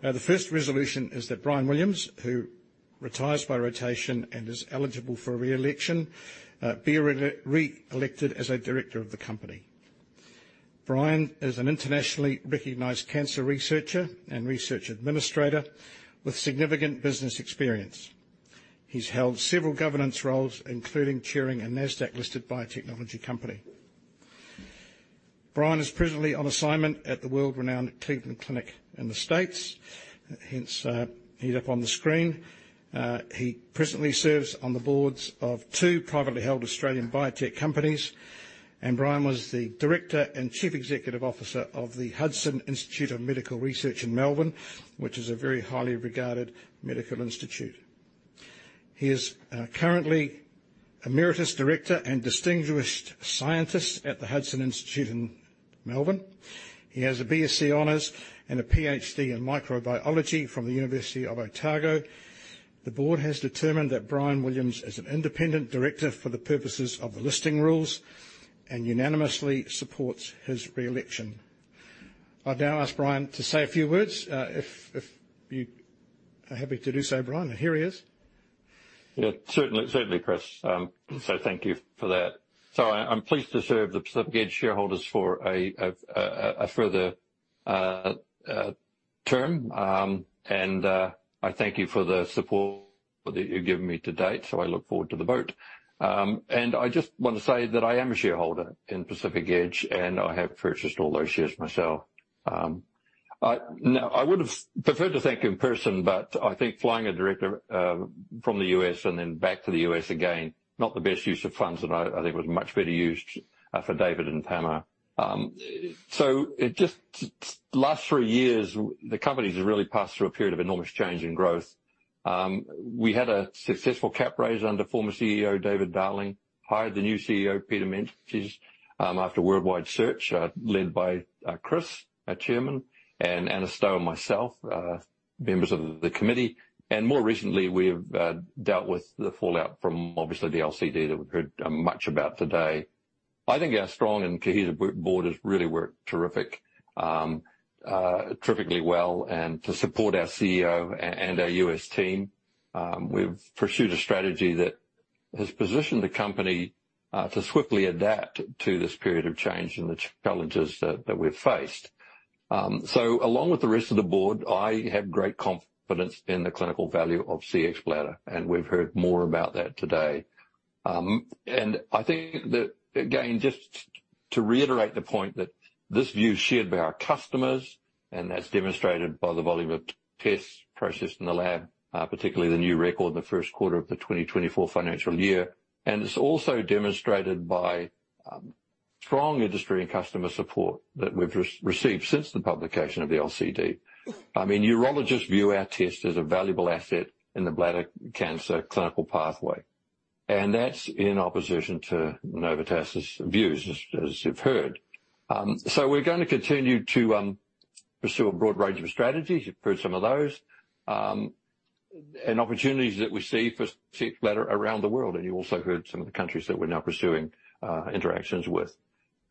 A: The first resolution is that Bryan Williams, who retires by rotation and is eligible for re-election, be re-elected as a Director of the company. Bryan is an internationally recognized cancer researcher and research administrator with significant business experience. He's held several governance roles, including chairing a Nasdaq-listed biotechnology company. Bryan is presently on assignment at the world-renowned Cleveland Clinic in the States, hence, he's up on the screen. He presently serves on the boards of two privately held Australian biotech companies, and Bryan was the Director and Chief Executive Officer of the Hudson Institute of Medical Research in Melbourne, which is a very highly regarded medical institute. He is currently Emeritus Director and distinguished scientist at the Hudson Institute in Melbourne. He has a BSc Honors and a PhD in microbiology from the University of Otago. The board has determined that Bryan Williams is an independent director for the purposes of the listing rules and unanimously supports his re-election. I'll now ask Bryan to say a few words. If you are happy to do so, Bryan. Here he is.
F: Yeah, certainly, Chris. Thank you for that. I'm pleased to serve the Pacific Edge shareholders for a further term. I thank you for the support that you've given me to date. I look forward to the vote. I just want to say that I am a shareholder in Pacific Edge, and I have purchased all those shares myself. Now, I would have preferred to thank you in person, but I think flying a director from the U.S. and then back to the U.S. again, not the best use of funds, and I think it was much better used for David and Tamer. Last three years, the company has really passed through a period of enormous change and growth. We had a successful cap raise under former CEO, David Darling. Hired the new CEO, Peter Meintjes, after a worldwide search, led by Chris, our Chairman, and Anna Stove and myself, members of the committee. More recently, we've dealt with the fallout from obviously the LCD that we've heard much about today. I think our strong and cohesive board has really worked terrific, terrifically well. To support our CEO and our U.S. team, we've pursued a strategy that has positioned the company to swiftly adapt to this period of change and the challenges that we've faced. Along with the rest of the board, I have great confidence in the clinical value of Cxbladder, and we've heard more about that today. I think that, again, just to reiterate the point, that this view is shared by our customers, and that's demonstrated by the volume of tests processed in the lab, particularly the new record in the Q1 of the 2024 financial year. It's also demonstrated by strong industry and customer support that we've re-received since the publication of the LCD. I mean, urologists view our test as a valuable asset in the bladder cancer clinical pathway, and that's in opposition to Novitas's views, as you've heard. We're gonna continue to pursue a broad range of strategies. You've heard some of those, and opportunities that we see for Cxbladder around the world, and you also heard some of the countries that we're now pursuing interactions with.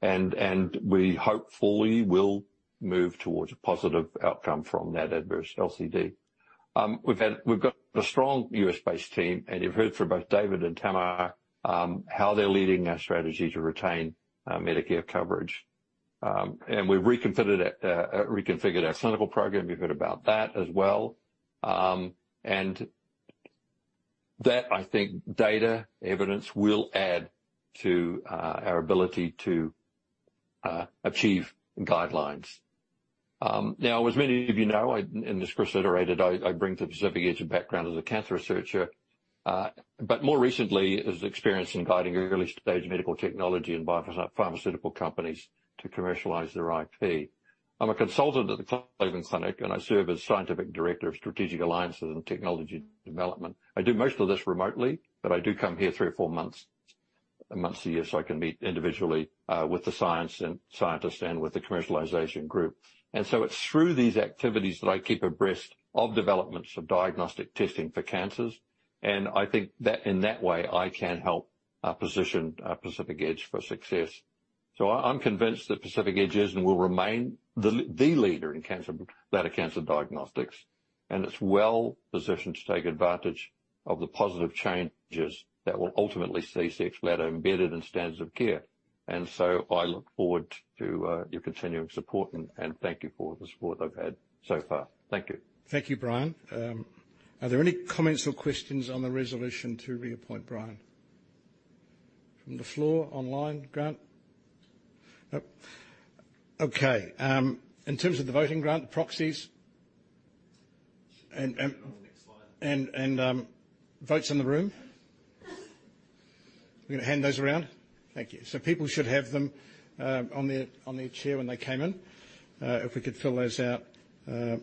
F: We hopefully will move towards a positive outcome from that adverse LCD. We've got a strong U.S.-based team, and you've heard from both David and Tamer, how they're leading our strategy to retain Medicare coverage. We've reconfigured it, reconfigured our clinical program. You've heard about that as well. That, I think, data evidence will add to our ability to achieve guidelines. Now, as many of you know, I, and as Chris iterated, I bring to Pacific Edge a background as a cancer researcher, but more recently, as experience in guiding early-stage medical technology and pharmaceutical companies to commercialize their IP. I'm a consultant at the Cleveland Clinic, and I serve as Scientific Director of Strategic Alliances and Technology Development. I do most of this remotely, but I do come here three or four months a year, so I can meet individually with the science and scientists and with the commercialization group. It's through these activities that I keep abreast of developments of diagnostic testing for cancers, and I think that in that way, I can help position Pacific Edge for success. I'm convinced that Pacific Edge is and will remain the leader in cancer, bladder cancer diagnostics, and it's well positioned to take advantage of the positive changes that will ultimately see Cxbladder embedded in standards of care. I look forward to your continuing support and thank you for the support I've had so far. Thank you.
A: Thank you, Brian. Are there any comments or questions on the resolution to reappoint Brian? From the floor, online, Grant?
E: Nope.
A: Okay, in terms of the voting, Grant, proxies?
E: On the next slide.
A: Votes in the room? We're gonna hand those around. Thank you. People should have them on their chair when they came in. If we could fill those out, that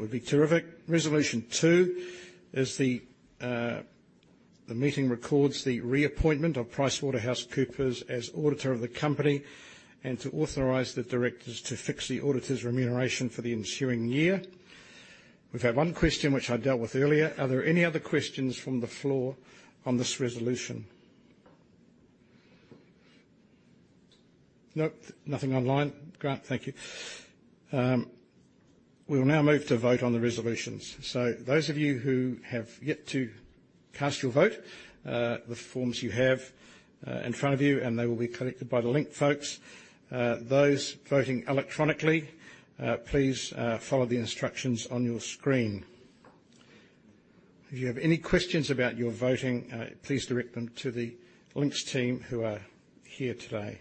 A: would be terrific. Resolution two is the meeting records the reappointment of PricewaterhouseCoopers as auditor of the company and to authorize the directors to fix the auditor's remuneration for the ensuing year. We've had one question, which I dealt with earlier. Are there any other questions from the floor on this resolution? Nope, nothing online. Grant, thank you. We will now move to vote on the resolutions. Those of you who have yet to cast your vote, the forms you have in front of you, and they will be collected by the Link folks. Those voting electronically, please follow the instructions on your screen. If you have any questions about your voting, please direct them to the Links team who are here today.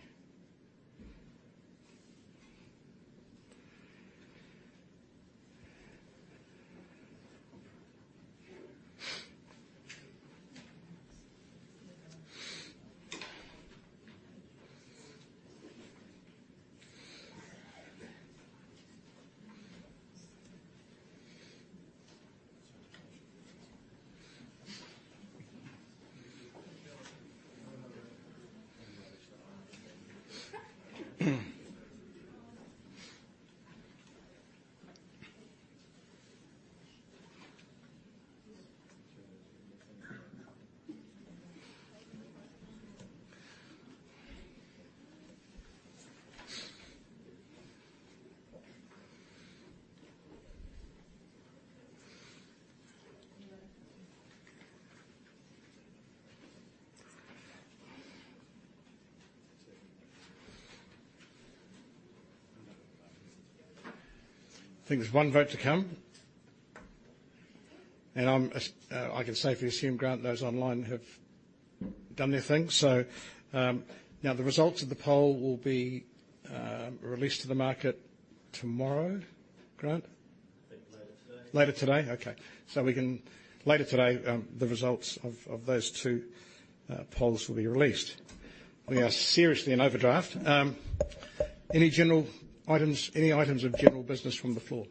A: I think there's one vote to come. I'm, I can safely assume, Grant, those online have done their thing. Now, the results of the poll will be released to the market tomorrow, Grant?
E: I think later today.
A: Later today? Okay. Later today, the results of those two polls will be released. We are seriously in overdraft. Any general items, any items of general business from the floor?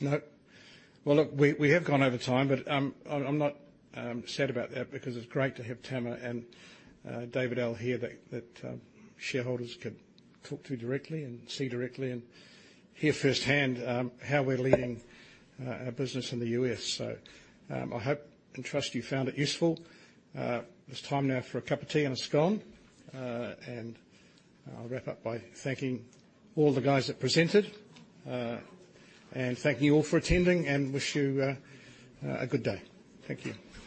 A: Nope. Well, look, we have gone over time, I'm not sad about that because it's great to have Tamer and David L. here that shareholders can talk to directly and see directly and hear firsthand how we're leading our business in the U.S. I hope and trust you found it useful. It's time now for a cup of tea and a scone. I'll wrap up by thanking all the guys that presented, and thank you all for attending, and wish you a good day. Thank you.